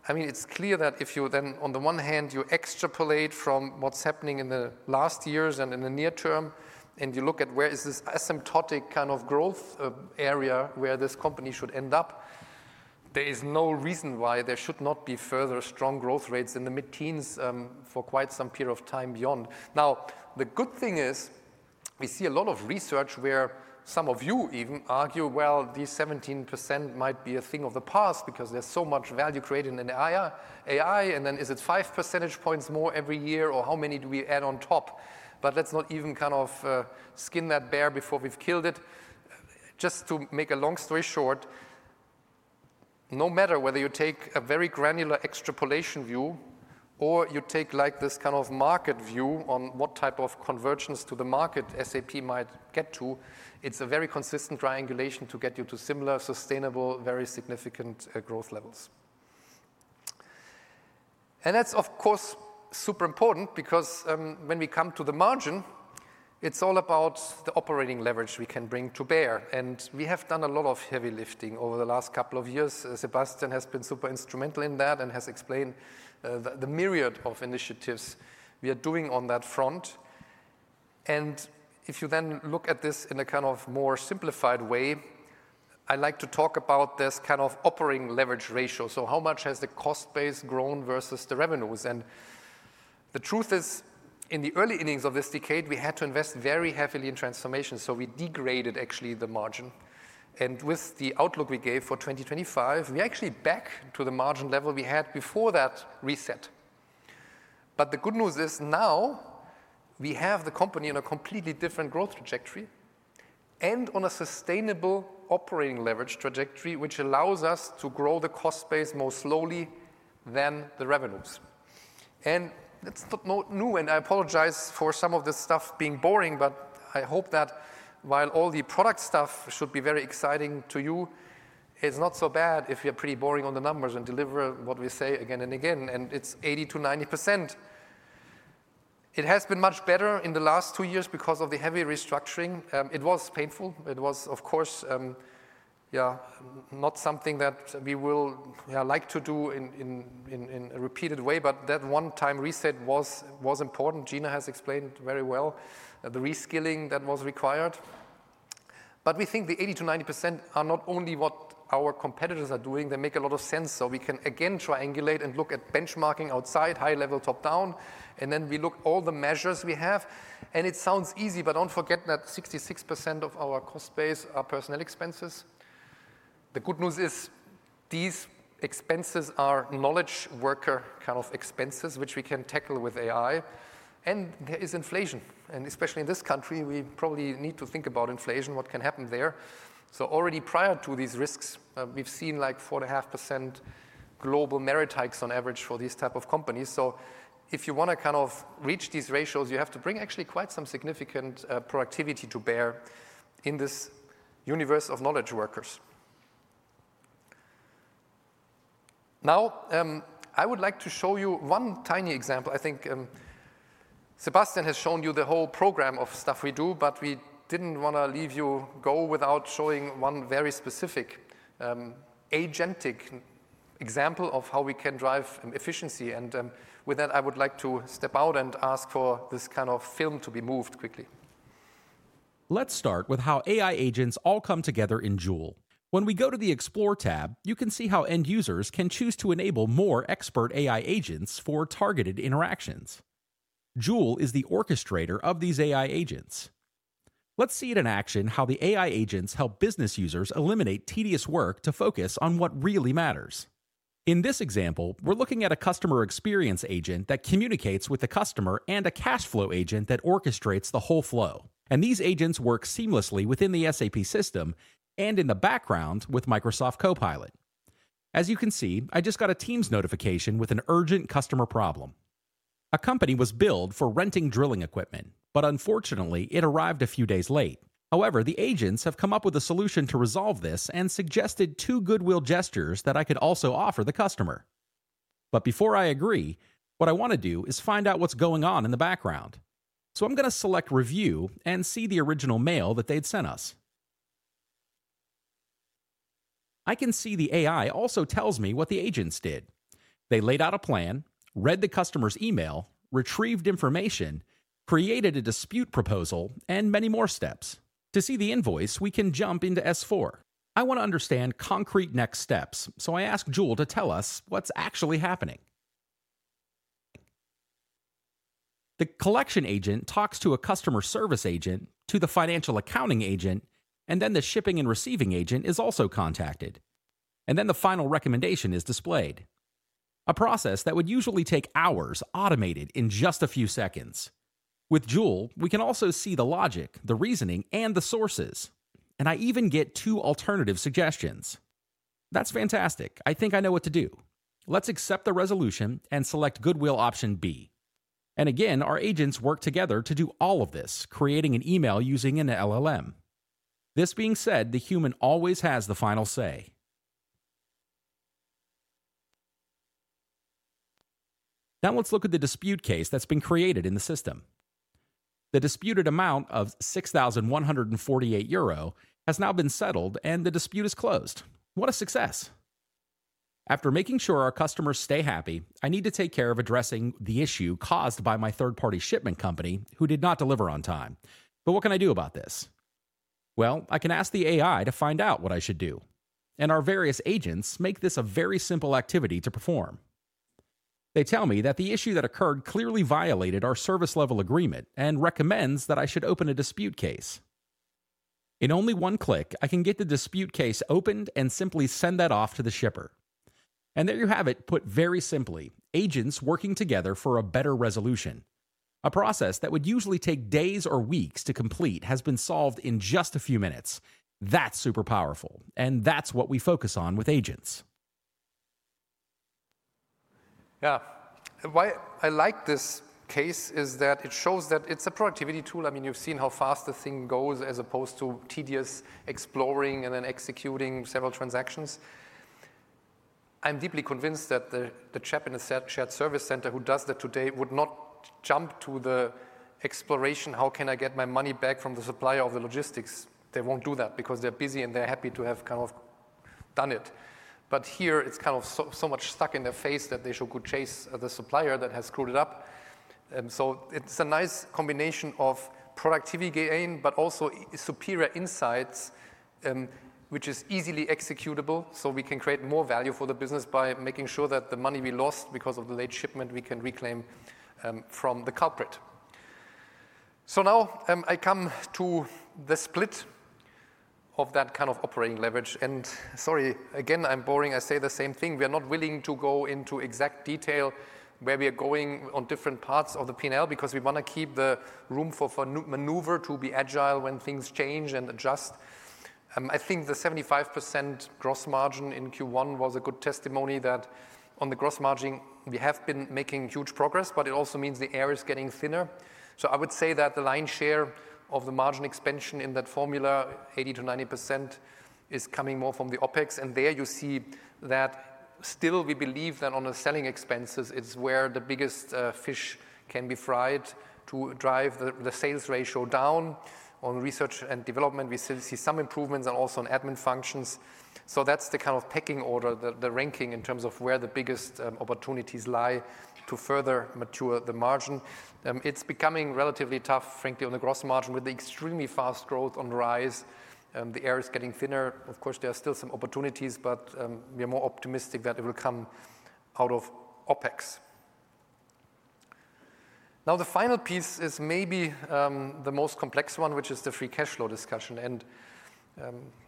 I mean, it's clear that if you then on the one hand, you extrapolate from what's happening in the last years and in the near term, and you look at where is this asymptotic kind of growth area where this company should end up, there is no reason why there should not be further strong growth rates in the mid-teens for quite some period of time beyond. The good thing is we see a lot of research where some of you even argue, these 17% might be a thing of the past because there's so much value created in AI. And then is it five percentage points more every year, or how many do we add on top? Let's not even kind of skin that bear before we've killed it. Just to make a long story short, no matter whether you take a very granular extrapolation view or you take like this kind of market view on what type of conversions to the market SAP might get to, it's a very consistent triangulation to get you to similar, sustainable, very significant growth levels. That is, of course, super important because when we come to the margin, it's all about the operating leverage we can bring to bear. We have done a lot of heavy lifting over the last couple of years. Sebastian has been super instrumental in that and has explained the myriad of initiatives we are doing on that front. If you then look at this in a kind of more simplified way, I like to talk about this kind of operating leverage ratio. How much has the cost base grown versus the revenues? The truth is, in the early innings of this decade, we had to invest very heavily in transformation. We degraded actually the margin. With the outlook we gave for 2025, we're actually back to the margin level we had before that reset. The good news is now we have the company on a completely different growth trajectory and on a sustainable operating leverage trajectory, which allows us to grow the cost base more slowly than the revenues. That's not new. I apologize for some of this stuff being boring, but I hope that while all the product stuff should be very exciting to you, it's not so bad if you're pretty boring on the numbers and deliver what we say again and again, and it's 80-90%. It has been much better in the last two years because of the heavy restructuring. It was painful. It was, of course, not something that we will like to do in a repeated way, but that one-time reset was important. Gina has explained very well the reskilling that was required. We think the 80-90% are not only what our competitors are doing. They make a lot of sense. We can again triangulate and look at benchmarking outside, high level, top down, and then we look at all the measures we have. It sounds easy, but do not forget that 66% of our cost base are personal expenses. The good news is these expenses are knowledge worker kind of expenses, which we can tackle with AI. There is inflation. Especially in this country, we probably need to think about inflation, what can happen there. Already prior to these risks, we've seen like 4.5% global merit hikes on average for these types of companies. If you want to kind of reach these ratios, you have to bring actually quite some significant productivity to bear in this universe of knowledge workers. Now, I would like to show you one tiny example. I think Sebastian has shown you the whole program of stuff we do, but we didn't want to leave you go without showing one very specific agentic example of how we can drive efficiency. With that, I would like to step out and ask for this kind of film to be moved quickly. Let's start with how AI agents all come together in Joule. When we go to the Explore tab, you can see how end users can choose to enable more expert AI agents for targeted interactions. Joule is the orchestrator of these AI agents. Let's see it in action how the AI agents help business users eliminate tedious work to focus on what really matters. In this example, we're looking at a customer experience agent that communicates with the customer and a cash flow agent that orchestrates the whole flow. These agents work seamlessly within the SAP system and in the background with Microsoft Copilot. As you can see, I just got a Teams notification with an urgent customer problem. A company was billed for renting drilling equipment, but unfortunately, it arrived a few days late. However, the agents have come up with a solution to resolve this and suggested two goodwill gestures that I could also offer the customer. Before I agree, what I want to do is find out what's going on in the background. I am going to select review and see the original mail that they'd sent us. I can see the AI also tells me what the agents did. They laid out a plan, read the customer's email, retrieved information, created a dispute proposal, and many more steps. To see the invoice, we can jump into S/4. I want to understand concrete next steps, so I ask Joule to tell us what's actually happening. The collection agent talks to a customer service agent, to the financial accounting agent, and then the shipping and receiving agent is also contacted. The final recommendation is displayed, a process that would usually take hours automated in just a few seconds. With Joule, we can also see the logic, the reasoning, and the sources. I even get two alternative suggestions. That's fantastic. I think I know what to do. I accept the resolution and select goodwill option B. Again, our agents work together to do all of this, creating an email using an LLM. This being said, the human always has the final say. Now let's look at the dispute case that has been created in the system. The disputed amount of 6,148 euro has now been settled, and the dispute is closed. What a success. After making sure our customers stay happy, I need to take care of addressing the issue caused by my third-party shipment company who did not deliver on time. What can I do about this? I can ask the AI to find out what I should do. Our various agents make this a very simple activity to perform. They tell me that the issue that occurred clearly violated our service-level agreement and recommend that I should open a dispute case. In only one click, I can get the dispute case opened and simply send that off to the shipper. There you have it, put very simply, agents working together for a better resolution. A process that would usually take days or weeks to complete has been solved in just a few minutes. That's super powerful, and that's what we focus on with agents. Yeah. Why I like this case is that it shows that it's a productivity tool. I mean, you've seen how fast the thing goes as opposed to tedious exploring and then executing several transactions. I'm deeply convinced that the chap in the shared service center who does that today would not jump to the exploration, how can I get my money back from the supplier of the logistics? They won't do that because they're busy and they're happy to have kind of done it. Here, it's kind of so much stuck in their face that they should go chase the supplier that has screwed it up. It's a nice combination of productivity gain, but also superior insights, which is easily executable. We can create more value for the business by making sure that the money we lost because of the late shipment, we can reclaim from the culprit. Now I come to the split of that kind of operating leverage. Sorry, again, I'm boring. I say the same thing. We are not willing to go into exact detail where we are going on different parts of the P&L because we want to keep the room for maneuver to be agile when things change and adjust. I think the 75% gross margin in Q1 was a good testimony that on the gross margin, we have been making huge progress, but it also means the air is getting thinner. I would say that the lion's share of the margin expansion in that formula, 80-90%, is coming more from the OpEx. There you see that still we believe that on the selling expenses, it's where the biggest fish can be fried to drive the sales ratio down. On research and development, we still see some improvements and also in admin functions. That is the kind of pecking order, the ranking in terms of where the biggest opportunities lie to further mature the margin. It is becoming relatively tough, frankly, on the gross margin with the extremely fast growth on the rise. The air is getting thinner. Of course, there are still some opportunities, but we are more optimistic that it will come out of OpEx. Now, the final piece is maybe the most complex one, which is the free cash flow discussion.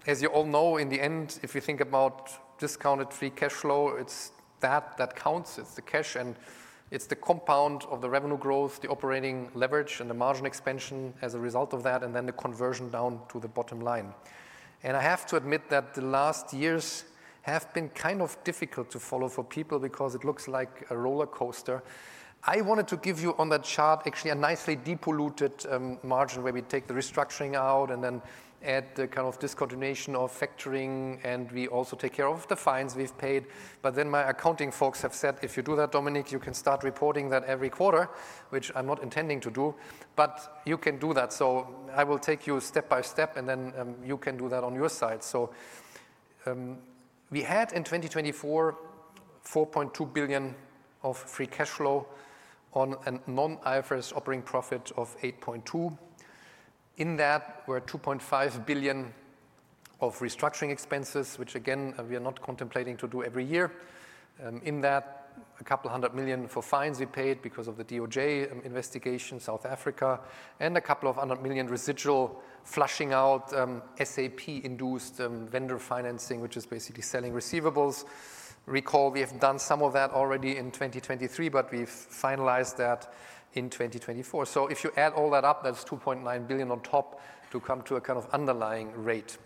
As you all know, in the end, if you think about discounted free cash flow, it is that that counts. It is the cash, and it is the compound of the revenue growth, the operating leverage, and the margin expansion as a result of that, and then the conversion down to the bottom line. I have to admit that the last years have been kind of difficult to follow for people because it looks like a roller coaster. I wanted to give you on that chart actually a nicely depolluted margin where we take the restructuring out and then add the kind of discontinuation of factoring, and we also take care of the fines we've paid. My accounting folks have said, if you do that, Dominik, you can start reporting that every quarter, which I'm not intending to do, but you can do that. I will take you step by step, and then you can do that on your side. We had in 2024, 4.2 billion of free cash flow on a non-IFRS operating profit of 8.2 billion. In that, we're at 2.5 billion of restructuring expenses, which again, we are not contemplating to do every year. In that, a couple of hundred million for fines we paid because of the DOJ investigation, South Africa, and a couple of hundred million residual flushing out SAP-induced vendor financing, which is basically selling receivables. Recall we have done some of that already in 2023, but we've finalized that in 2024. If you add all that up, that's 2.9 billion on top to come to a kind of underlying rate.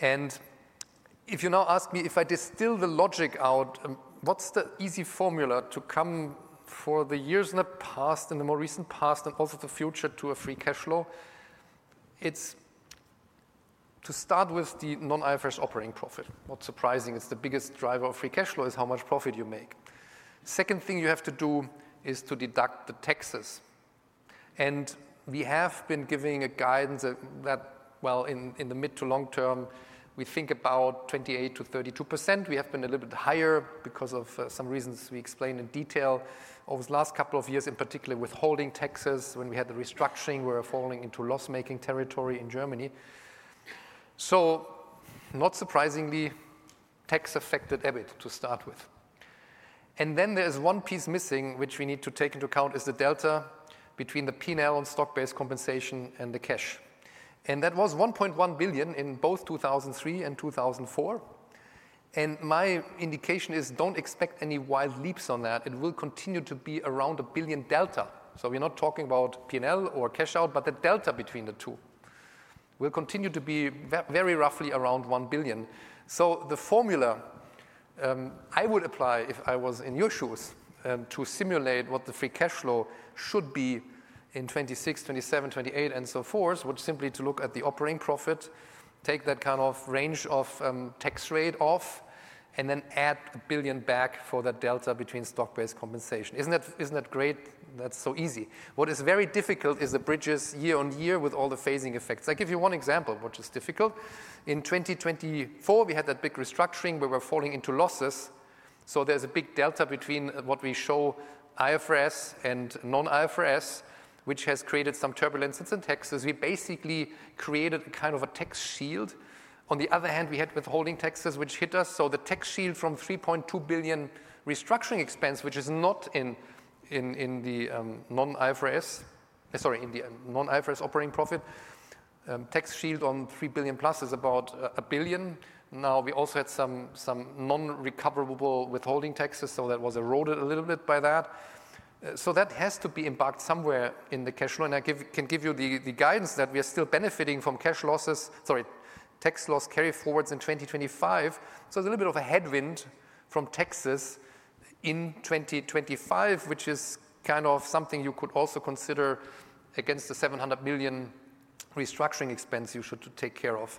If you now ask me if I distill the logic out, what's the easy formula to come for the years in the past and the more recent past and also the future to a free cash flow? It's to start with the non-IFRS operating profit. Not surprising, it's the biggest driver of free cash flow is how much profit you make. Second thing you have to do is to deduct the taxes. We have been giving a guidance that, in the mid to long term, we think about 28%-32%. We have been a little bit higher because of some reasons we explained in detail over the last couple of years, in particular withholding taxes when we had the restructuring, we were falling into loss-making territory in Germany. Not surprisingly, tax affected EBIT to start with. There is one piece missing which we need to take into account, which is the delta between the P&L on stock-based compensation and the cash. That was 1.1 billion in both 2003 and 2004. My indication is do not expect any wild leaps on that. It will continue to be around a 1 billion delta. We are not talking about P&L or cash out, but the delta between the two will continue to be very roughly around 1 billion. The formula I would apply if I was in your shoes to simulate what the free cash flow should be in 2026, 2027, 2028, and so forth, would simply be to look at the operating profit, take that kind of range of tax rate off, and then add 1 billion back for that delta between stock-based compensation. Isn't that great? That's so easy. What is very difficult is the bridges year on year with all the phasing effects. I'll give you one example of what is difficult. In 2024, we had that big restructuring where we're falling into losses. There is a big delta between what we show IFRS and non-IFRS, which has created some turbulence in taxes. We basically created a kind of a tax shield. On the other hand, we had withholding taxes which hit us. The tax shield from 3.2 billion restructuring expense, which is not in the non-IFRS, sorry, in the non-IFRS operating profit, tax shield on 3 billion plus is about 1 billion. We also had some non-recoverable withholding taxes, so that was eroded a little bit by that. That has to be embarked somewhere in the cash flow. I can give you the guidance that we are still benefiting from tax loss carry forwards in 2025. It is a little bit of a headwind from taxes in 2025, which is kind of something you could also consider against the 700 million restructuring expense you should take care of.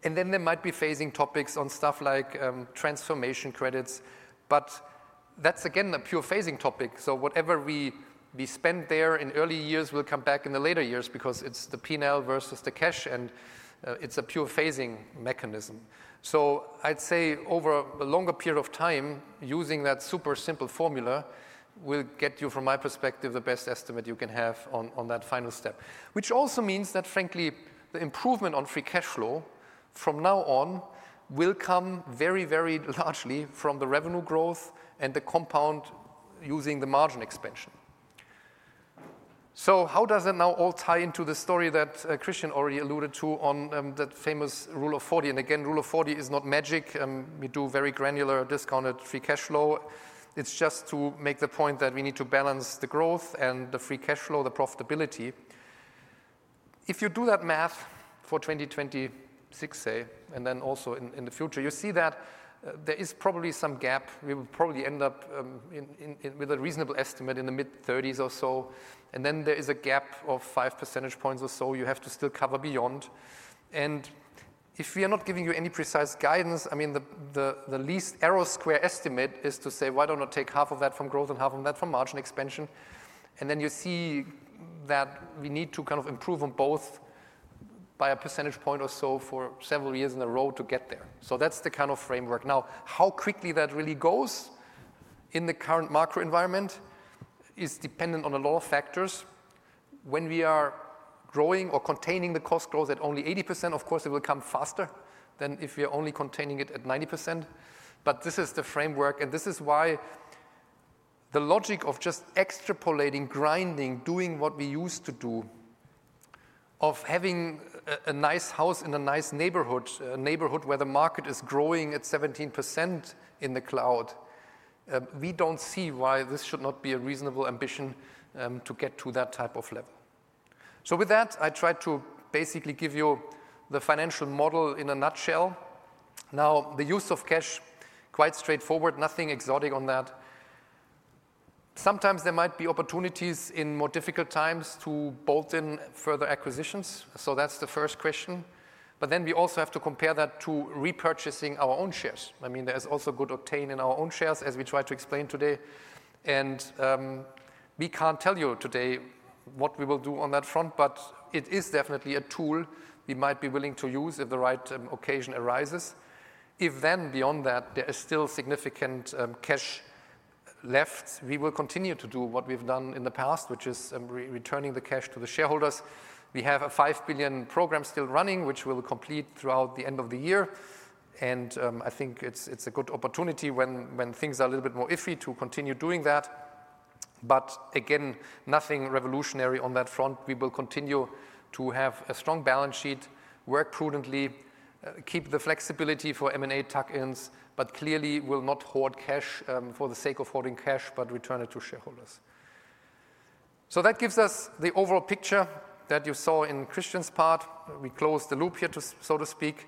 There might be phasing topics on stuff like transformation credits, but that is again a pure phasing topic. Whatever we spend there in early years will come back in the later years because it's the P&L versus the cash, and it's a pure phasing mechanism. I'd say over a longer period of time, using that super simple formula will get you, from my perspective, the best estimate you can have on that final step, which also means that, frankly, the improvement on free cash flow from now on will come very, very largely from the revenue growth and the compound using the margin expansion. How does it now all tie into the story that Christian already alluded to on that famous rule of 40? Again, rule of 40 is not magic. We do very granular discounted free cash flow. It's just to make the point that we need to balance the growth and the free cash flow, the profitability. If you do that math for 2026, say, and then also in the future, you see that there is probably some gap. We will probably end up with a reasonable estimate in the mid-30s or so. There is a gap of five percentage points or so you have to still cover beyond. If we are not giving you any precise guidance, I mean, the least arrow square estimate is to say, why don't I take half of that from growth and half of that from margin expansion? You see that we need to kind of improve on both by a percentage point or so for several years in a row to get there. That is the kind of framework. Now, how quickly that really goes in the current macro environment is dependent on a lot of factors. When we are growing or containing the cost growth at only 80%, of course, it will come faster than if we are only containing it at 90%. This is the framework, and this is why the logic of just extrapolating, grinding, doing what we used to do, of having a nice house in a nice neighborhood, a neighborhood where the market is growing at 17% in the cloud, we do not see why this should not be a reasonable ambition to get to that type of level. With that, I tried to basically give you the financial model in a nutshell. Now, the use of cash, quite straightforward, nothing exotic on that. Sometimes there might be opportunities in more difficult times to bolt in further acquisitions. That is the first question. We also have to compare that to repurchasing our own shares. I mean, there is also good obtain in our own shares, as we tried to explain today. We can't tell you today what we will do on that front, but it is definitely a tool we might be willing to use if the right occasion arises. If then beyond that, there is still significant cash left, we will continue to do what we've done in the past, which is returning the cash to the shareholders. We have a 5 billion program still running, which we will complete throughout the end of the year. I think it's a good opportunity when things are a little bit more iffy to continue doing that. Again, nothing revolutionary on that front. We will continue to have a strong balance sheet, work prudently, keep the flexibility for M&A tuck-ins, but clearly will not hoard cash for the sake of hoarding cash, but return it to shareholders. That gives us the overall picture that you saw in Christian's part. We closed the loop here, so to speak.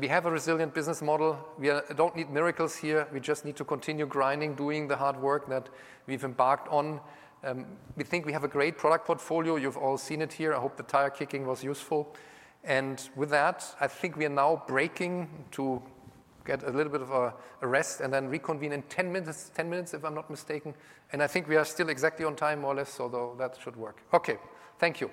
We have a resilient business model. We do not need miracles here. We just need to continue grinding, doing the hard work that we have embarked on. We think we have a great product portfolio. You have all seen it here. I hope the tire kicking was useful. With that, I think we are now breaking to get a little bit of a rest and then reconvene in 10 minutes, if I am not mistaken. I think we are still exactly on time, more or less, although that should work. Okay. Thank you.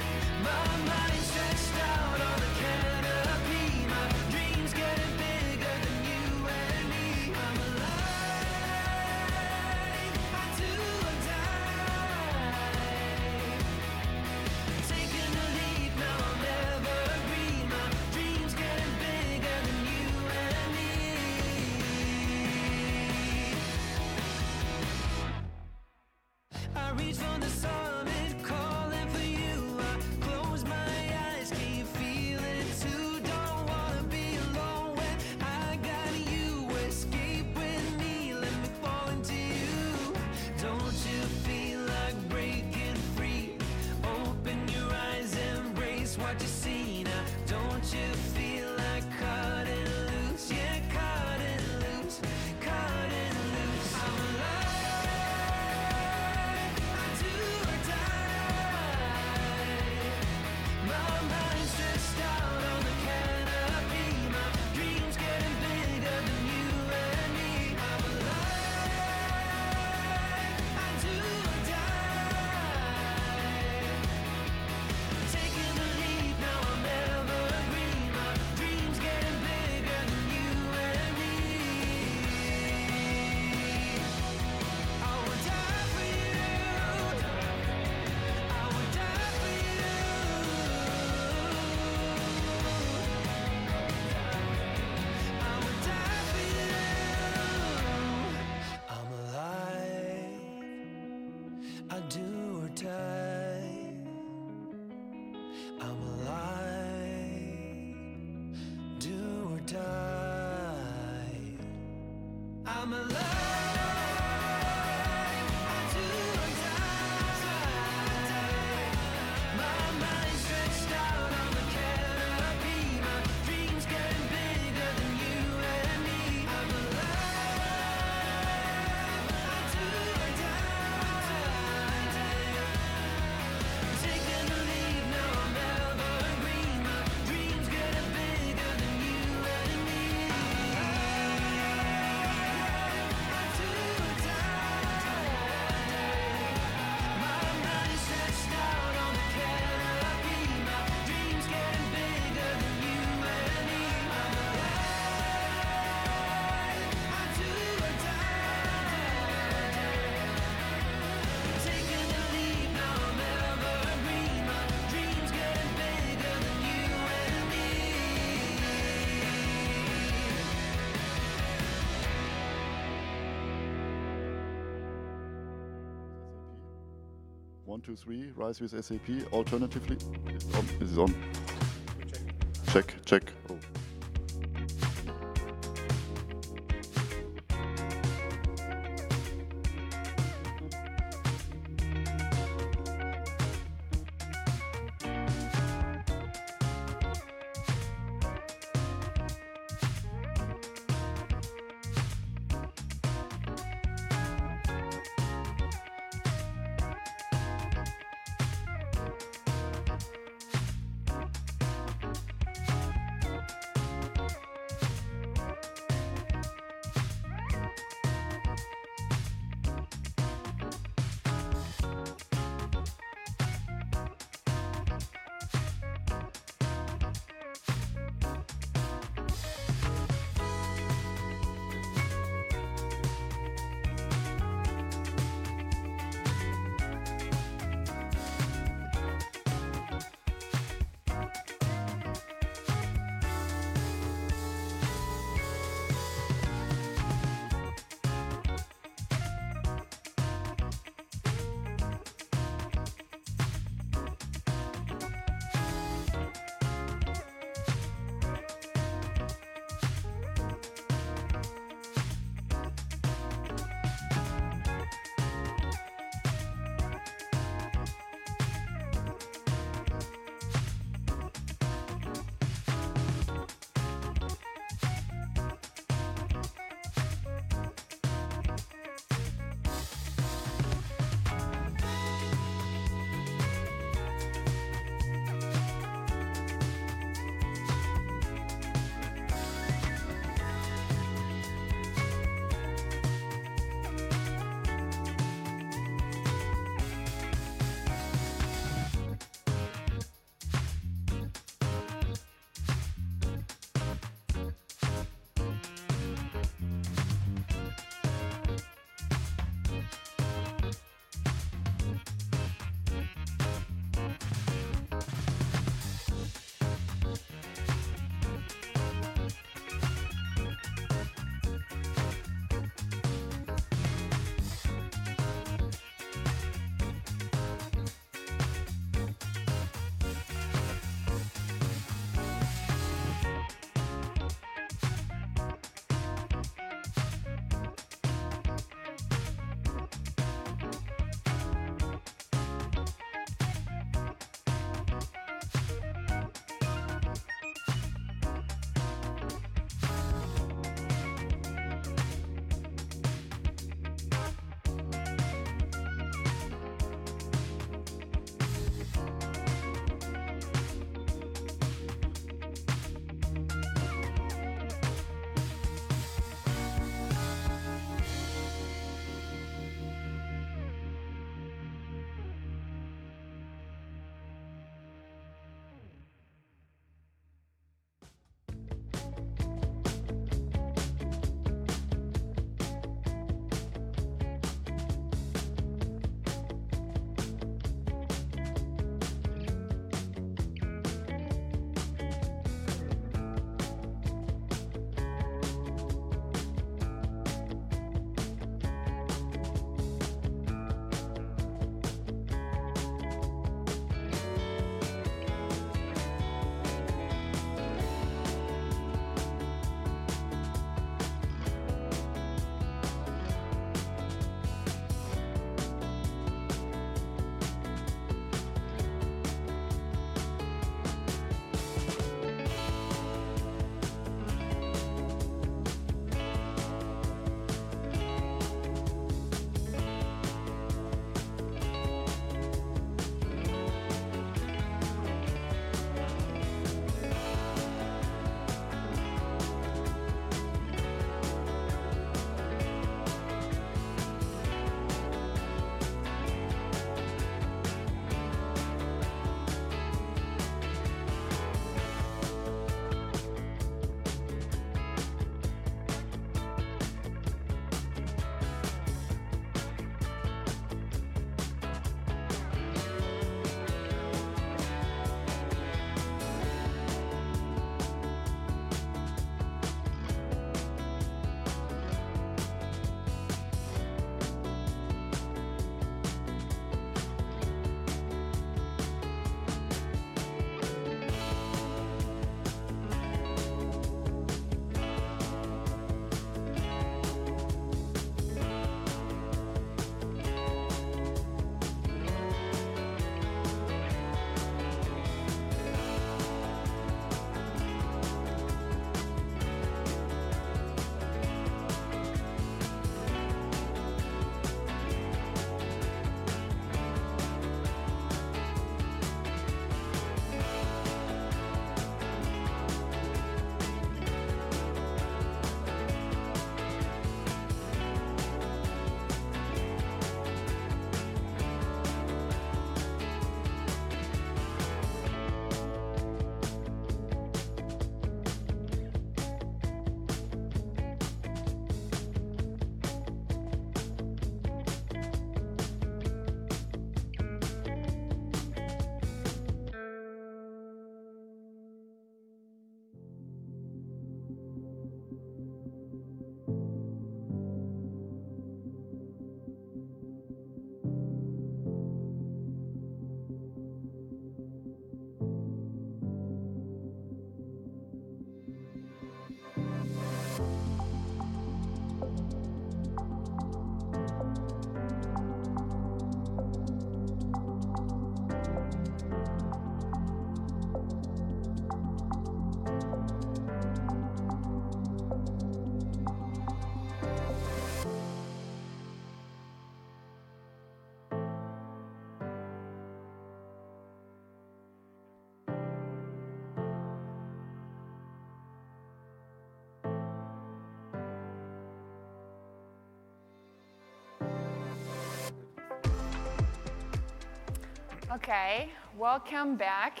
Okay, welcome back.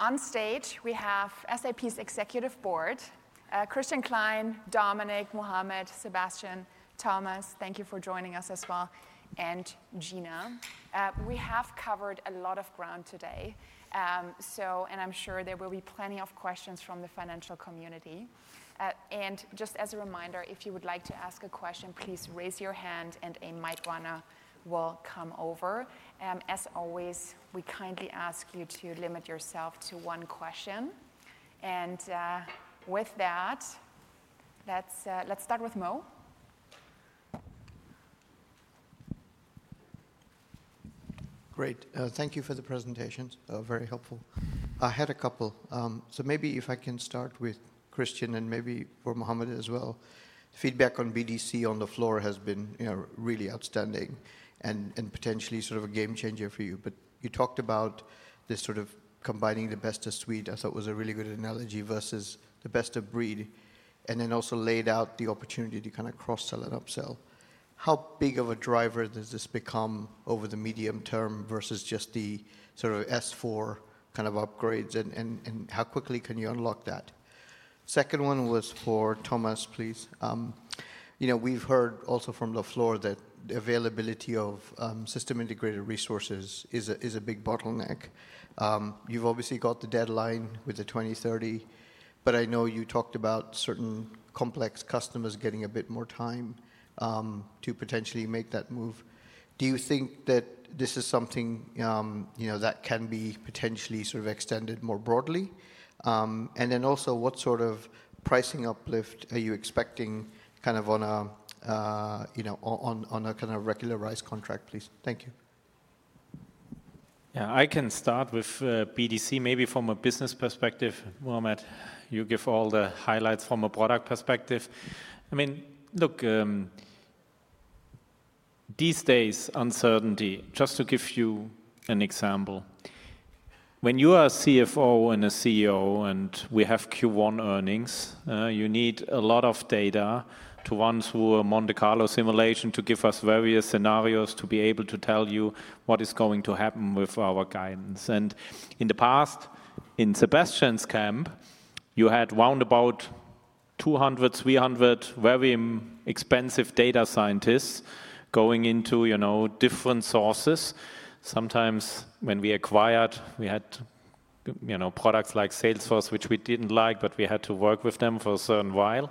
On stage, we have SAP's Executive Board: Christian Klein, Dominik, Muhammad, Sebastian, Thomas. Thank you for joining us as well. And Gina. We have covered a lot of ground today. I am sure there will be plenty of questions from the financial community. Just as a reminder, if you would like to ask a question, please raise your hand and a mic runner will come over. As always, we kindly ask you to limit yourself to one question. With that, let's start with Mo. Great. Thank you for the presentations. Very helpful. I had a couple. Maybe if I can start with Christian and maybe for Muhammad as well. Feedback on BDC on the floor has been, you know, really outstanding and potentially sort of a game changer for you. You talked about this sort of combining the best of suite. I thought it was a really good analogy versus the best of breed. You also laid out the opportunity to kind of cross-sell and upsell. How big of a driver does this become over the medium term versus just the sort of S/4 kind of upgrades? How quickly can you unlock that? Second one was for Thomas, please. You know, we've heard also from the floor that the availability of system integrated resources is a big bottleneck. You've obviously got the deadline with the 2030, but I know you talked about certain complex customers getting a bit more time to potentially make that move. Do you think that this is something, you know, that can be potentially sort of extended more broadly? Also, what sort of pricing uplift are you expecting kind of on a, you know, on a kind of regularized contract, please? Thank you. Yeah, I can start with BDC maybe from a business perspective. Muhammad, you give all the highlights from a product perspective. I mean, look, these days uncertainty, just to give you an example, when you are a CFO and a CEO and we have Q1 earnings, you need a lot of data to run through a Monte Carlo simulation to give us various scenarios to be able to tell you what is going to happen with our guidance. In the past, in Sebastian's camp, you had round about 200-300 very expensive data scientists going into, you know, different sources. Sometimes when we acquired, we had, you know, products like Salesforce, which we did not like, but we had to work with them for a certain while.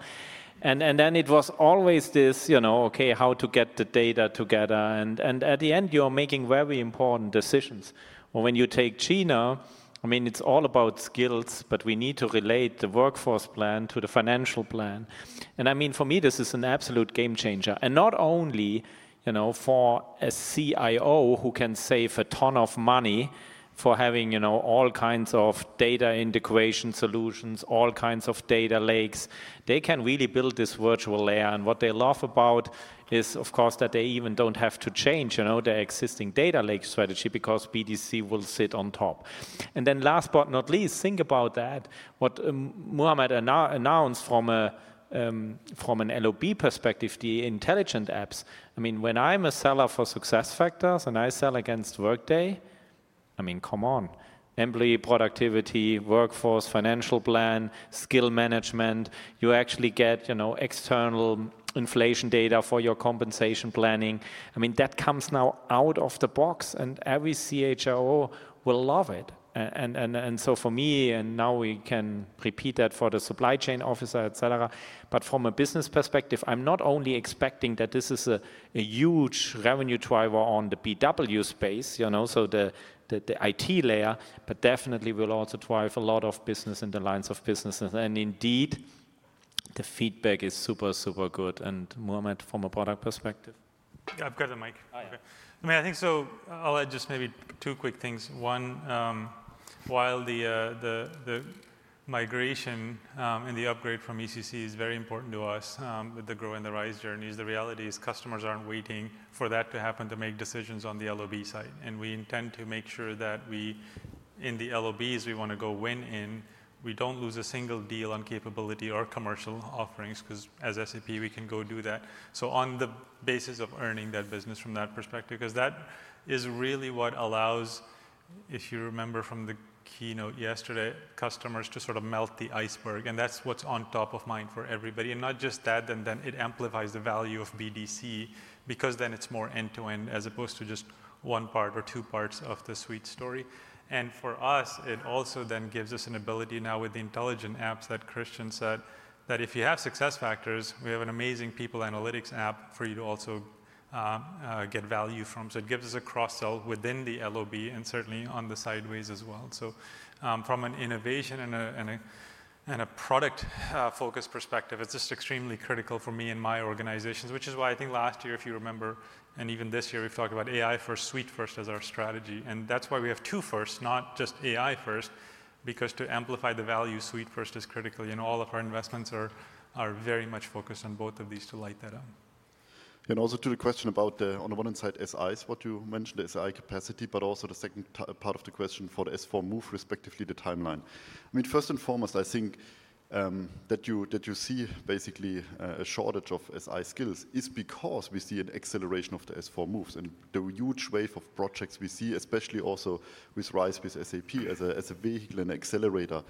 It was always this, you know, okay, how to get the data together. At the end, you are making very important decisions. Or when you take Gina, I mean, it is all about skills, but we need to relate the workforce plan to the financial plan. I mean, for me, this is an absolute game changer. Not only, you know, for a CIO who can save a ton of money for having, you know, all kinds of data integration solutions, all kinds of data lakes, they can really build this virtual layer. What they love about it is, of course, that they even do not have to change, you know, their existing data lake strategy because BDC will sit on top. Last but not least, think about that. What Muhammad announced from an LOB perspective, the intelligent apps. I mean, when I am a seller for SuccessFactors and I sell against Workday, I mean, come on, employee productivity, workforce, financial plan, skill management, you actually get, you know, external inflation data for your compensation planning. I mean, that comes now out of the box and every CHRO will love it. For me, now we can repeat that for the supply chain officer, et cetera. From a business perspective, I'm not only expecting that this is a huge revenue driver on the BW space, you know, so the IT layer, but definitely will also drive a lot of business in the lines of businesses. Indeed, the feedback is super, super good. Mohammed, from a product perspective. I've got a mic. I mean, I think so. I'll add just maybe two quick things. One, while the migration and the upgrade from ECC is very important to us, with the GROW and the RISE journeys, the reality is customers aren't waiting for that to happen to make decisions on the LOB side. We intend to make sure that we in the LOBs, we want to go win in, we don't lose a single deal on capability or commercial offerings because as SAP, we can go do that. On the basis of earning that business from that perspective, because that is really what allows, if you remember from the keynote yesterday, customers to sort of melt the iceberg. That is what is on top of mind for everybody. Not just that, it amplifies the value of BDC because then it is more end to end as opposed to just one part or two parts of the suite story. For us, it also then gives us an ability now with the intelligent apps that Christian said that if you have SuccessFactors, we have an amazing people analytics app for you to also get value from. It gives us a cross-sell within the LOB and certainly on the sideways as well. From an innovation and a product focus perspective, it's just extremely critical for me and my organizations, which is why I think last year, if you remember, and even this year, we've talked about AI first, suite first as our strategy. That's why we have two firsts, not just AI first, because to amplify the value, suite first is critical. All of our investments are very much focused on both of these to light that up. Also to the question about the, on the one hand side, SIs, what you mentioned, the SI capacity, but also the second part of the question for the S4 move, respectively, the timeline. I mean, first and foremost, I think that you see basically a shortage of SI skills is because we see an acceleration of the S4 moves and the huge wave of projects we see, especially also with RISE with SAP as a vehicle and accelerator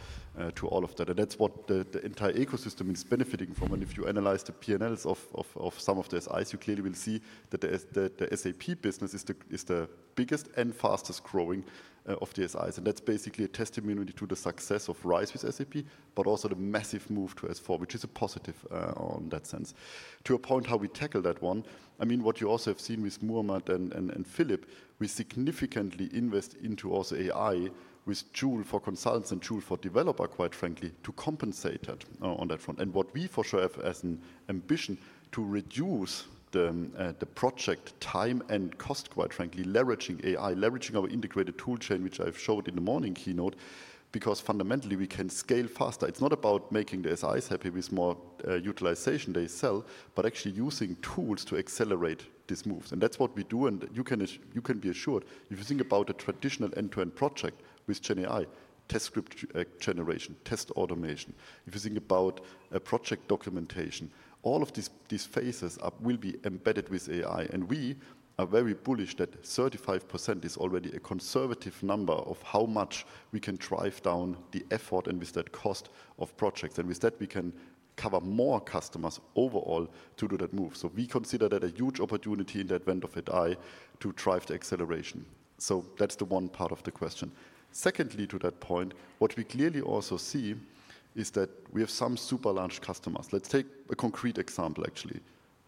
to all of that. That's what the entire ecosystem is benefiting from. If you analyze the P&Ls of some of the SIs, you clearly will see that the SAP business is the biggest and fastest growing of the SIs. That's basically a testimony to the success of RISE with SAP, but also the massive move to S4, which is a positive in that sense. To a point, how we tackle that one, I mean, what you also have seen with Muhammad and Philip, we significantly invest into also AI with Joule for consultants and Joule for developer, quite frankly, to compensate that on that front. What we for sure have as an ambition is to reduce the project time and cost, quite frankly, leveraging AI, leveraging our integrated toolchain, which I have showed in the morning keynote, because fundamentally we can scale faster. It is not about making the SIs happy with more utilization they sell, but actually using tools to accelerate these moves. That is what we do. You can be assured if you think about a traditional end-to-end project with GenAI, test script generation, test automation. If you think about a project documentation, all of these phases will be embedded with AI. We are very bullish that 35% is already a conservative number of how much we can drive down the effort and with that cost of projects. With that, we can cover more customers overall to do that move. We consider that a huge opportunity in that vent of AI to drive the acceleration. That is the one part of the question. Secondly, to that point, what we clearly also see is that we have some super large customers. Let's take a concrete example, actually.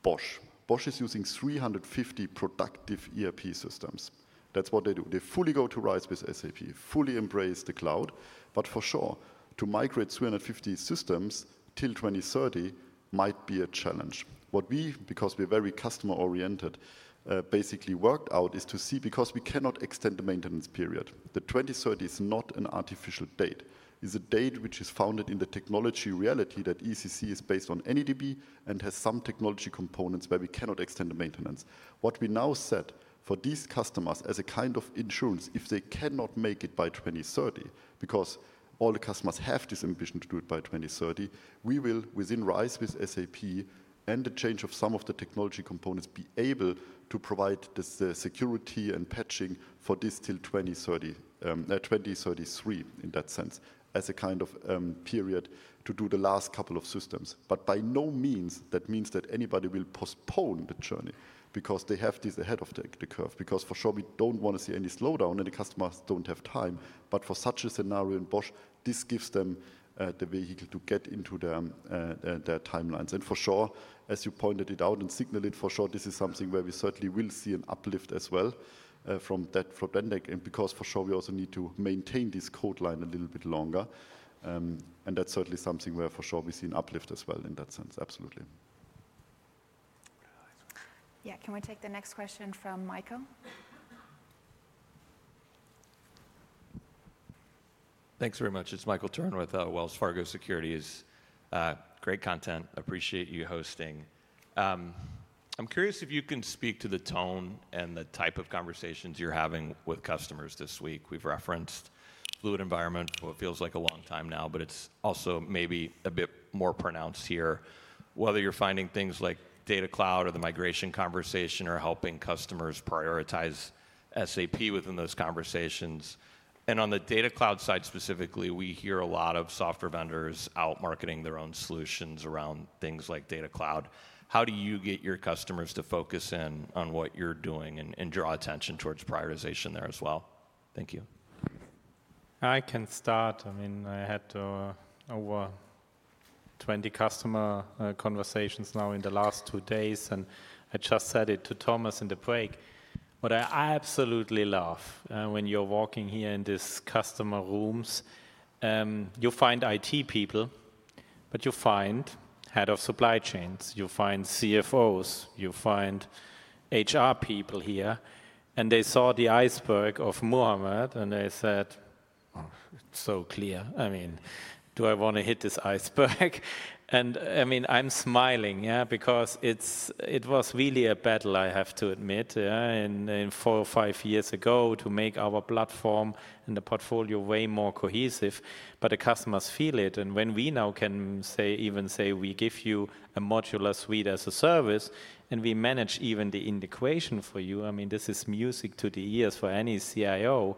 Bosch. Bosch is using 350 productive ERP systems. That is what they do. They fully go to RISE with SAP, fully embrace the cloud, but for sure, to migrate 350 systems till 2030 might be a challenge. What we, because we are very customer oriented, basically worked out is to see, because we cannot extend the maintenance period. The 2030 is not an artificial date. It's a date which is founded in the technology reality that ECC is based on NADB and has some technology components where we cannot extend the maintenance. What we now set for these customers as a kind of insurance, if they cannot make it by 2030, because all the customers have this ambition to do it by 2030, we will, within RISE with SAP and the change of some of the technology components, be able to provide the security and patching for this till 2030, 2033 in that sense, as a kind of period to do the last couple of systems. By no means that means that anybody will postpone the journey because they have this ahead of the curve, because for sure we don't want to see any slowdown and the customers don't have time. For such a scenario in Bosch, this gives them the vehicle to get into their timelines. As you pointed it out and signaled it, for sure, this is something where we certainly will see an uplift as well from that. Because for sure we also need to maintain this cold line a little bit longer. That is certainly something where for sure we see an uplift as well in that sense. Absolutely. Yeah. Can we take the next question from Michael? Thanks very much. It's Michael Turner with Wells Fargo Securities. Great content. Appreciate you hosting. I'm curious if you can speak to the tone and the type of conversations you're having with customers this week. We've referenced fluid environment, what feels like a long time now, but it's also maybe a bit more pronounced here, whether you're finding things like data cloud or the migration conversation or helping customers prioritize SAP within those conversations. On the data cloud side specifically, we hear a lot of software vendors out marketing their own solutions around things like data cloud. How do you get your customers to focus in on what you're doing and draw attention towards prioritization there as well? Thank you. I can start. I mean, I had over 20 customer conversations now in the last two days, and I just said it to Thomas in the break. What I absolutely love when you're walking here in these customer rooms, you find IT people, but you find head of supply chains, you find CFOs, you find HR people here, and they saw the iceberg of Muhammad and they said, "Oh, it's so clear. I mean, do I want to hit this iceberg?" I mean, I'm smiling, yeah, because it was really a battle, I have to admit, yeah, and four or five years ago to make our platform and the portfolio way more cohesive. The customers feel it. When we now can say, even say, "We give you a modular suite as a service and we manage even the integration for you," I mean, this is music to the ears for any CIO.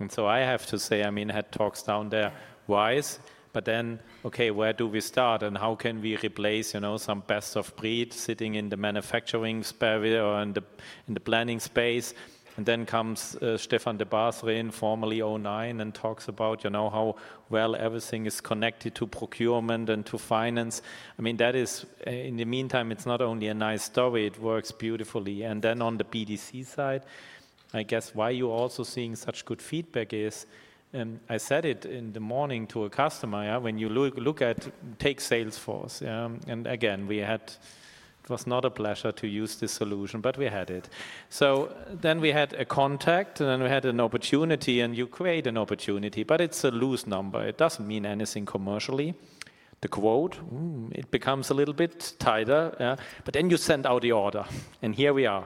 I have to say, I mean, I had talks down there, Wise, but then, okay, where do we start and how can we replace, you know, some best of breed sitting in the manufacturing sphere or in the planning space? Then comes Stefan DeBusser, formerly O9, and talks about, you know, how well everything is connected to procurement and to finance. I mean, that is, in the meantime, it's not only a nice story, it works beautifully. On the BDC side, I guess why you're also seeing such good feedback is, and I said it in the morning to a customer, yeah, when you look at, take Salesforce, yeah, and again, we had, it was not a pleasure to use this solution, but we had it. Then we had a contact and then we had an opportunity and you create an opportunity, but it's a loose number. It doesn't mean anything commercially. The quote, it becomes a little bit tighter, yeah, but then you send out the order and here we are.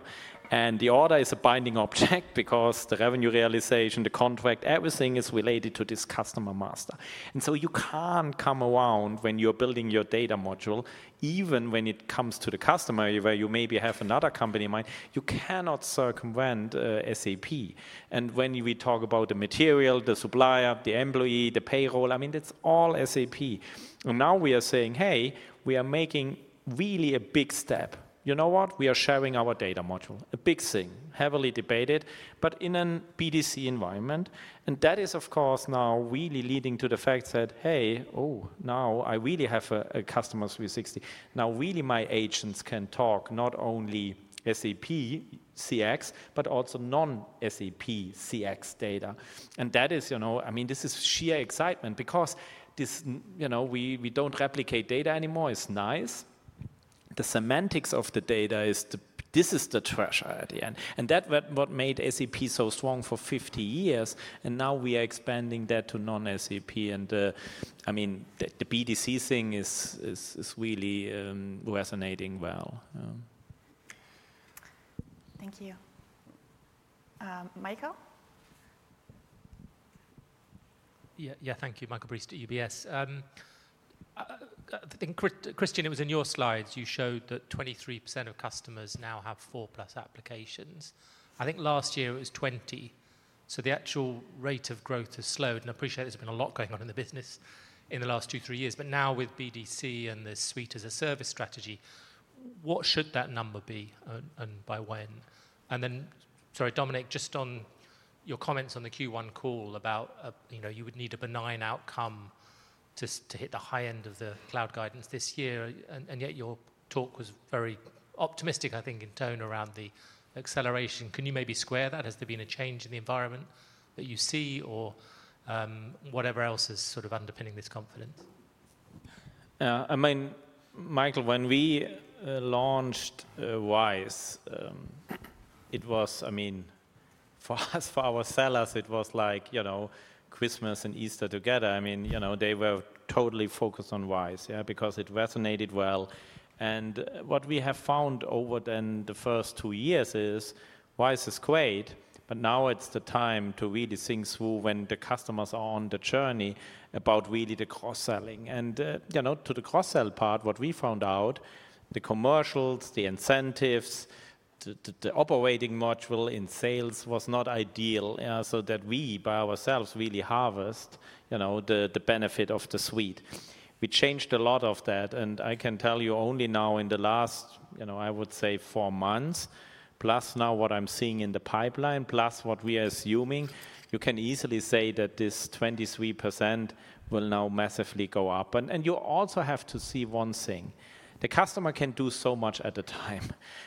The order is a binding object because the revenue realization, the contract, everything is related to this customer master. You can't come around when you're building your data module, even when it comes to the customer where you maybe have another company in mind, you cannot circumvent SAP. When we talk about the material, the supplier, the employee, the payroll, I mean, it's all SAP. Now we are saying, "Hey, we are making really a big step. You know what? We are sharing our data module." A big thing, heavily debated, but in a BDC environment. That is, of course, now really leading to the fact that, "Hey, oh, now I really have a customer 360." Now really my agents can talk not only SAP CX, but also non-SAP CX data. That is, you know, I mean, this is sheer excitement because this, you know, we do not replicate data anymore. It is nice. The semantics of the data is the, this is the treasure at the end. That is what made SAP so strong for 50 years. Now we are expanding that to non-SAP. I mean, the BDC thing is really resonating well. Thank you. Michael? Yeah, thank you. Michael Briest at UBS. I think, Christian, it was in your slides you showed that 23% of customers now have four plus applications. I think last year it was 20%. The actual rate of growth has slowed. I appreciate there's been a lot going on in the business in the last two, three years. Now with BDC and the suite as a service strategy, what should that number be and by when? Sorry, Dominik, just on your comments on the Q1 call about, you know, you would need a benign outcome to hit the high end of the cloud guidance this year. Yet your talk was very optimistic, I think, in tone around the acceleration. Can you maybe square that? Has there been a change in the environment that you see or whatever else is sort of underpinning this confidence? I mean, Michael, when we launched Wise, it was, I mean, for us, for our sellers, it was like, you know, Christmas and Easter together. You know, they were totally focused on Wise, yeah, because it resonated well. What we have found over the first two years is Wise is great, but now it's the time to really think through when the customers are on the journey about really the cross-selling. You know, to the cross-sell part, what we found out, the commercials, the incentives, the operating module in sales was not ideal, yeah, so that we by ourselves really harvest, you know, the benefit of the suite. We changed a lot of that. I can tell you only now in the last, you know, I would say four months, plus now what I'm seeing in the pipeline, plus what we are assuming, you can easily say that this 23% will now massively go up. You also have to see one thing. The customer can do so much at a time.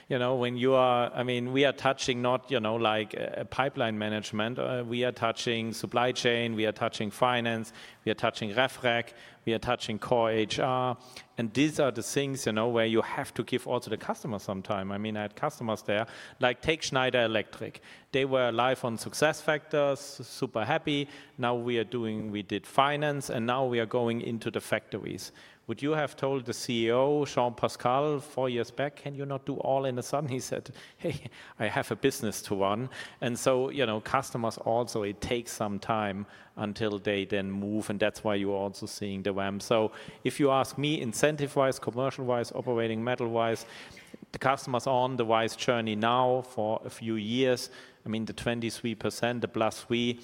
You know, when you are, I mean, we are touching not, you know, like pipeline management, we are touching supply chain, we are touching finance, we are touching RefReg, we are touching core HR. And these are the things, you know, where you have to give also the customer some time. I mean, I had customers there, like take Schneider Electric. They were live on SuccessFactors, super happy. Now we are doing, we did finance and now we are going into the factories. Would you have told the CEO, Jean-Pascal, four years back, "Can you not do all in a sudden?" He said, "Hey, I have a business to run." You know, customers also, it takes some time until they then move. That is why you are also seeing the WAM. If you ask me incentive-Wise, commercial-Wise, operating model-Wise, the customers on the Wise journey now for a few years, I mean, the 23%, the plus we,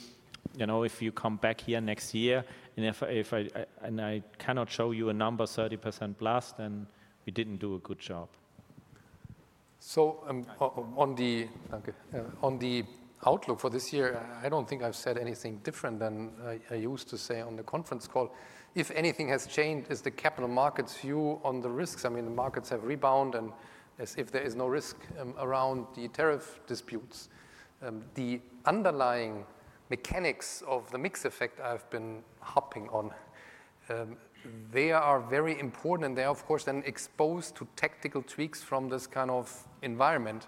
you know, if you come back here next year and if I, and I cannot show you a number 30% plus, then we did not do a good job. On the outlook for this year, I do not think I have said anything different than I used to say on the conference call. If anything has changed, it is the capital markets view on the risks. I mean, the markets have rebounded as if there is no risk around the tariff disputes. The underlying mechanics of the mix effect I have been harping on, they are very important and they are of course then exposed to tactical tweaks from this kind of environment.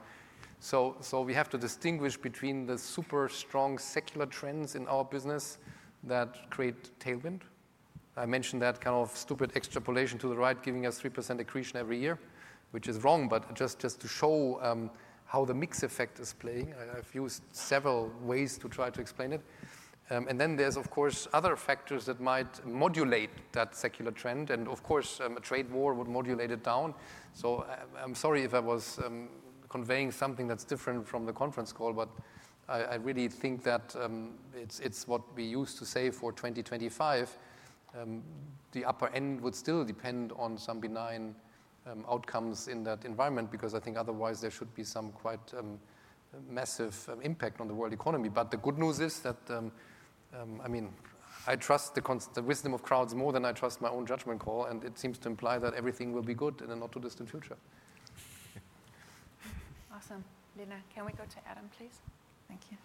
We have to distinguish between the super strong secular trends in our business that create tailwind. I mentioned that kind of stupid extrapolation to the right giving us 3% accretion every year, which is wrong, but just to show how the mix effect is playing, I've used several ways to try to explain it. There are of course other factors that might modulate that secular trend. Of course, a trade war would modulate it down. I'm sorry if I was conveying something that's different from the conference call, but I really think that it's what we used to say for 2025. The upper end would still depend on some benign outcomes in that environment because I think otherWise there should be some quite massive impact on the world economy. The good news is that, I mean, I trust the wisdom of crowds more than I trust my own judgment call. It seems to imply that everything will be good in the not too distant future. Awesome. Lina, can we go to Adam, please? Thank you.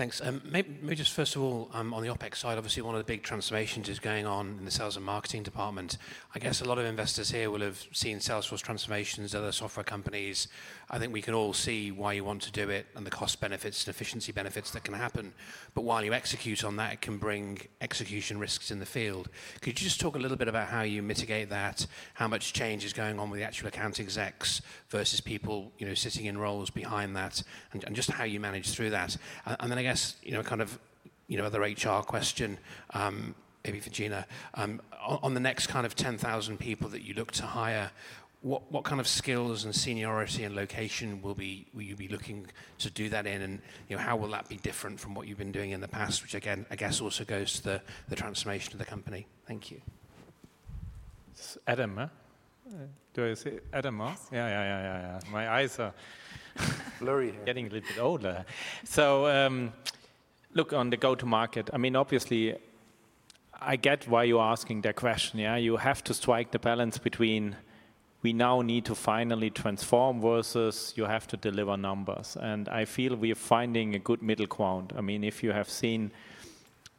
Thanks. Maybe just first of all, on the OpEx side, obviously one of the big transformations is going on in the sales and marketing department. I guess a lot of investors here will have seen Salesforce transformations, other software companies. I think we can all see why you want to do it and the cost benefits and efficiency benefits that can happen. While you execute on that, it can bring execution risks in the field. Could you just talk a little bit about how you mitigate that, how much change is going on with the actual account execs versus people, you know, sitting in roles behind that and just how you manage through that? I guess, you know, kind of, you know, other HR question, maybe for Gina, on the next kind of 10,000 people that you look to hire, what kind of skills and seniority and location will you be looking to do that in? You know, how will that be different from what you've been doing in the past, which again, I guess also goes to the transformation of the company? Thank you. Adam, do I say Adam? Yes. Yeah, yeah, yeah, yeah, yeah. My eyes are blurry here. Getting a little bit older. Look, on the go-to-market. I mean, obviously I get why you're asking that question, yeah? You have to strike the balance between we now need to finally transform versus you have to deliver numbers. I feel we are finding a good middle ground. I mean, if you have seen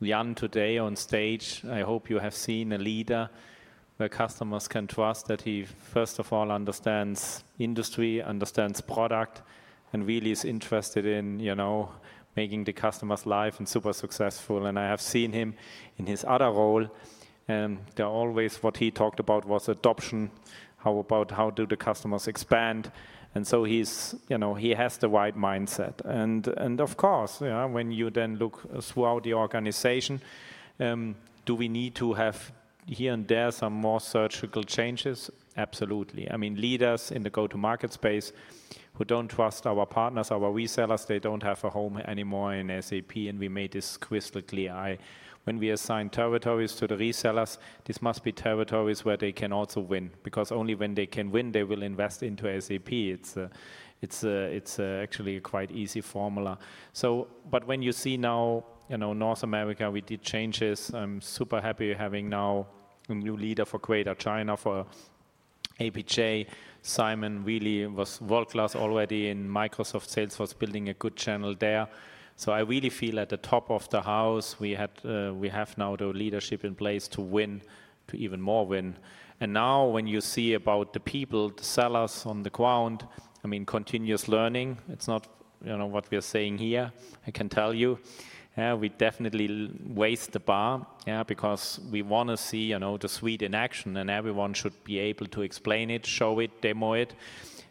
Jan today on stage, I hope you have seen a leader where customers can trust that he first of all understands industry, understands product, and really is interested in, you know, making the customers live and super successful. I have seen him in his other role. There always what he talked about was adoption, how about how do the customers expand? He has the right mindset. Of course, yeah, when you then look throughout the organization, do we need to have here and there some more surgical changes? Absolutely. I mean, leaders in the go-to-market space who don't trust our partners, our resellers, they don't have a home anymore in SAP. We made this crystal clear. When we assign territories to the resellers, this must be territories where they can also win because only when they can win, they will invest into SAP. It's actually a quite easy formula. When you see now, you know, North America, we did changes. I'm super happy having now a new leader for Greater China for APJ. Simon really was world-class already in Microsoft Salesforce building a good channel there. I really feel at the top of the house, we have now the leadership in place to win, to even more win. Now when you see about the people, the sellers on the ground, I mean, continuous learning, it's not, you know, what we're saying here. I can tell you, yeah, we definitely raise the bar, yeah, because we want to see, you know, the suite in action and everyone should be able to explain it, show it, demo it.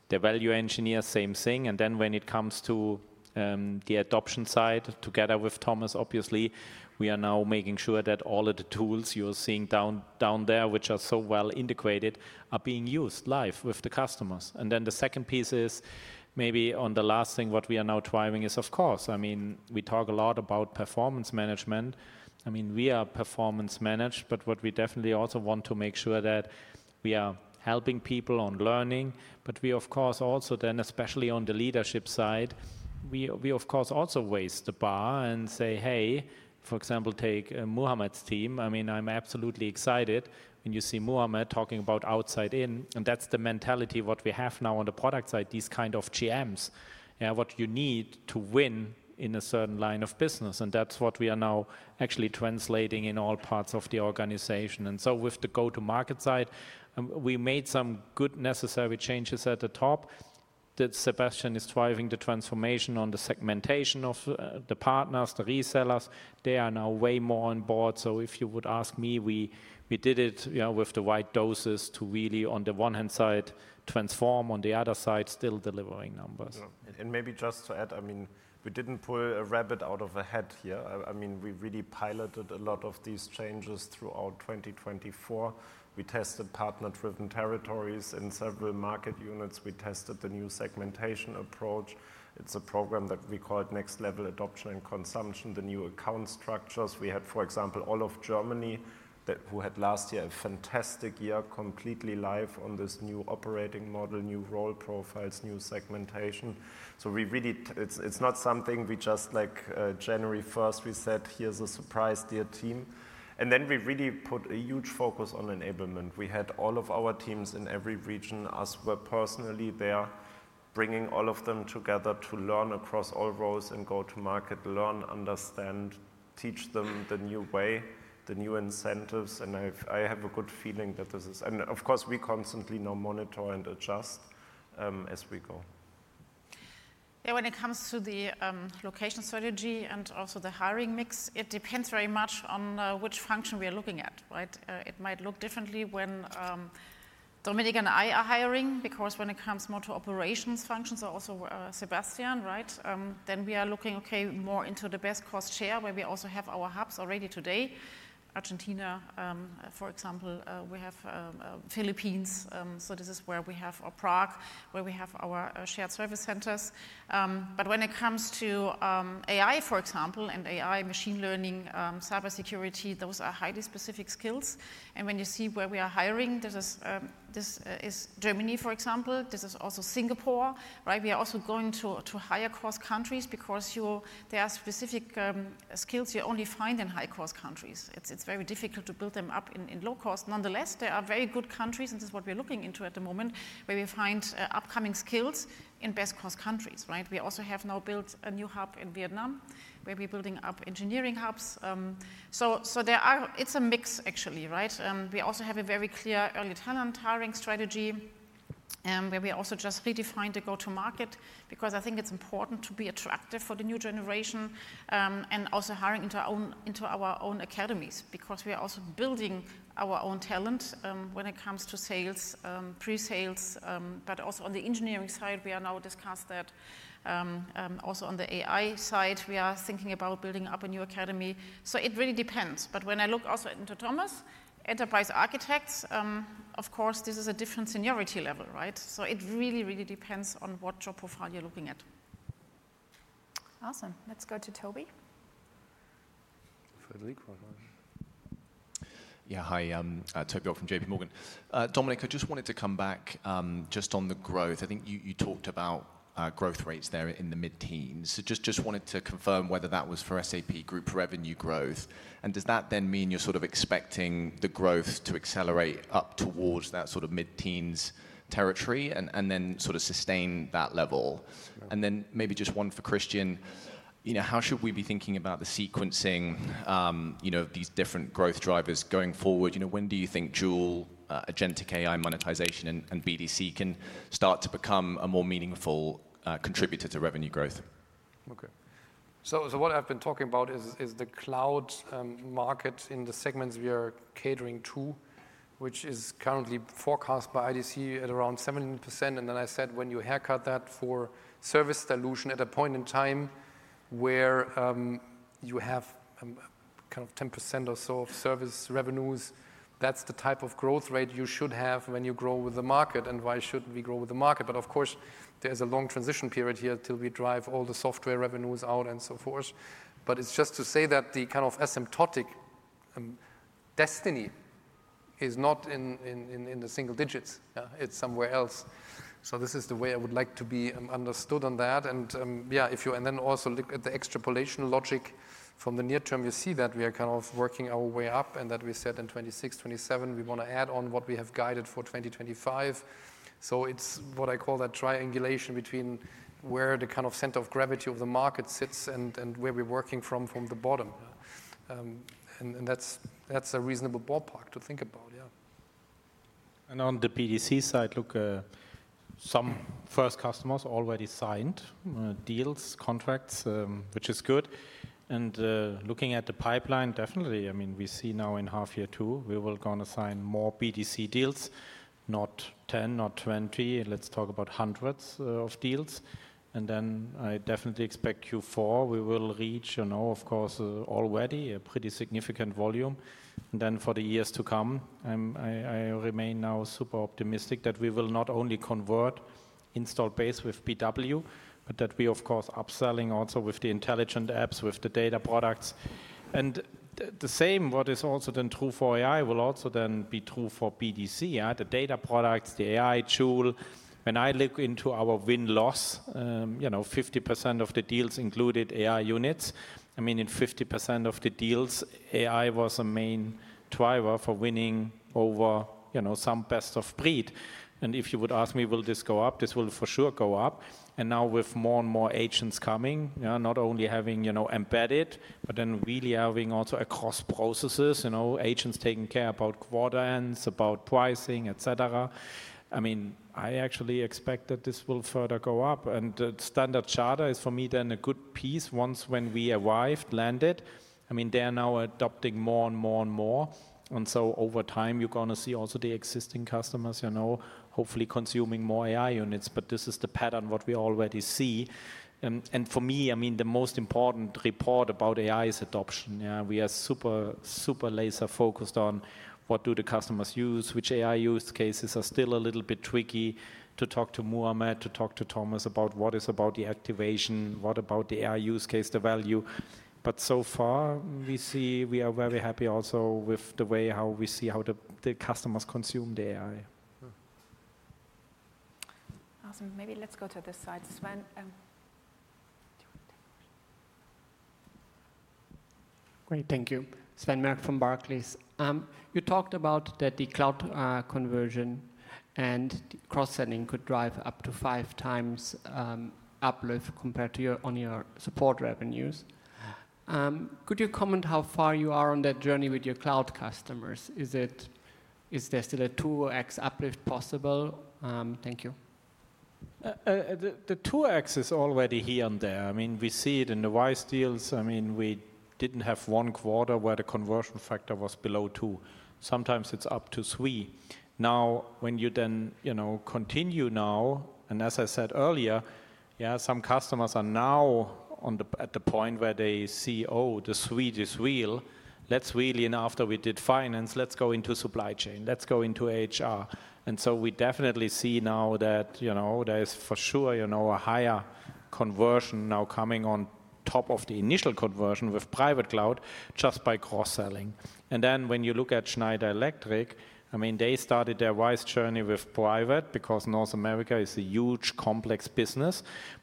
The value engineer, same thing. When it comes to the adoption side, together with Thomas, obviously, we are now making sure that all of the tools you're seeing down there, which are so well integrated, are being used live with the customers. The second piece is maybe on the last thing, what we are now driving is, of course, I mean, we talk a lot about performance management. I mean, we are performance managed, but what we definitely also want to make sure that we are helping people on learning. We, of course, also then, especially on the leadership side, we, of course, also raise the bar and say, "Hey, for example, take Muhammad's team." I mean, I'm absolutely excited when you see Muhammad talking about outside in. That's the mentality of what we have now on the product side, these kind of GMs, yeah, what you need to win in a certain line of business. That's what we are now actually translating in all parts of the organization. With the go-to-market side, we made some good necessary changes at the top. Sebastian is driving the transformation on the segmentation of the partners, the resellers. They are now way more on board. If you would ask me, we did it, yeah, with the right doses to really, on the one hand side, transform, on the other side, still delivering numbers. Maybe just to add, I mean, we did not pull a rabbit out of a hat here. I mean, we really piloted a lot of these changes throughout 2024. We tested partner-driven territories in several market units. We tested the new segmentation approach. It is a program that we call Next Level Adoption and Consumption, the new account structures. We had, for example, all of Germany that had last year a fantastic year, completely live on this new operating model, new role profiles, new segmentation. It is not something we just like January 1, we said, "Here is a surprise, dear team." We really put a huge focus on enablement. We had all of our teams in every region. Us were personally there bringing all of them together to learn across all roles and go-to-market, learn, understand, teach them the new way, the new incentives. I have a good feeling that this is, and of course, we constantly now monitor and adjust as we go. Yeah, when it comes to the location strategy and also the hiring mix, it depends very much on which function we are looking at, right? It might look differently when Dominik and I are hiring because when it comes more to operations functions, also Sebastian, right? We are looking, okay, more into the best cost share where we also have our hubs already today. Argentina, for example, we have Philippines. This is where we have our Prague, where we have our shared service centers. When it comes to AI, for example, and AI, machine learning, cybersecurity, those are highly specific skills. When you see where we are hiring, this is Germany, for example. This is also Singapore, right? We are also going to higher cost countries because there are specific skills you only find in high cost countries. It's very difficult to build them up in low cost. Nonetheless, there are very good countries, and this is what we're looking into at the moment, where we find upcoming skills in best cost countries, right? We also have now built a new hub in Vietnam, where we're building up engineering hubs. It is a mix actually, right? We also have a very clear early talent hiring strategy, where we also just redefined the go-to-market because I think it's important to be attractive for the new generation and also hiring into our own academies because we are also building our own talent when it comes to sales, pre-sales, but also on the engineering side, we are now discussed that also on the AI side, we are thinking about building up a new academy. It really depends. When I look also into Thomas, enterprise architects, of course, this is a different seniority level, right? It really, really depends on what job profile you're looking at. Awesome. Let's go to Toby. Yeah, hi. Toby from JP Morgan. Dominik, I just wanted to come back just on the growth. I think you talked about growth rates there in the mid-teens. Just wanted to confirm whether that was for SAP Group revenue growth. Does that then mean you're sort of expecting the growth to accelerate up towards that sort of mid-teens territory and then sort of sustain that level? Maybe just one for Christian, you know, how should we be thinking about the sequencing, you know, of these different growth drivers going forward? You know, when do you think Joule, Agentic AI monetization, and BDC can start to become a more meaningful contributor to revenue growth? Okay. What I've been talking about is the cloud market in the segments we are catering to, which is currently forecast by IDC at around 70%. I said when you haircut that for service dilution at a point in time where you have kind of 10% or so of service revenues, that's the type of growth rate you should have when you grow with the market. Why shouldn't we grow with the market? Of course, there's a long transition period here until we drive all the software revenues out and so forth. It is just to say that the kind of asymptotic destiny is not in the single digits. It's somewhere else. This is the way I would like to be understood on that. If you then also look at the extrapolation logic from the near term, you see that we are kind of working our way up and that we said in 2026, 2027, we want to add on what we have guided for 2025. It's what I call that triangulation between where the kind of center of gravity of the market sits and where we're working from the bottom. That's a reasonable ballpark to think about, yeah. On the BDC side, look, some first customers already signed deals, contracts, which is good. Looking at the pipeline, definitely, I mean, we see now in half year two, we will go on to sign more BDC deals, not 10, not 20. Let's talk about hundreds of deals. I definitely expect Q4, we will reach, you know, of course, already a pretty significant volume. For the years to come, I remain now super optimistic that we will not only convert install base with BW, but that we, of course, upselling also with the intelligent apps, with the data products. The same, what is also then true for AI will also then be true for BDC, the data products, the AI tool. When I look into our win loss, you know, 50% of the deals included AI units. I mean, in 50% of the deals, AI was a main driver for winning over, you know, some best of breed. If you would ask me, will this go up? This will for sure go up. Now with more and more agents coming, not only having, you know, embedded, but then really having also across processes, you know, agents taking care about quarter ends, about pricing, et cetera. I mean, I actually expect that this will further go up. The standard charter is for me then a good piece once when we arrived, landed. I mean, they are now adopting more and more and more. Over time, you're going to see also the existing customers, you know, hopefully consuming more AI units. This is the pattern we already see. For me, I mean, the most important report about AI is adoption. Yeah, we are super, super laser focused on what do the customers use, which AI use cases are still a little bit tricky to talk to Muhammad, to talk to Thomas about what is about the activation, what about the AI use case, the value. So far, we see we are very happy also with the way how we see how the customers consume the AI. Awesome. Maybe let's go to this side as well. Great, thank you. Sven Merk from Barclays. You talked about that the cloud conversion and cross-selling could drive up to five times uplift compared to your on your support revenues. Could you comment how far you are on that journey with your cloud customers? Is there still a 2X uplift possible? Thank you. The 2X is already here and there. I mean, we see it in the Wise deals. I mean, we did not have one quarter where the conversion factor was below two. Sometimes it is up to three. Now, when you then, you know, continue now, and as I said earlier, yeah, some customers are now at the point where they see, "Oh, the suite is real. Let's really, and after we did finance, let's go into supply chain. Let's go into HR." You know, we definitely see now that, you know, there is for sure, you know, a higher conversion now coming on top of the initial conversion with private cloud just by cross-selling. When you look at Schneider Electric, I mean, they started their Wise journey with private because North America is a huge complex business.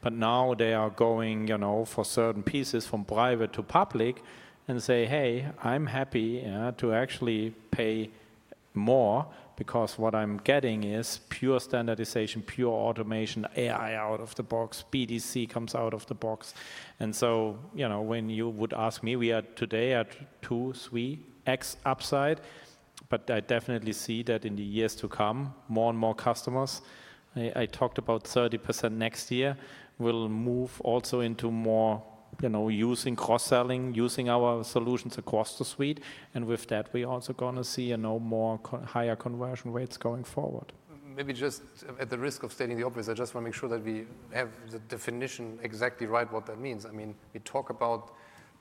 Now they are going, you know, for certain pieces from private to public and say, "Hey, I'm happy to actually pay more because what I'm getting is pure standardization, pure automation, AI out of the box, BDC comes out of the box." You know, when you would ask me, we are today at 2-3X upside. I definitely see that in the years to come, more and more customers. I talked about 30% next year will move also into more, you know, using cross-selling, using our solutions across the suite. With that, we are also going to see more higher conversion rates going forward. Maybe just at the risk of stating the obvious, I just want to make sure that we have the definition exactly right, what that means. I mean, we talk about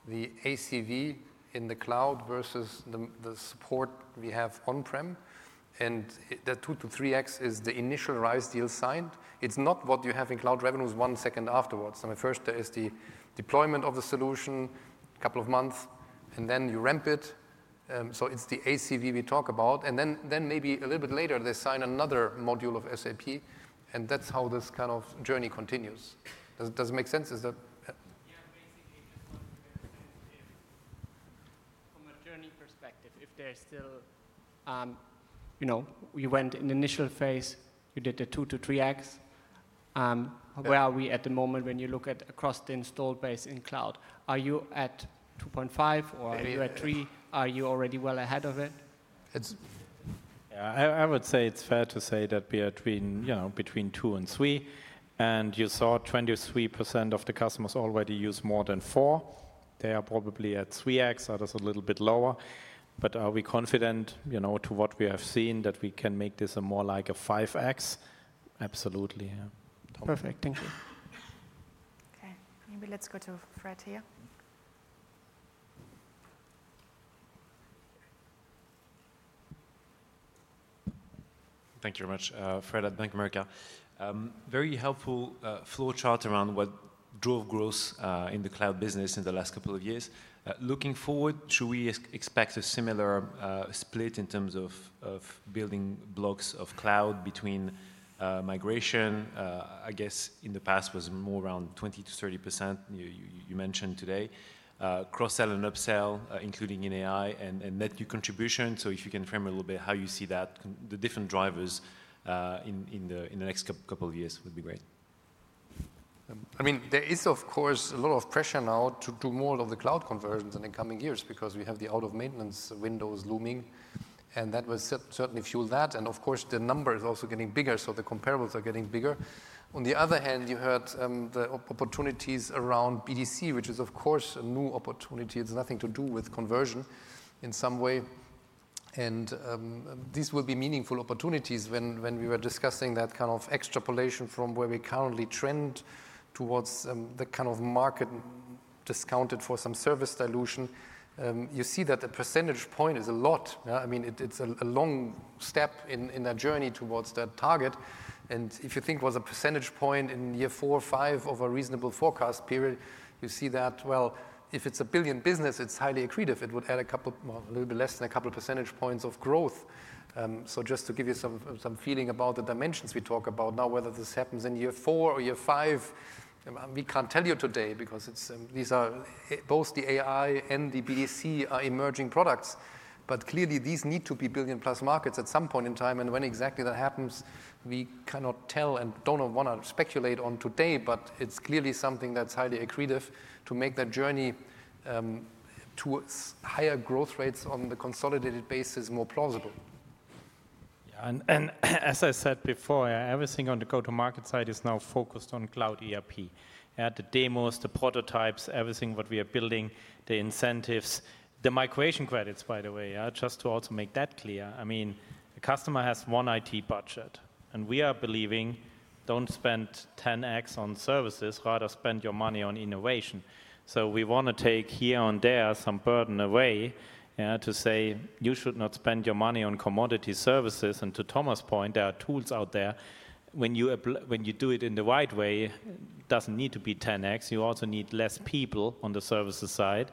the ACV in the cloud versus the support we have on-prem. That 2-3X is the initial RISE deal signed. It's not what you have in cloud revenues one second afterwards. I mean, first there is the deployment of the solution, a couple of months, and then you ramp it. It's the ACV we talk about. Maybe a little bit later, they sign another module of SAP. That's how this kind of journey continues. Does it make sense? Yeah, basically just wanted to get a sense if from a journey perspective, if there's still, you know, we went in the initial phase, you did the 2-3X. Where are we at the moment when you look at across the installed base in cloud? Are you at 2.5 or are you at 3? Are you already well ahead of it? Yeah, I would say it's fair to say that we are between, you know, between two and three. And you saw 23% of the customers already use more than four. They are probably at 3X, others a little bit lower. Are we confident, you know, to what we have seen that we can make this a more like a 5X? Absolutely. Perfect. Thank you. Okay, maybe let's go to Fred here. Thank you very much, Fred. Thank you, Mirka. Very helpful flow chart around what drove growth in the cloud business in the last couple of years. Looking forward, should we expect a similar split in terms of building blocks of cloud between migration? I guess in the past was more around 20-30% you mentioned today. Cross-sell and upsell, including in AI and net new contribution. If you can frame a little bit how you see that, the different drivers in the next couple of years would be great. I mean, there is of course a lot of pressure now to do more of the cloud conversions in the coming years because we have the out-of-maintenance windows looming. That will certainly fuel that. Of course, the number is also getting bigger. The comparables are getting bigger. On the other hand, you heard the opportunities around BDC, which is of course a new opportunity. It's nothing to do with conversion in some way. These will be meaningful opportunities when we were discussing that kind of extrapolation from where we currently trend towards the kind of market discounted for some service dilution. You see that the percentage point is a lot. I mean, it's a long step in that journey towards that target. If you think was a percentage point in year four or five of a reasonable forecast period, you see that, well, if it's a billion business, it's highly accretive. It would add a couple, a little bit less than a couple of percentage points of growth. Just to give you some feeling about the dimensions we talk about now, whether this happens in year four or year five, we can't tell you today because these are both the AI and the BDC are emerging products. Clearly, these need to be billion plus markets at some point in time. When exactly that happens, we cannot tell and do not want to speculate on today, but it is clearly something that is highly accretive to make that journey to higher growth rates on the consolidated basis more plausible. Yeah, as I said before, everything on the go-to-market side is now focused on cloud ERP. The demos, the prototypes, everything we are building, the incentives, the migration credits, by the way, just to also make that clear. I mean, a customer has one IT budget. We are believing do not spend 10X on services, rather spend your money on innovation. We want to take here and there some burden away to say you should not spend your money on commodity services. To Thomas' point, there are tools out there. When you do it in the right way, it doesn't need to be 10X. You also need less people on the services side.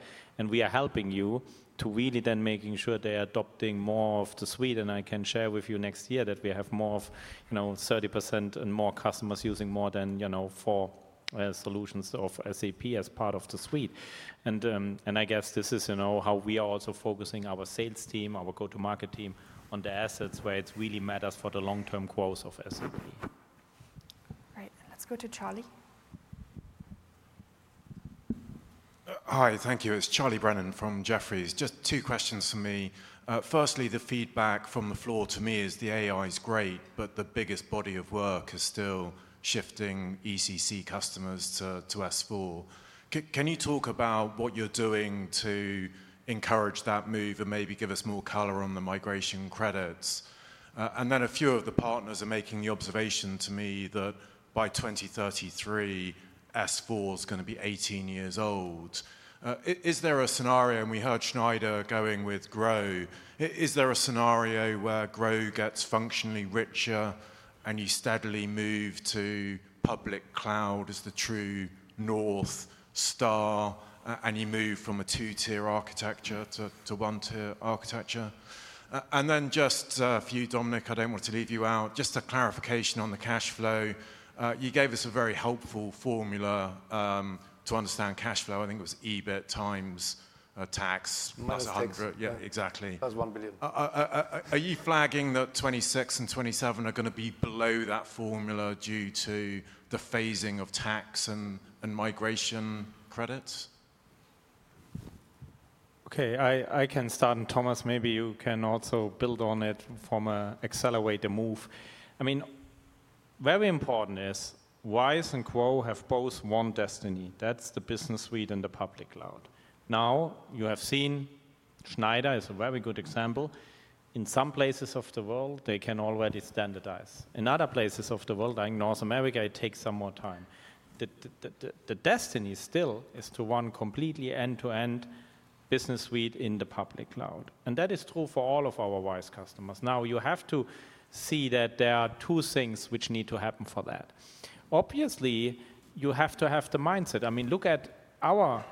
We are helping you to really then making sure they are adopting more of the suite. I can share with you next year that we have more of, you know, 30% and more customers using more than, you know, four solutions of SAP as part of the suite. I guess this is, you know, how we are also focusing our sales team, our go-to-market team on the assets where it really matters for the long-term growth of SAP. Great. Let's go to Charlie. Hi, thank you. It's Charlie Brennan from Jefferies. Just two questions for me. Firstly, the feedback from the floor to me is the AI is great, but the biggest body of work is still shifting ECC customers to S/4. Can you talk about what you're doing to encourage that move and maybe give us more color on the migration credits? A few of the partners are making the observation to me that by 2033, S/4HANA is going to be 18 years old. Is there a scenario, and we heard Schneider Electric going with GROW, is there a scenario where GROW gets functionally richer and you steadily move to public cloud as the true north star and you move from a two-tier architecture to one-tier architecture? Just a few, Dominik, I don't want to leave you out, just a clarification on the cash flow. You gave us a very helpful formula to understand cash flow. I think it was EBIT times tax. That's 100. Yeah, exactly. That's 1 billion. Are you flagging that 2026 and 2027 are going to be below that formula due to the phasing of tax and migration credits? Okay, I can start and Thomas, maybeyou can also build on it from an accelerator move. I mean, very important is Wise and GROW have both one destiny. That's the business suite and the public cloud. Now you have seen Schneider is a very good example. In some places of the world, they can already standardize. In other places of the world, like North America, it takes some more time. The destiny still is to one completely end-to-end business suite in the public cloud. That is true for all of our Wise customers. Now you have to see that there are two things which need to happen for that. Obviously, you have to have the mindset. I mean, look at our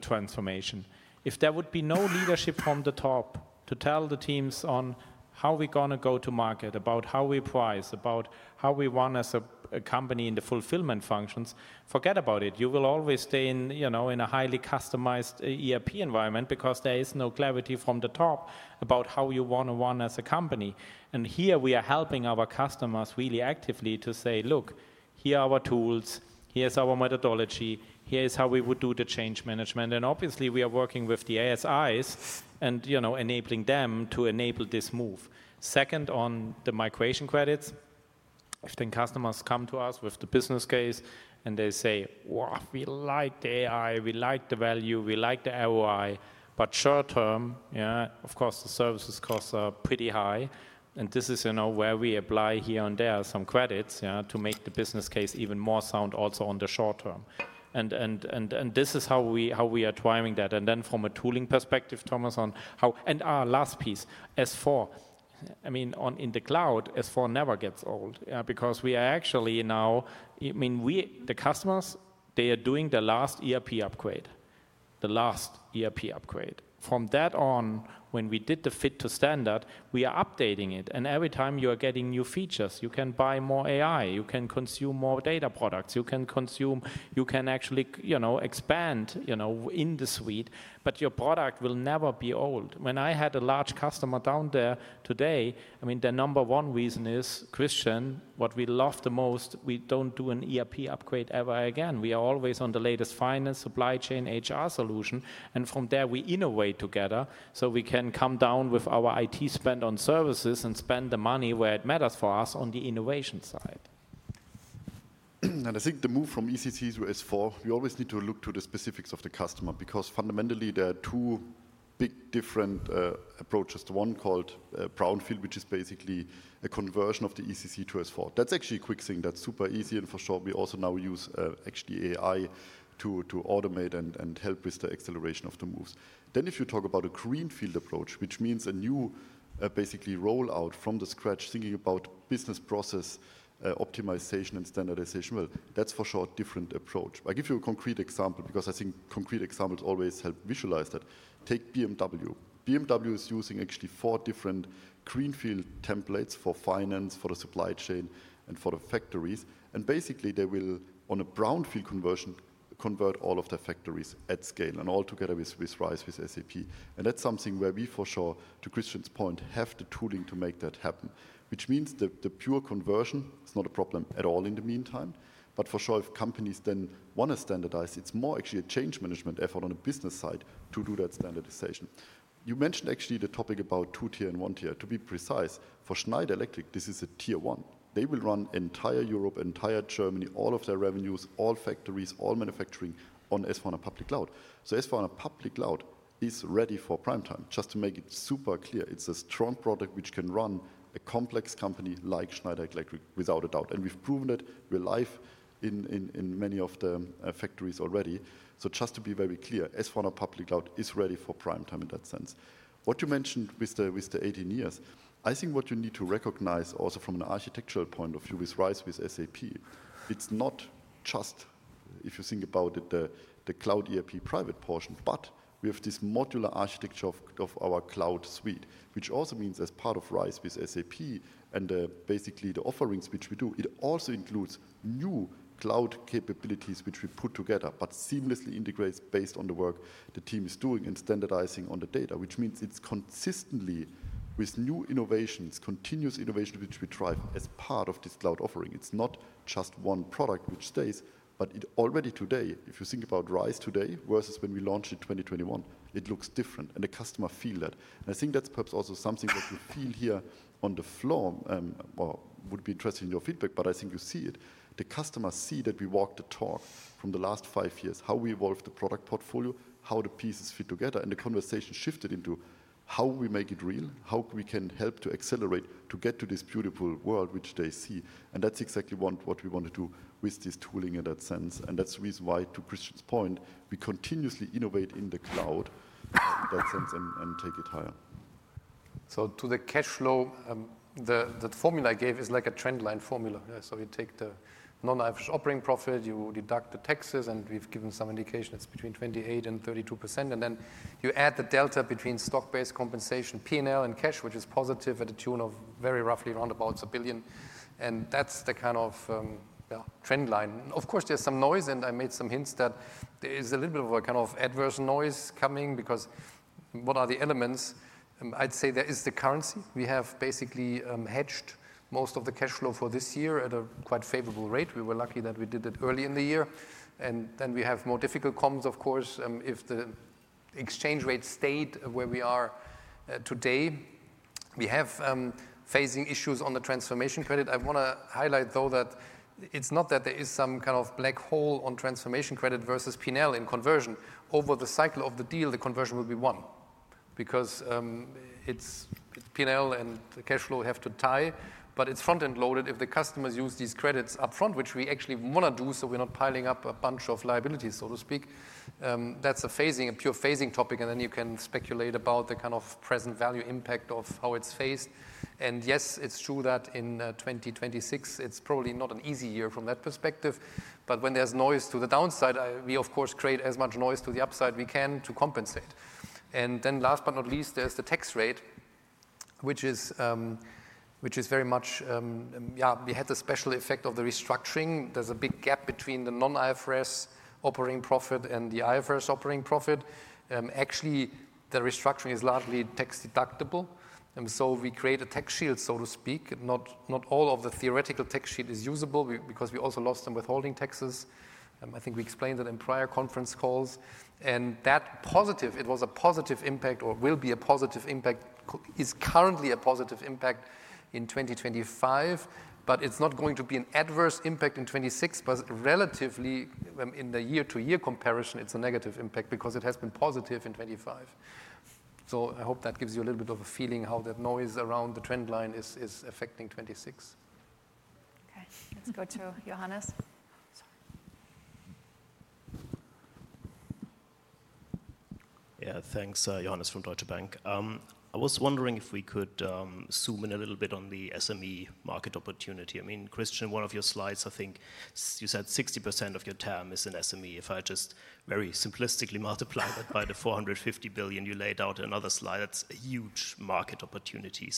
transformation. If there would be no leadership from the top to tell the teams on how we're going to go to market, about how we price, about how we run as a company in the fulfillment functions, forget about it. You will always stay in, you know, in a highly customized ERP environment because there is no clarity from the top about how you want to run as a company. Here we are helping our customers really actively to say, "Look, here are our tools. Here's our methodology. Here's how we would do the change management." Obviously, we are working with the ASIs and, you know, enabling them to enable this move. Second, on the migration credits, if then customers come to us with the business case and they say, "Well, we like the AI, we like the value, we like the ROI, but short term, yeah, of course the services costs are pretty high." This is, you know, where we apply here and there some credits to make the business case even more sound also on the short term. This is how we are driving that. From a tooling perspective, Thomas, on how, and our last piece, S4, I mean, in the cloud, S4 never gets old because we are actually now, I mean, the customers, they are doing the last ERP upgrade, the last ERP upgrade. From that on, when we did the fit to standard, we are updating it. Every time you are getting new features, you can buy more AI, you can consume more data products, you can consume, you can actually, you know, expand, you know, in the suite, but your product will never be old. When I had a large customer down there today, I mean, the number one reason is, Christian, what we love the most, we do not do an ERP upgrade ever again. We are always on the latest finance, supply chain, HR solution. From there, we innovate together so we can come down with our IT spend on services and spend the money where it matters for us on the innovation side. I think the move from ECC to S4, we always need to look to the specifics of the customer because fundamentally there are two big different approaches. The one called Brownfield, which is basically a conversion of the ECC to S/4. That's actually a quick thing that's super easy. For sure, we also now use actually AI to automate and help with the acceleration of the moves. If you talk about a Greenfield approach, which means a new basically rollout from the scratch, thinking about business process optimization and standardization, that's for sure a different approach. I'll give you a concrete example because I think concrete examples always help visualize that. Take BMW. BMW is using actually four different Greenfield templates for finance, for the supply chain, and for the factories. Basically, they will, on a Brownfield conversion, convert all of their factories at scale and altogether with RISE with SAP. That is something where we for sure, to Christian's point, have the tooling to make that happen, which means the pure conversion is not a problem at all in the meantime. For sure, if companies then want to standardize, it is more actually a change management effort on the business side to do that standardization. You mentioned actually the topic about two-tier and one-tier. To be precise, for Schneider Electric, this is a tier one. They will run entire Europe, entire Germany, all of their revenues, all factories, all manufacturing on S/4HANA and public cloud. S/4HANA and public cloud is ready for prime time. Just to make it super clear, it is a strong product which can run a complex company like Schneider Electric without a doubt. We have proven it. We are live in many of the factories already. Just to be very clear, S/4 and public cloud is ready for prime time in that sense. What you mentioned with the 18 years, I think what you need to recognize also from an architectural point of view with RISE with SAP, it's not just, if you think about it, the cloud ERP private portion, but we have this modular architecture of our cloud suite, which also means as part of RISE with SAP and basically the offerings which we do, it also includes new cloud capabilities which we put together, but seamlessly integrates based on the work the team is doing and standardizing on the data, which means it's consistently with new innovations, continuous innovation which we drive as part of this cloud offering. It's not just one product which stays, but it already today, if you think about RISE today versus when we launched in 2021, it looks different and the customer feels that. I think that's perhaps also something that you feel here on the floor, would be interested in your feedback, but I think you see it. The customers see that we walk the talk from the last five years, how we evolve the product portfolio, how the pieces fit together, and the conversation shifted into how we make it real, how we can help to accelerate to get to this beautiful world which they see. That's exactly what we want to do with this tooling in that sense. That's the reason why, to Christian's point, we continuously innovate in the cloud in that sense and take it higher. To the cash flow, the formula I gave is like a trendline formula. We take the non-IFRS operating profit, you deduct the taxes, and we've given some indication it's between 28-32%. You add the delta between stock-based compensation, P&L, and cash, which is positive at a tune of very roughly around about 1 billion. That's the kind of trendline. Of course, there's some noise, and I made some hints that there is a little bit of a kind of adverse noise coming because what are the elements? I'd say there is the currency. We have basically hedged most of the cash flow for this year at a quite favorable rate. We were lucky that we did it early in the year. We have more difficult comps, of course, if the exchange rate stayed where we are today. We have phasing issues on the transformation credit. I want to highlight, though, that it's not that there is some kind of black hole on transformation credit versus P&L in conversion. Over the cycle of the deal, the conversion will be one because P&L and cash flow have to tie, but it's front-end loaded if the customers use these credits upfront, which we actually want to do so we're not piling up a bunch of liabilities, so to speak. That's a phasing, a pure phasing topic, and you can speculate about the kind of present value impact of how it's phased. Yes, it's true that in 2026, it's probably not an easy year from that perspective, but when there's noise to the downside, we, of course, create as much noise to the upside we can to compensate. Last but not least, there's the tax rate, which is very much, yeah, we had the special effect of the restructuring. There's a big gap between the non-IFRS operating profit and the IFRS operating profit. Actually, the restructuring is largely tax deductible, and we create a tax shield, so to speak. Not all of the theoretical tax shield is usable because we also lost some withholding taxes. I think we explained it in prior conference calls. That positive, it was a positive impact or will be a positive impact, is currently a positive impact in 2025, but it's not going to be an adverse impact in 2026. Relatively, in the year-to-year comparison, it's a negative impact because it has been positive in 2025. I hope that gives you a little bit of a feeling how that noise around the trendline is affecting 2026. Okay, let's go to Johannes. Yeah, thanks, Johannes from Deutsche Bank. I was wondering if we could zoom in a little bit on the SME market opportunity. I mean, Christian, in one of your slides, I think you said 60% of your TAM is in SME. If I just very simplistically multiply that by the 450 billion you laid out in another slide, that's a huge market opportunity.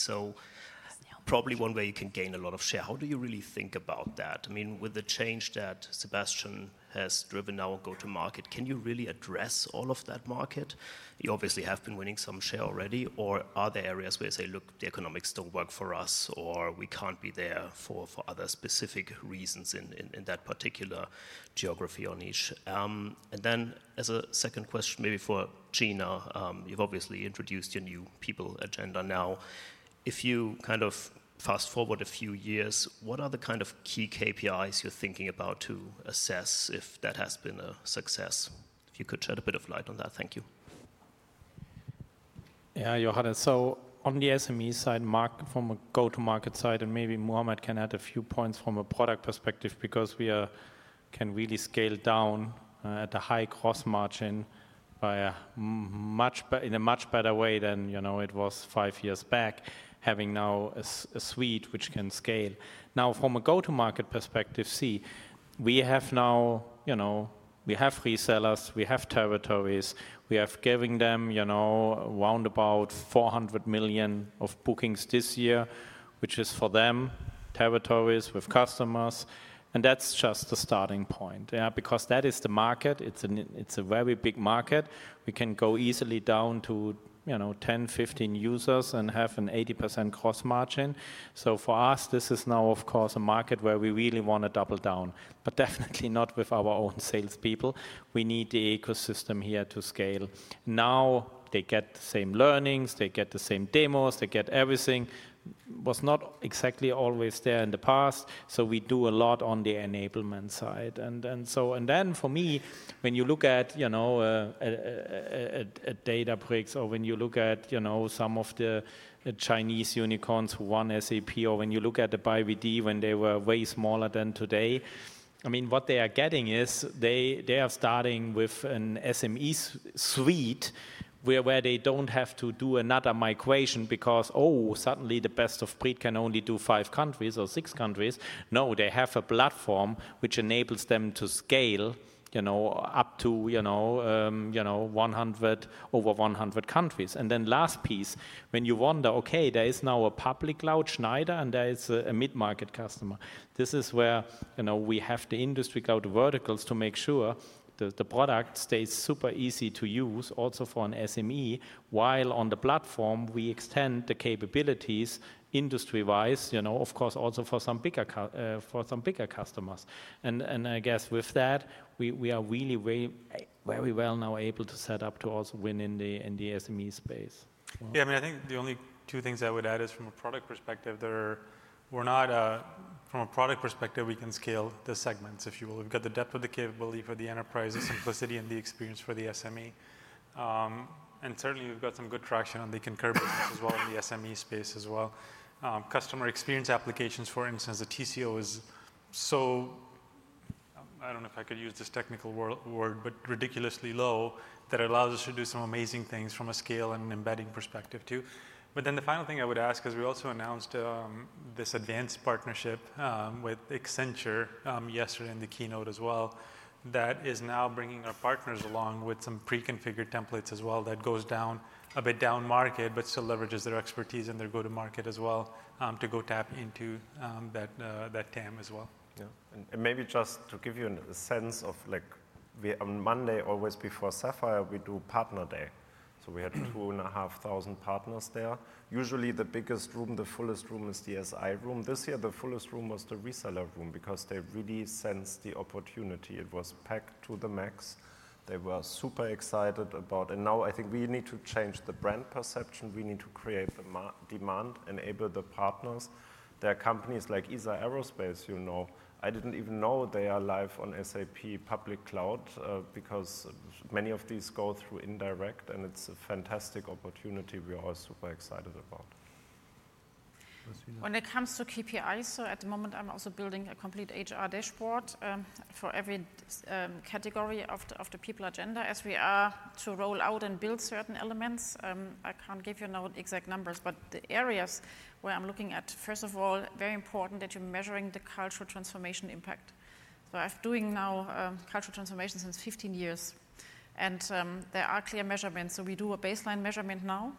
Probably one way you can gain a lot of share. How do you really think about that? I mean, with the change that Sebastian has driven now on go-to-market, can you really address all of that market? You obviously have been winning some share already, or are there areas where you say, "Look, the economics don't work for us," or "We can't be there for other specific reasons in that particular geography or niche?" As a second question, maybe for Gina, you've obviously introduced your new people agenda now. If you kind of fast forward a few years, what are the kind of key KPIs you're thinking about to assess if that has been a success? If you could shed a bit of light on that, thank you. Yeah, Johannes, on the SME side, Mark from a go-to-market side, and maybe Muhammad can add a few points from a product perspective because we can really scale down at a high gross margin in a much better way than it was five years back, having now a suite which can scale. Now, from a go-to-market perspective, see, we have now, we have resellers, we have territories, we are giving them around 400 million of bookings this year, which is for them territories with customers. That is just the starting point, yeah, because that is the market. It is a very big market. We can go easily down to 10-15 users and have an 80% gross margin. For us, this is now, of course, a market where we really want to double down, but definitely not with our own salespeople. We need the ecosystem here to scale. Now they get the same learnings, they get the same demos, they get everything. It was not exactly always there in the past. We do a lot on the enablement side. For me, when you look at Databricks or when you look at some of the Chinese unicorns who won SAP, or when you look at the BYD when they were way smaller than today, I mean, what they are getting is they are starting with an SME suite where they do not have to do another migration because, oh, suddenly the best of breed can only do five countries or six countries. No, they have a platform which enables them to scale up to over 100 countries. The last piece, when you wonder, okay, there is now a public cloud Schneider and there is a mid-market customer. This is where we have the industry cloud verticals to make sure the product stays super easy to use also for an SME, while on the platform, we extend the capabilities industry-Wise, of course, also for some bigger customers. I guess with that, we are really very well now able to set up to also win in the SME space. Yeah, I mean, I think the only two things I would add is from a product perspective, we're not, from a product perspective, we can scale the segments, if you will. We've got the depth of the capability for the enterprise, the simplicity, and the experience for the SME. And certainly, we've got some good traction on the concurrent business as well in the SME space as well. Customer experience applications, for instance, the TCO is so, I don't know if I could use this technical word, but ridiculously low that it allows us to do some amazing things from a scale and embedding perspective too. The final thing I would ask is we also announced this advanced partnership with Accenture yesterday in the keynote as well that is now bringing our partners along with some pre-configured templates as well that goes down a bit down market, but still leverages their expertise and their go-to-market as well to go tap into that TAM as well. Yeah, and maybe just to give you a sense of, on Monday, always before Sapphire, we do Partner Day. We had two and a half thousand partners there. Usually, the biggest room, the fullest room is the SI room. This year, the fullest room was the reseller room because they really sensed the opportunity. It was packed to the max. They were super excited about it. Now I think we need to change the brand perception. We need to create the demand, enable the partners. There are companies like ISA Aerospace. I didn't even know they are live on SAP public cloud because many of these go through indirect, and it's a fantastic opportunity we are super excited about. When it comes to KPIs, at the moment, I'm also building a complete HR dashboard for every category of the people agenda as we are to roll out and build certain elements. I can't give you exact numbers, but the areas where I'm looking at, first of all, very important that you're measuring the cultural transformation impact. I've been doing now cultural transformation since 15 years, and there are clear measurements. We do a baseline measurement now.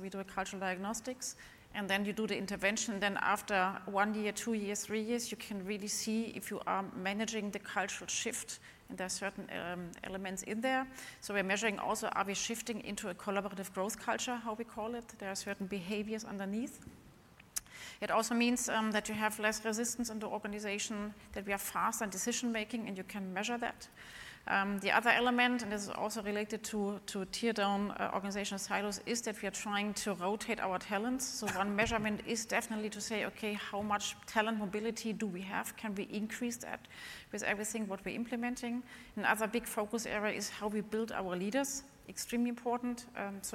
We do a cultural diagnostics, and then you do the intervention. After one year, two years, three years, you can really see if you are managing the cultural shift, and there are certain elements in there. We're measuring also, are we shifting into a collaborative growth culture, how we call it? There are certain behaviors underneath. It also means that you have less resistance in the organization, that we are faster in decision-making, and you can measure that. The other element, and this is also related to tear-down organizational silos, is that we are trying to rotate our talents. One measurement is definitely to say, okay, how much talent mobility do we have? Can we increase that with everything what we're implementing? Another big focus area is how we build our leaders, extremely important.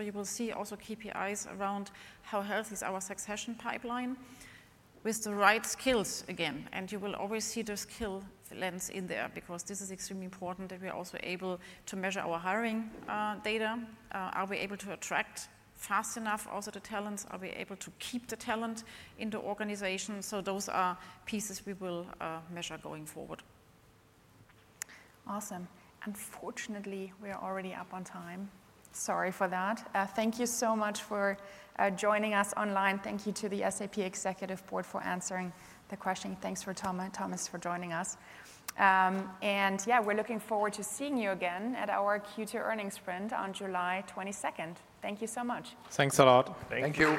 You will see also KPIs around how healthy is our succession pipeline with the right skills again. You will always see the skill lens in there because this is extremely important that we are also able to measure our hiring data. Are we able to attract fast enough also the talents? Are we able to keep the talent in the organization? Those are pieces we will measure going forward. Awesome. Unfortunately, we are already up on time. Sorry for that. Thank you so much for joining us online. Thank you to the SAP Executive Board for answering the question. Thanks for Thomas for joining us. We are looking forward to seeing you again at our Q2 earnings print on July 22nd. Thank you so much. Thanks a lot. Thank you.